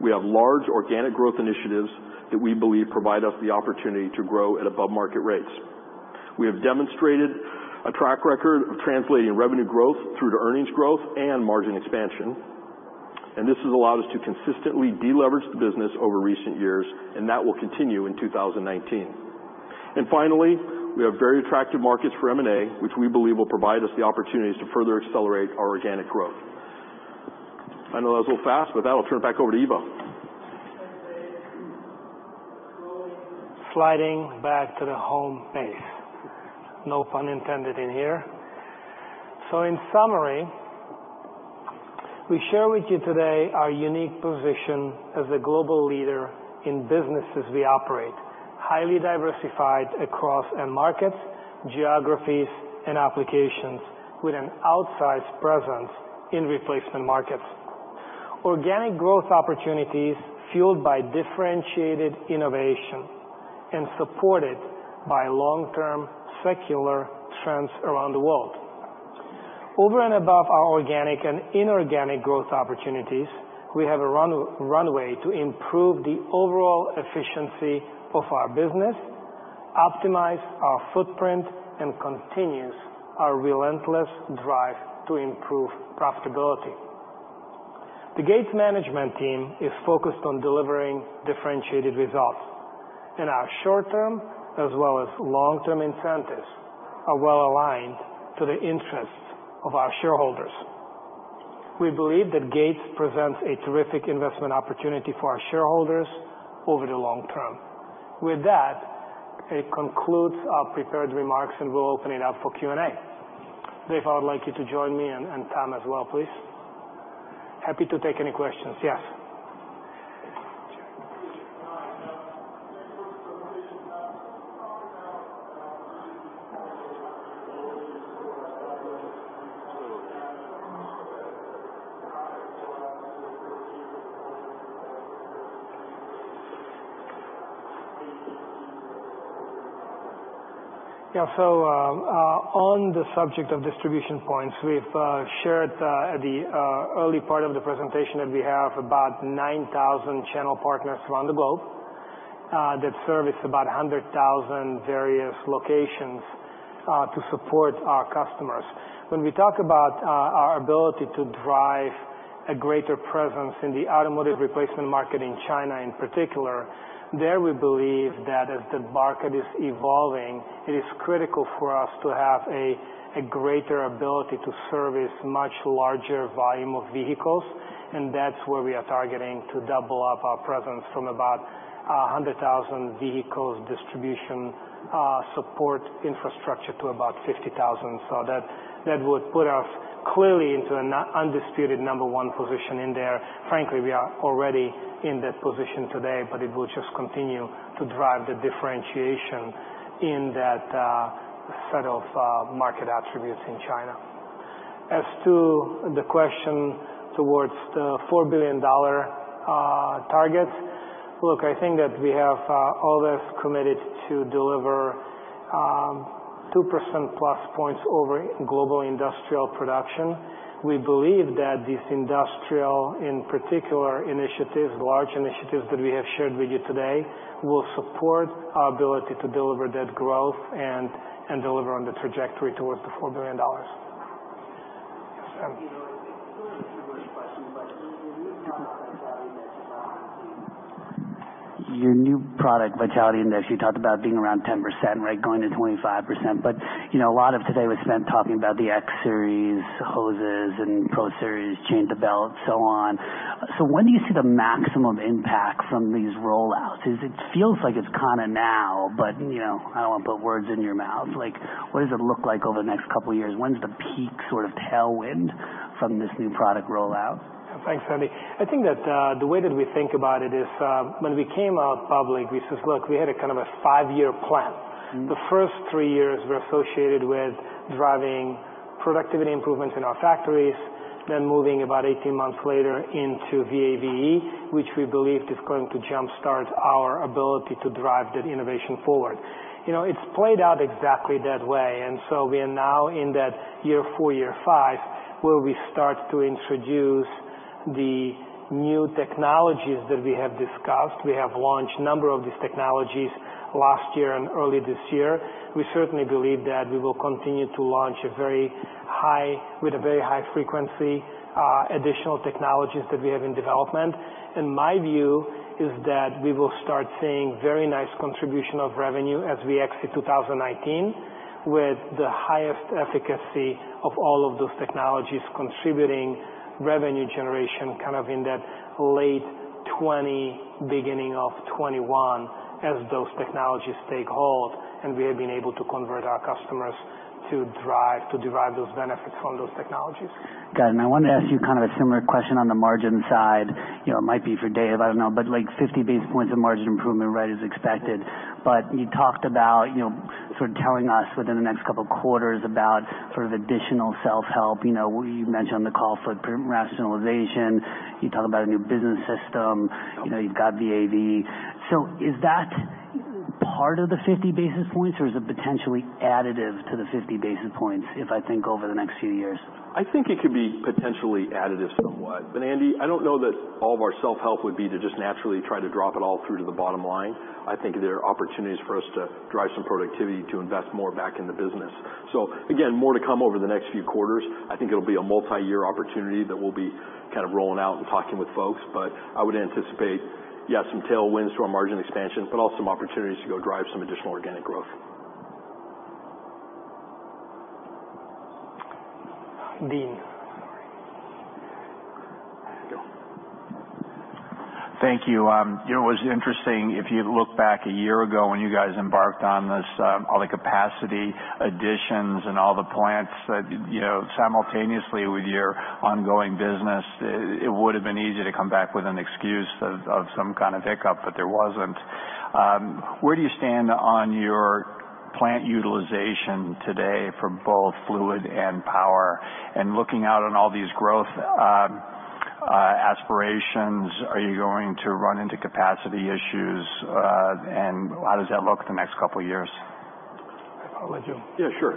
We have large organic growth initiatives that we believe provide us the opportunity to grow at above-market rates. We have demonstrated a track record of translating revenue growth through to earnings growth and margin expansion, and this has allowed us to consistently deleverage the business over recent years, and that will continue in 2019. Finally, we have very attractive markets for M&A, which we believe will provide us the opportunities to further accelerate our organic growth. I know that was a little fast, but that'll turn it back over to Ivo. Sliding back to the home base. No pun intended in here. In summary, we share with you today our unique position as a global leader in businesses we operate, highly diversified across end markets, geographies, and applications, with an outsized presence in replacement markets. Organic growth opportunities fueled by differentiated innovation and supported by long-term secular trends around the world. Over and above our organic and inorganic growth opportunities, we have a runway to improve the overall efficiency of our business, optimize our footprint, and continue our relentless drive to improve profitability. The Gates management team is focused on delivering differentiated results, and our short-term as well as long-term incentives are well aligned to the interests of our shareholders. We believe that Gates presents a terrific investment opportunity for our shareholders over the long term. With that, it concludes our prepared remarks, and we'll open it up for Q&A. Dave, I would like you to join me and Tom as well, please. Happy to take any questions. Yes. Thank you. Yeah. On the subject of distribution points, we've shared at the early part of the presentation that we have about 9,000 channel partners around the globe that service about 100,000 various locations to support our customers. When we talk about our ability to drive a greater presence in the automotive replacement market in China in particular, there we believe that as the market is evolving, it is critical for us to have a greater ability to service a much larger volume of vehicles, and that's where we are targeting to double up our presence from about 100,000 vehicles distribution support infrastructure to about 50,000. That would put us clearly into an undisputed number one position in there. Frankly, we are already in that position today, but it will just continue to drive the differentiation in that set of market attributes in China. As to the question towards the $4 billion target, look, I think that we have always committed to deliver 2% plus points over global industrial production. We believe that these industrial, in particular, initiatives, large initiatives that we have shared with you today will support our ability to deliver that growth and deliver on the trajectory towards the $4 billion. Yes, sir. You know, it's a very rigorous question, but your new product value index is not going to be. Your new product value index, you talked about being around 10%, right, going to 25%, but a lot of today was spent talking about the X-Series, hoses, and Pro Series, chain-to-belt, so on. When do you see the maximum impact from these rollouts? It feels like it's kind of now, but I don't want to put words in your mouth. What does it look like over the next couple of years? When's the peak sort of tailwind from this new product rollout? Thanks, Andy. I think that the way that we think about it is when we came out public, we said, "Look, we had a kind of a five-year plan." The first three years were associated with driving productivity improvements in our factories, then moving about 18 months later into VAVE, which we believe is going to jumpstart our ability to drive that innovation forward. It's played out exactly that way, and we are now in that year four, year five, where we start to introduce the new technologies that we have discussed. We have launched a number of these technologies last year and early this year. We certainly believe that we will continue to launch with a very high frequency additional technologies that we have in development. My view is that we will start seeing very nice contribution of revenue as we exit 2019, with the highest efficacy of all of those technologies contributing revenue generation kind of in that late 2020, beginning of 2021, as those technologies take hold and we have been able to convert our customers to derive those benefits from those technologies. Got it. I wanted to ask you kind of a similar question on the margin side. It might be for Dave, I do not know, but like 50 basis points of margin improvement, right, is expected. You talked about sort of telling us within the next couple of quarters about sort of additional self-help. You mentioned on the call for rationalization. You talked about a new business system. You have got VAVE. Is that part of the 50 basis points, or is it potentially additive to the 50 basis points if I think over the next few years? I think it could be potentially additive somewhat. But Andy, I don't know that all of our self-help would be to just naturally try to drop it all through to the bottom line. I think there are opportunities for us to drive some productivity to invest more back in the business. Again, more to come over the next few quarters. I think it'll be a multi-year opportunity that we'll be kind of rolling out and talking with folks, but I would anticipate, yeah, some tailwinds to our margin expansion, but also some opportunities to go drive some additional organic growth. Dean. Thank you. It was interesting if you look back a year ago when you guys embarked on this, all the capacity additions and all the plants simultaneously with your ongoing business, it would have been easy to come back with an excuse of some kind of hiccup, but there was not. Where do you stand on your plant utilization today for both fluid and power? Looking out on all these growth aspirations, are you going to run into capacity issues, and how does that look the next couple of years? I apologize. Yeah, sure.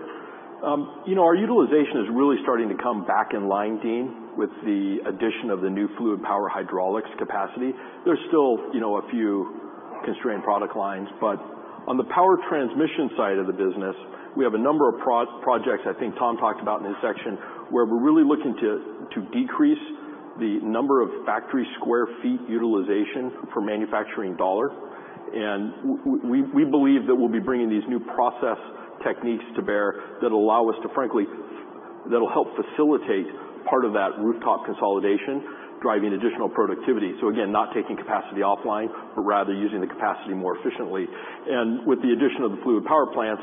Our utilization is really starting to come back in line, Deane, with the addition of the new fluid power hydraulics capacity. There's still a few constrained product lines, but on the power transmission side of the business, we have a number of projects I think Tom talked about in his section where we're really looking to decrease the number of factory sq ft utilization per manufacturing dollar. We believe that we'll be bringing these new process techniques to bear that'll allow us to, frankly, that'll help facilitate part of that rooftop consolidation, driving additional productivity. Not taking capacity offline, but rather using the capacity more efficiently. With the addition of the fluid power plants,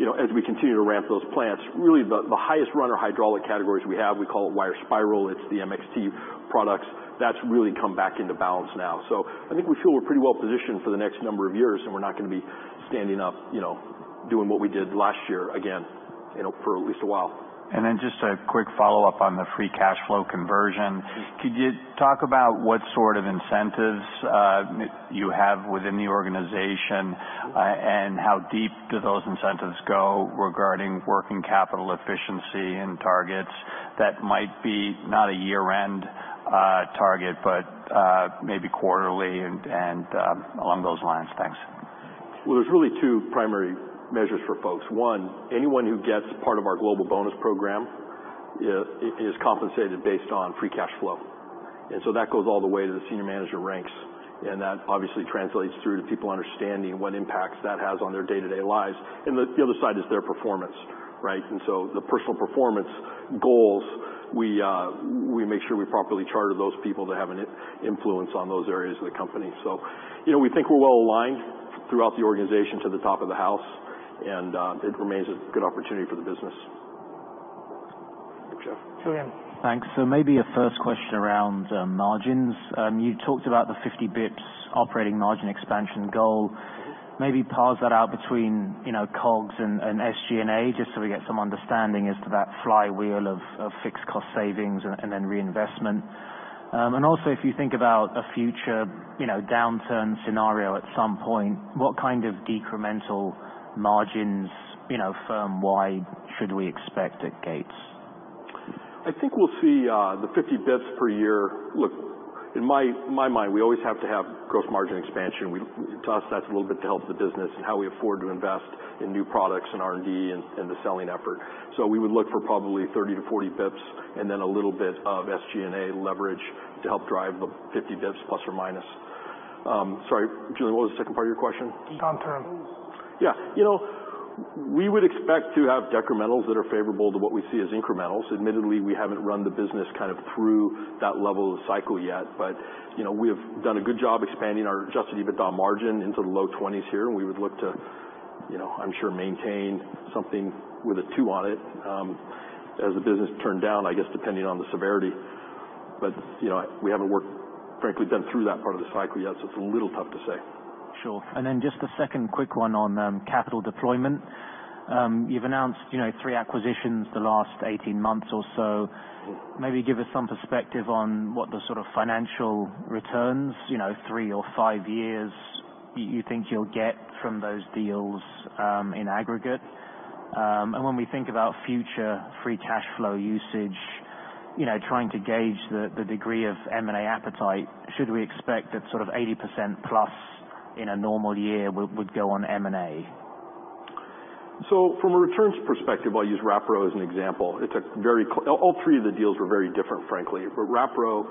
as we continue to ramp those plants, really the highest runner hydraulic categories we have, we call it wire spiral. It's the MXT products. has really come back into balance now. I think we feel we're pretty well positioned for the next number of years, and we're not going to be standing up doing what we did last year again for at least a while. Just a quick follow-up on the free cash flow conversion. Could you talk about what sort of incentives you have within the organization and how deep do those incentives go regarding working capital efficiency and targets that might be not a year-end target, but maybe quarterly and along those lines? Thanks. There are really two primary measures for folks. One, anyone who gets part of our global bonus program is compensated based on free cash flow. That goes all the way to the senior manager ranks, and that obviously translates through to people understanding what impacts that has on their day-to-day lives. The other side is their performance, right? The personal performance goals, we make sure we properly charter those people to have an influence on those areas of the company. We think we're well aligned throughout the organization to the top of the house, and it remains a good opportunity for the business. Thank you, Julian. Thanks. Maybe a first question around margins. You talked about the 50 basis points operating margin expansion goal. Maybe parse that out between COGS and SG&A just so we get some understanding as to that flywheel of fixed cost savings and then reinvestment. Also, if you think about a future downturn scenario at some point, what kind of decremental margins firm-wide should we expect at Gates? I think we'll see the 50 basis points per year. Look, in my mind, we always have to have gross margin expansion. To us, that's a little bit to help the business and how we afford to invest in new products and R&D and the selling effort. We would look for probably 30-40 basis points and then a little bit of SG&A leverage to help drive the 50 basis points plus or minus. Sorry, Julian, what was the second part of your question? Downturn. Yeah. We would expect to have decrementals that are favorable to what we see as incrementals. Admittedly, we have not run the business kind of through that level of cycle yet, but we have done a good job expanding our Adjusted EBITDA margin into the low 20s here, and we would look to, I am sure, maintain something with a 2 on it as the business turned down, I guess, depending on the severity. We have not worked, frankly, been through that part of the cycle yet, so it is a little tough to say. Sure. Just a second quick one on capital deployment. You've announced three acquisitions the last 18 months or so. Maybe give us some perspective on what the sort of financial returns, three or five years, you think you'll get from those deals in aggregate. When we think about future free cash flow usage, trying to gauge the degree of M&A appetite, should we expect that sort of 80% plus in a normal year would go on M&A? From a returns perspective, I'll use Wrapro as an example. All three of the deals were very different, frankly. Wrapro,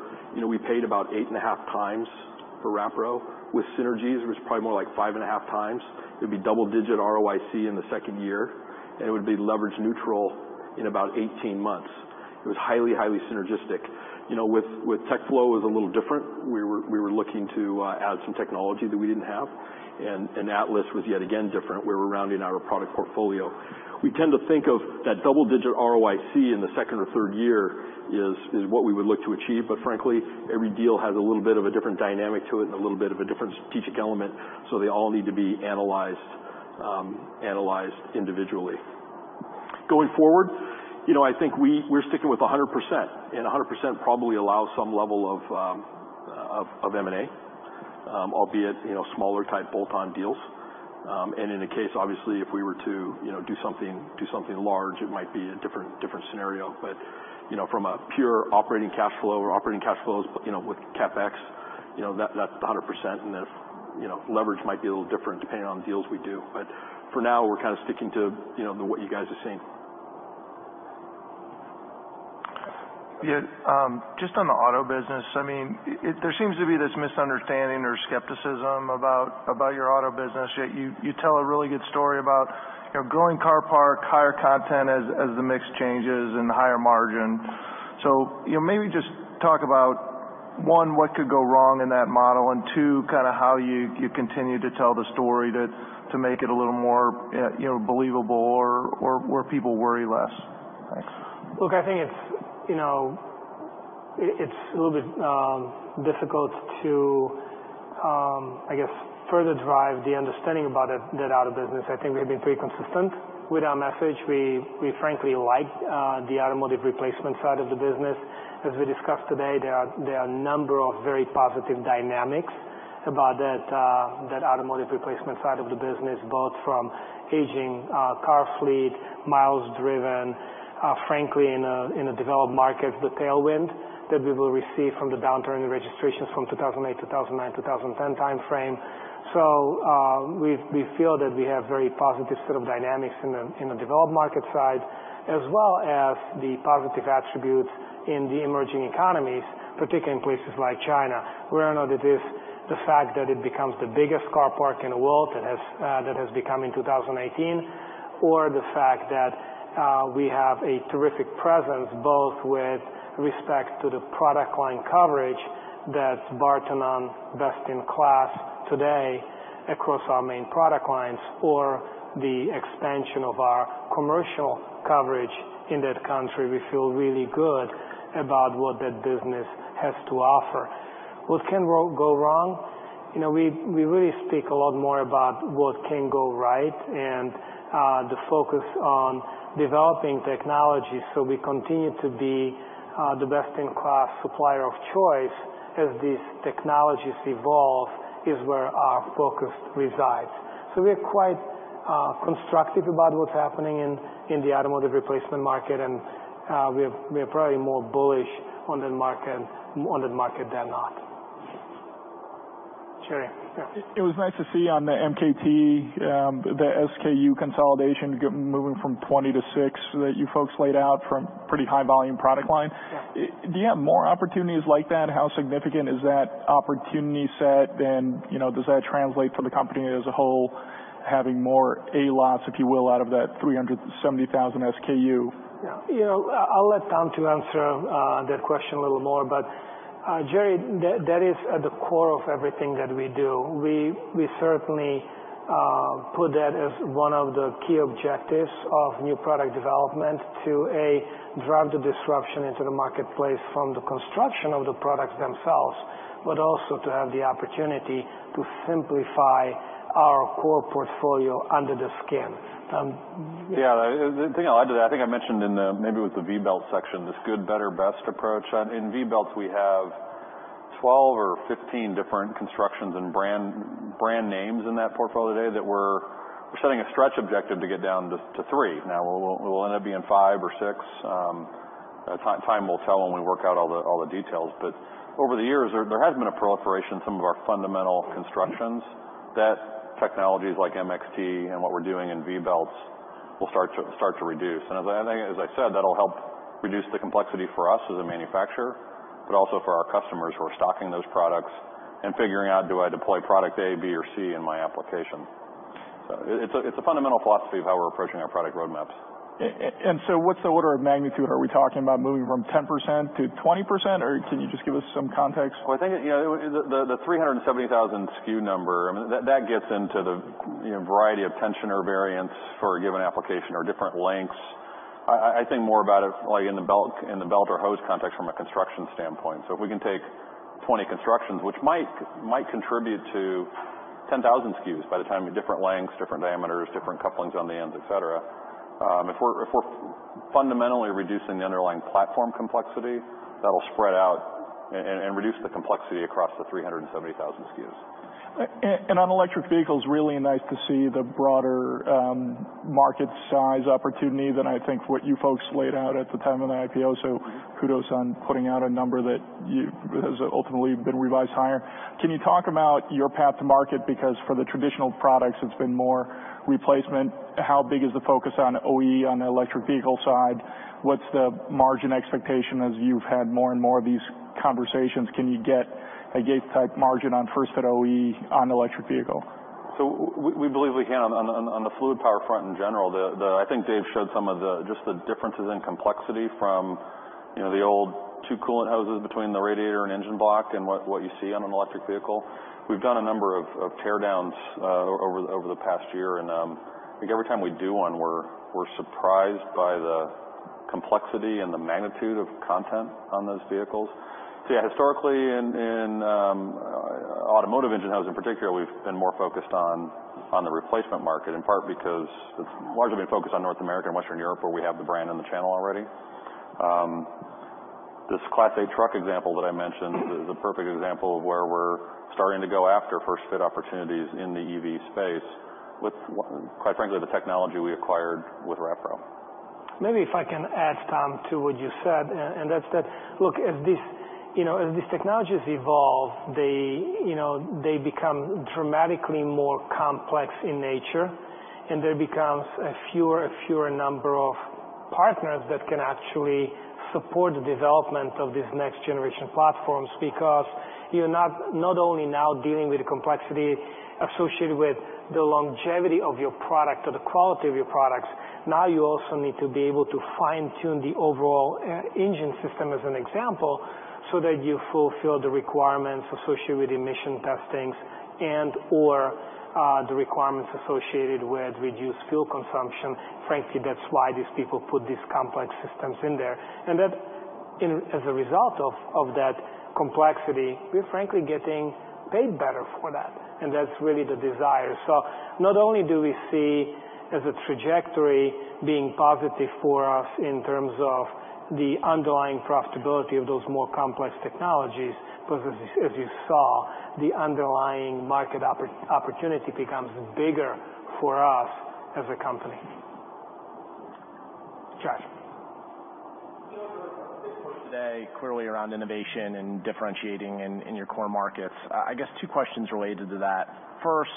we paid about 8.5 times for Wrapro. With synergies, it was probably more like 5.5 times. It would be double-digit ROIC in the second year, and it would be leverage neutral in about 18 months. It was highly, highly synergistic. With TechFlow, it was a little different. We were looking to add some technology that we didn't have, and Atlas was yet again different. We were rounding out our product portfolio. We tend to think of that double-digit ROIC in the second or third year is what we would look to achieve, but frankly, every deal has a little bit of a different dynamic to it and a little bit of a different strategic element, so they all need to be analyzed individually. Going forward, I think we're sticking with 100%, and 100% probably allows some level of M&A, albeit smaller type bolt-on deals. In a case, obviously, if we were to do something large, it might be a different scenario. From a pure operating cash flow or operating cash flows with CapEx, that's 100%, and then leverage might be a little different depending on the deals we do. For now, we're kind of sticking to what you guys are seeing. Yeah. Just on the auto business, I mean, there seems to be this misunderstanding or skepticism about your auto business. You tell a really good story about growing car park, higher content as the mix changes, and higher margin. Maybe just talk about, one, what could go wrong in that model, and two, kind of how you continue to tell the story to make it a little more believable or where people worry less. Thanks. Look, I think it's a little bit difficult to, I guess, further drive the understanding about that auto business. I think we have been pretty consistent with our message. We, frankly, like the automotive replacement side of the business. As we discussed today, there are a number of very positive dynamics about that automotive replacement side of the business, both from aging car fleet, miles driven, frankly, in the developed markets, the tailwind that we will receive from the downturn in registrations from 2008, 2009, 2010 timeframe. We feel that we have a very positive set of dynamics in the developed market side, as well as the positive attributes in the emerging economies, particularly in places like China. We're not at least the fact that it becomes the biggest car park in the world that has become in 2018, or the fact that we have a terrific presence both with respect to the product line coverage that's Barton on best in class today across our main product lines, or the expansion of our commercial coverage in that country. We feel really good about what that business has to offer. What can go wrong? We really speak a lot more about what can go right and the focus on developing technology. We continue to be the best in class supplier of choice as these technologies evolve is where our focus resides. We are quite constructive about what's happening in the automotive replacement market, and we are probably more bullish on that market than not. Cherry, yeah. It was nice to see on the MKT, the SKU consolidation moving from 20 to 6 that you folks laid out from pretty high volume product line. Do you have more opportunities like that? How significant is that opportunity set? Does that translate for the company as a whole, having more A lots, if you will, out of that 370,000 SKU? Yeah. I'll let Tom answer that question a little more, but Cherry, that is at the core of everything that we do. We certainly put that as one of the key objectives of new product development to drive the disruption into the marketplace from the construction of the products themselves, but also to have the opportunity to simplify our core portfolio under the skin. Yeah. The thing I'll add to that, I think I mentioned in the maybe it was the V-belt section, this good, better, best approach. In V-belts, we have 12 or 15 different constructions and brand names in that portfolio today that we're setting a stretch objective to get down to three. Now, we'll end up being five or six. Time will tell when we work out all the details, but over the years, there has been a proliferation of some of our fundamental constructions that technologies like MXT and what we're doing in V-belts will start to reduce. As I said, that'll help reduce the complexity for us as a manufacturer, but also for our customers who are stocking those products and figuring out, do I deploy product A, B, or C in my application? It's a fundamental philosophy of how we're approaching our product roadmaps. What's the order of magnitude? Are we talking about moving from 10% to 20%, or can you just give us some context? I think the 370,000 SKU number, I mean, that gets into the variety of tensioner variants for a given application or different lengths. I think more about it in the belt or hose context from a construction standpoint. If we can take 20 constructions, which might contribute to 10,000 SKUs by the time different lengths, different diameters, different couplings on the ends, et cetera. If we're fundamentally reducing the underlying platform complexity, that'll spread out and reduce the complexity across the 370,000 SKUs. On electric vehicles, really nice to see the broader market size opportunity than I think what you folks laid out at the time of the IPO. Kudos on putting out a number that has ultimately been revised higher. Can you talk about your path to market? Because for the traditional products, it's been more replacement. How big is the focus on OE on the electric vehicle side? What's the margin expectation as you've had more and more of these conversations? Can you get a gate-type margin on first-fit OE on electric vehicle? We believe we can on the fluid power front in general. I think Dave showed some of just the differences in complexity from the old two coolant hoses between the radiator and engine block and what you see on an electric vehicle. We've done a number of tear-downs over the past year, and I think every time we do one, we're surprised by the complexity and the magnitude of content on those vehicles. Yeah, historically, in automotive engine hoses in particular, we've been more focused on the replacement market, in part because it's largely been focused on North America and Western Europe, where we have the brand and the channel already. This Class A truck example that I mentioned is a perfect example of where we're starting to go after first-fit opportunities in the EV space with, quite frankly, the technology we acquired with Wrapro. Maybe if I can add, Tom, to what you said, and that's that, look, as these technologies evolve, they become dramatically more complex in nature, and there becomes a fewer and fewer number of partners that can actually support the development of these next-generation platforms because you're not only now dealing with the complexity associated with the longevity of your product or the quality of your products. Now you also need to be able to fine-tune the overall engine system, as an example, so that you fulfill the requirements associated with emission testings and/or the requirements associated with reduced fuel consumption. Frankly, that's why these people put these complex systems in there. As a result of that complexity, we're frankly getting paid better for that, and that's really the desire. Not only do we see as a trajectory being positive for us in terms of the underlying profitability of those more complex technologies, because as you saw, the underlying market opportunity becomes bigger for us as a company. Josh. You know, there was a big push today clearly around innovation and differentiating in your core markets. I guess two questions related to that. First,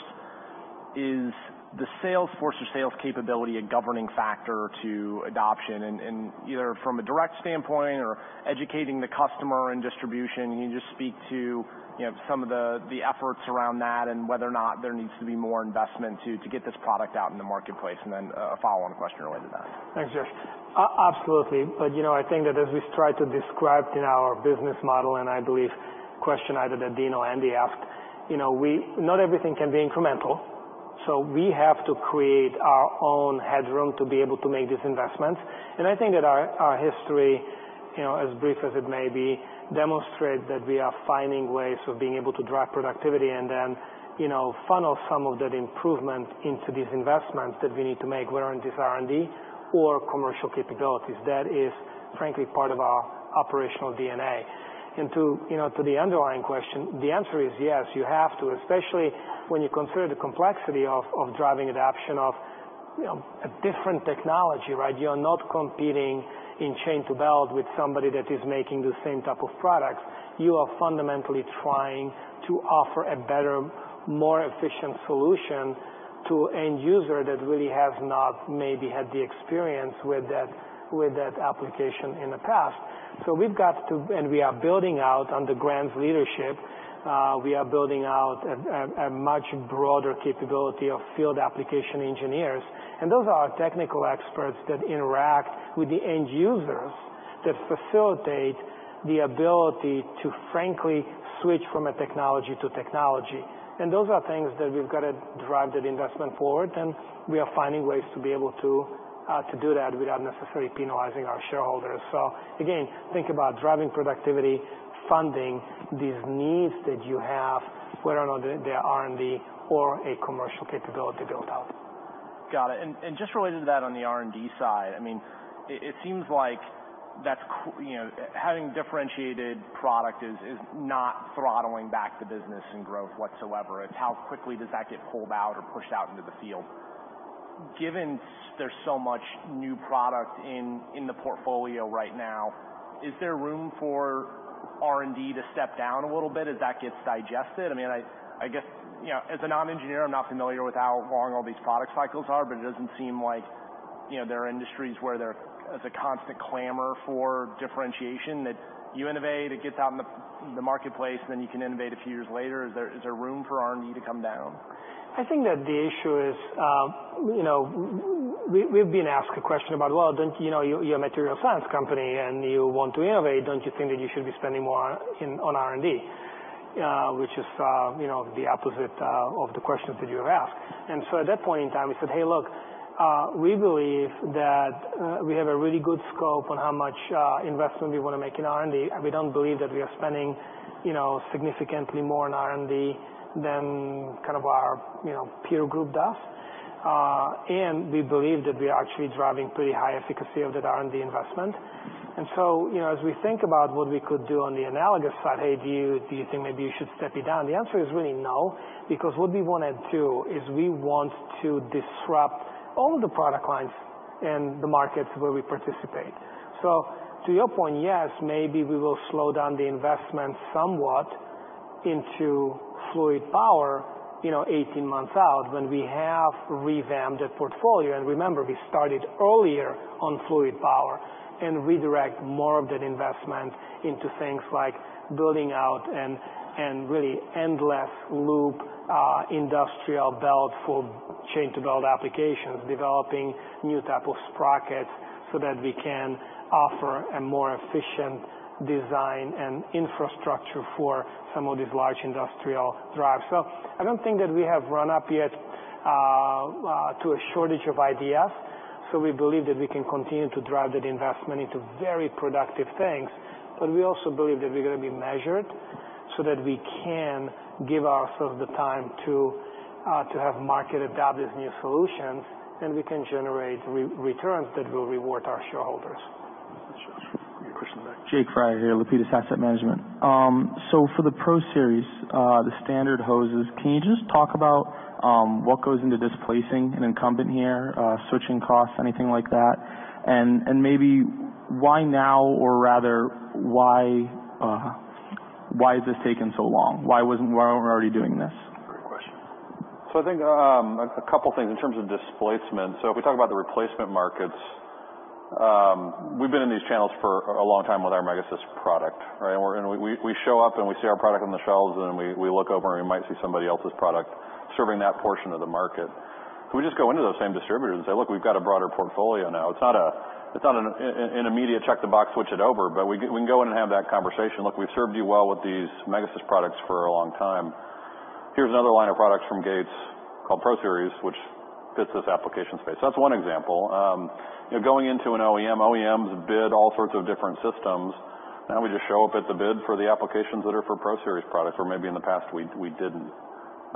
is the sales force or sales capability a governing factor to adoption? Either from a direct standpoint or educating the customer and distribution, can you just speak to some of the efforts around that and whether or not there needs to be more investment to get this product out in the marketplace? A follow-on question related to that. Thanks, Josh. Absolutely. I think that as we try to describe in our business model, and I believe the question either that Deane or Andy asked, not everything can be incremental. We have to create our own headroom to be able to make these investments. I think that our history, as brief as it may be, demonstrates that we are finding ways of being able to drive productivity and then funnel some of that improvement into these investments that we need to make, whether it's R&D or commercial capabilities. That is, frankly, part of our operational DNA. To the underlying question, the answer is yes, you have to, especially when you consider the complexity of driving adoption of a different technology, right? You are not competing in chain to belt with somebody that is making the same type of products. You are fundamentally trying to offer a better, more efficient solution to an end user that really has not maybe had the experience with that application in the past. We have got to, and we are building out under Grant's leadership, we are building out a much broader capability of field application engineers. Those are our technical experts that interact with the end users that facilitate the ability to, frankly, switch from a technology to technology. Those are things that we have got to drive that investment forward, and we are finding ways to be able to do that without necessarily penalizing our shareholders. Again, think about driving productivity, funding these needs that you have, whether or not they are R&D or a commercial capability built out. Got it. Just related to that on the R&D side, I mean, it seems like having differentiated product is not throttling back the business and growth whatsoever. It's how quickly does that get pulled out or pushed out into the field. Given there's so much new product in the portfolio right now, is there room for R&D to step down a little bit as that gets digested? I mean, I guess as a non-engineer, I'm not familiar with how long all these product cycles are, but it doesn't seem like there are industries where there's a constant clamor for differentiation that you innovate, it gets out in the marketplace, then you can innovate a few years later. Is there room for R&D to come down? I think that the issue is we've been asked a question about, well, you're a material science company and you want to innovate. Don't you think that you should be spending more on R&D, which is the opposite of the questions that you have asked? At that point in time, we said, hey, look, we believe that we have a really good scope on how much investment we want to make in R&D. We don't believe that we are spending significantly more on R&D than kind of our peer group does. We believe that we are actually driving pretty high efficacy of that R&D investment. As we think about what we could do on the analogous side, hey, do you think maybe you should step it down? The answer is really no, because what we want to do is we want to disrupt all of the product lines and the markets where we participate. To your point, yes, maybe we will slow down the investment somewhat into fluid power 18 months out when we have revamped that portfolio. Remember, we started earlier on fluid power and redirect more of that investment into things like building out a really endless loop industrial belt for chain-to-belt applications, developing new type of sprockets so that we can offer a more efficient design and infrastructure for some of these large industrial drives. I do not think that we have run up yet to a shortage of ideas. We believe that we can continue to drive that investment into very productive things, but we also believe that we're going to be measured so that we can give ourselves the time to have market adapt these new solutions, and we can generate returns that will reward our shareholders. Thanks, Josh. Great question there. Jake Fryer here, Lapidus Asset Management. For the Pro Series, the standard hoses, can you just talk about what goes into displacing an incumbent here, switching costs, anything like that? Maybe why now, or rather, why has this taken so long? Why were we not already doing this? Great question. I think a couple of things in terms of displacement. If we talk about the replacement markets, we've been in these channels for a long time with our Megasys product, right? We show up and we see our product on the shelves, and then we look over and we might see somebody else's product serving that portion of the market. We just go into those same distributors and say, look, we've got a broader portfolio now. It's not an immediate check the box, switch it over, but we can go in and have that conversation. Look, we've served you well with these Megasys products for a long time. Here's another line of products from Gates called Pro Series, which fits this application space. That's one example. Going into an OEM, OEMs bid all sorts of different systems. Now we just show up at the bid for the applications that are for Pro Series products, where maybe in the past we didn't.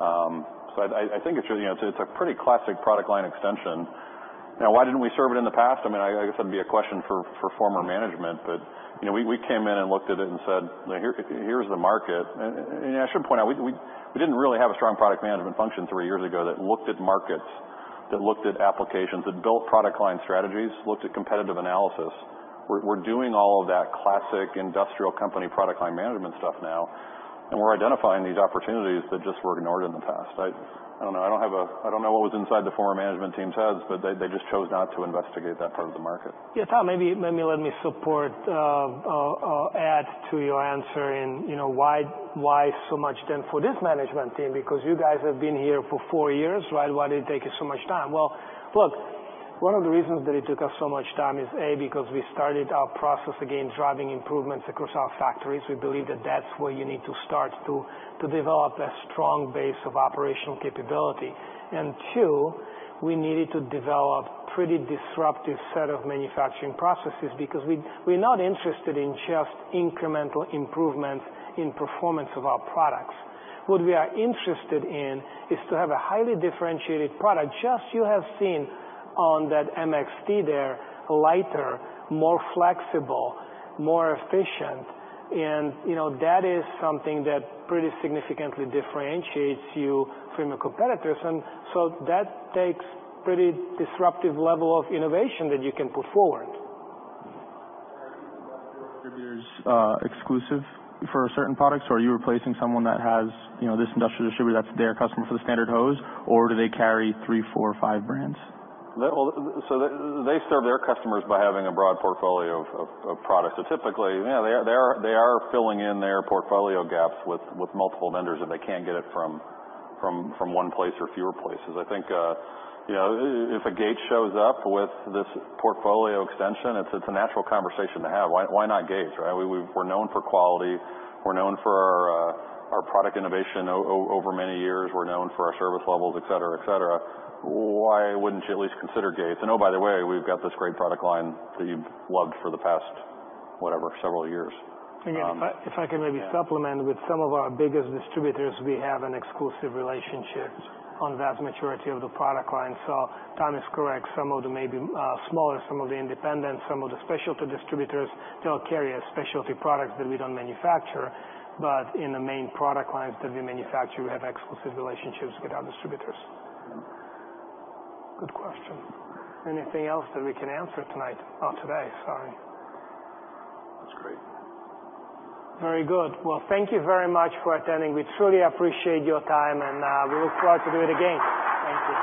I think it's a pretty classic product line extension. Now, why didn't we serve it in the past? I mean, I guess that'd be a question for former management, but we came in and looked at it and said, here's the market. I should point out, we didn't really have a strong product management function three years ago that looked at markets, that looked at applications, that built product line strategies, looked at competitive analysis. We're doing all of that classic industrial company product line management stuff now, and we're identifying these opportunities that just were ignored in the past. I don't know. I don't know what was inside the former management team's heads, but they just chose not to investigate that part of the market. Yeah, Tom, maybe let me add to your answer in why so much then for this management team, because you guys have been here for four years, right? Why did it take you so much time? Look, one of the reasons that it took us so much time is, A, because we started our process again driving improvements across our factories. We believe that that's where you need to start to develop a strong base of operational capability. Two, we needed to develop a pretty disruptive set of manufacturing processes because we're not interested in just incremental improvements in performance of our products. What we are interested in is to have a highly differentiated product, just as you have seen on that MXT there, lighter, more flexible, more efficient. That is something that pretty significantly differentiates you from your competitors. That takes a pretty disruptive level of innovation that you can put forward. Are these industrial distributors exclusive for certain products, or are you replacing someone that has this industrial distributor that's their customer for the standard hose, or do they carry three, four, five brands? They serve their customers by having a broad portfolio of products. Typically, they are filling in their portfolio gaps with multiple vendors if they cannot get it from one place or fewer places. I think if a Gates shows up with this portfolio extension, it is a natural conversation to have. Why not Gates, right? We are known for quality. We are known for our product innovation over many years. We are known for our service levels, et cetera, et cetera. Why would you not at least consider Gates? Oh, by the way, we have this great product line that you have loved for the past, whatever, several years. Again, if I can maybe supplement with some of our biggest distributors, we have an exclusive relationship on the vast majority of the product line. Tom is correct. Some of the maybe smaller, some of the independent, some of the specialty distributors, they'll carry specialty products that we do not manufacture, but in the main product lines that we manufacture, we have exclusive relationships with our distributors. Good question. Anything else that we can answer tonight? Oh, today, sorry. That's great. Very good. Thank you very much for attending. We truly appreciate your time, and we look forward to doing it again. Thank you. Thank you, guys.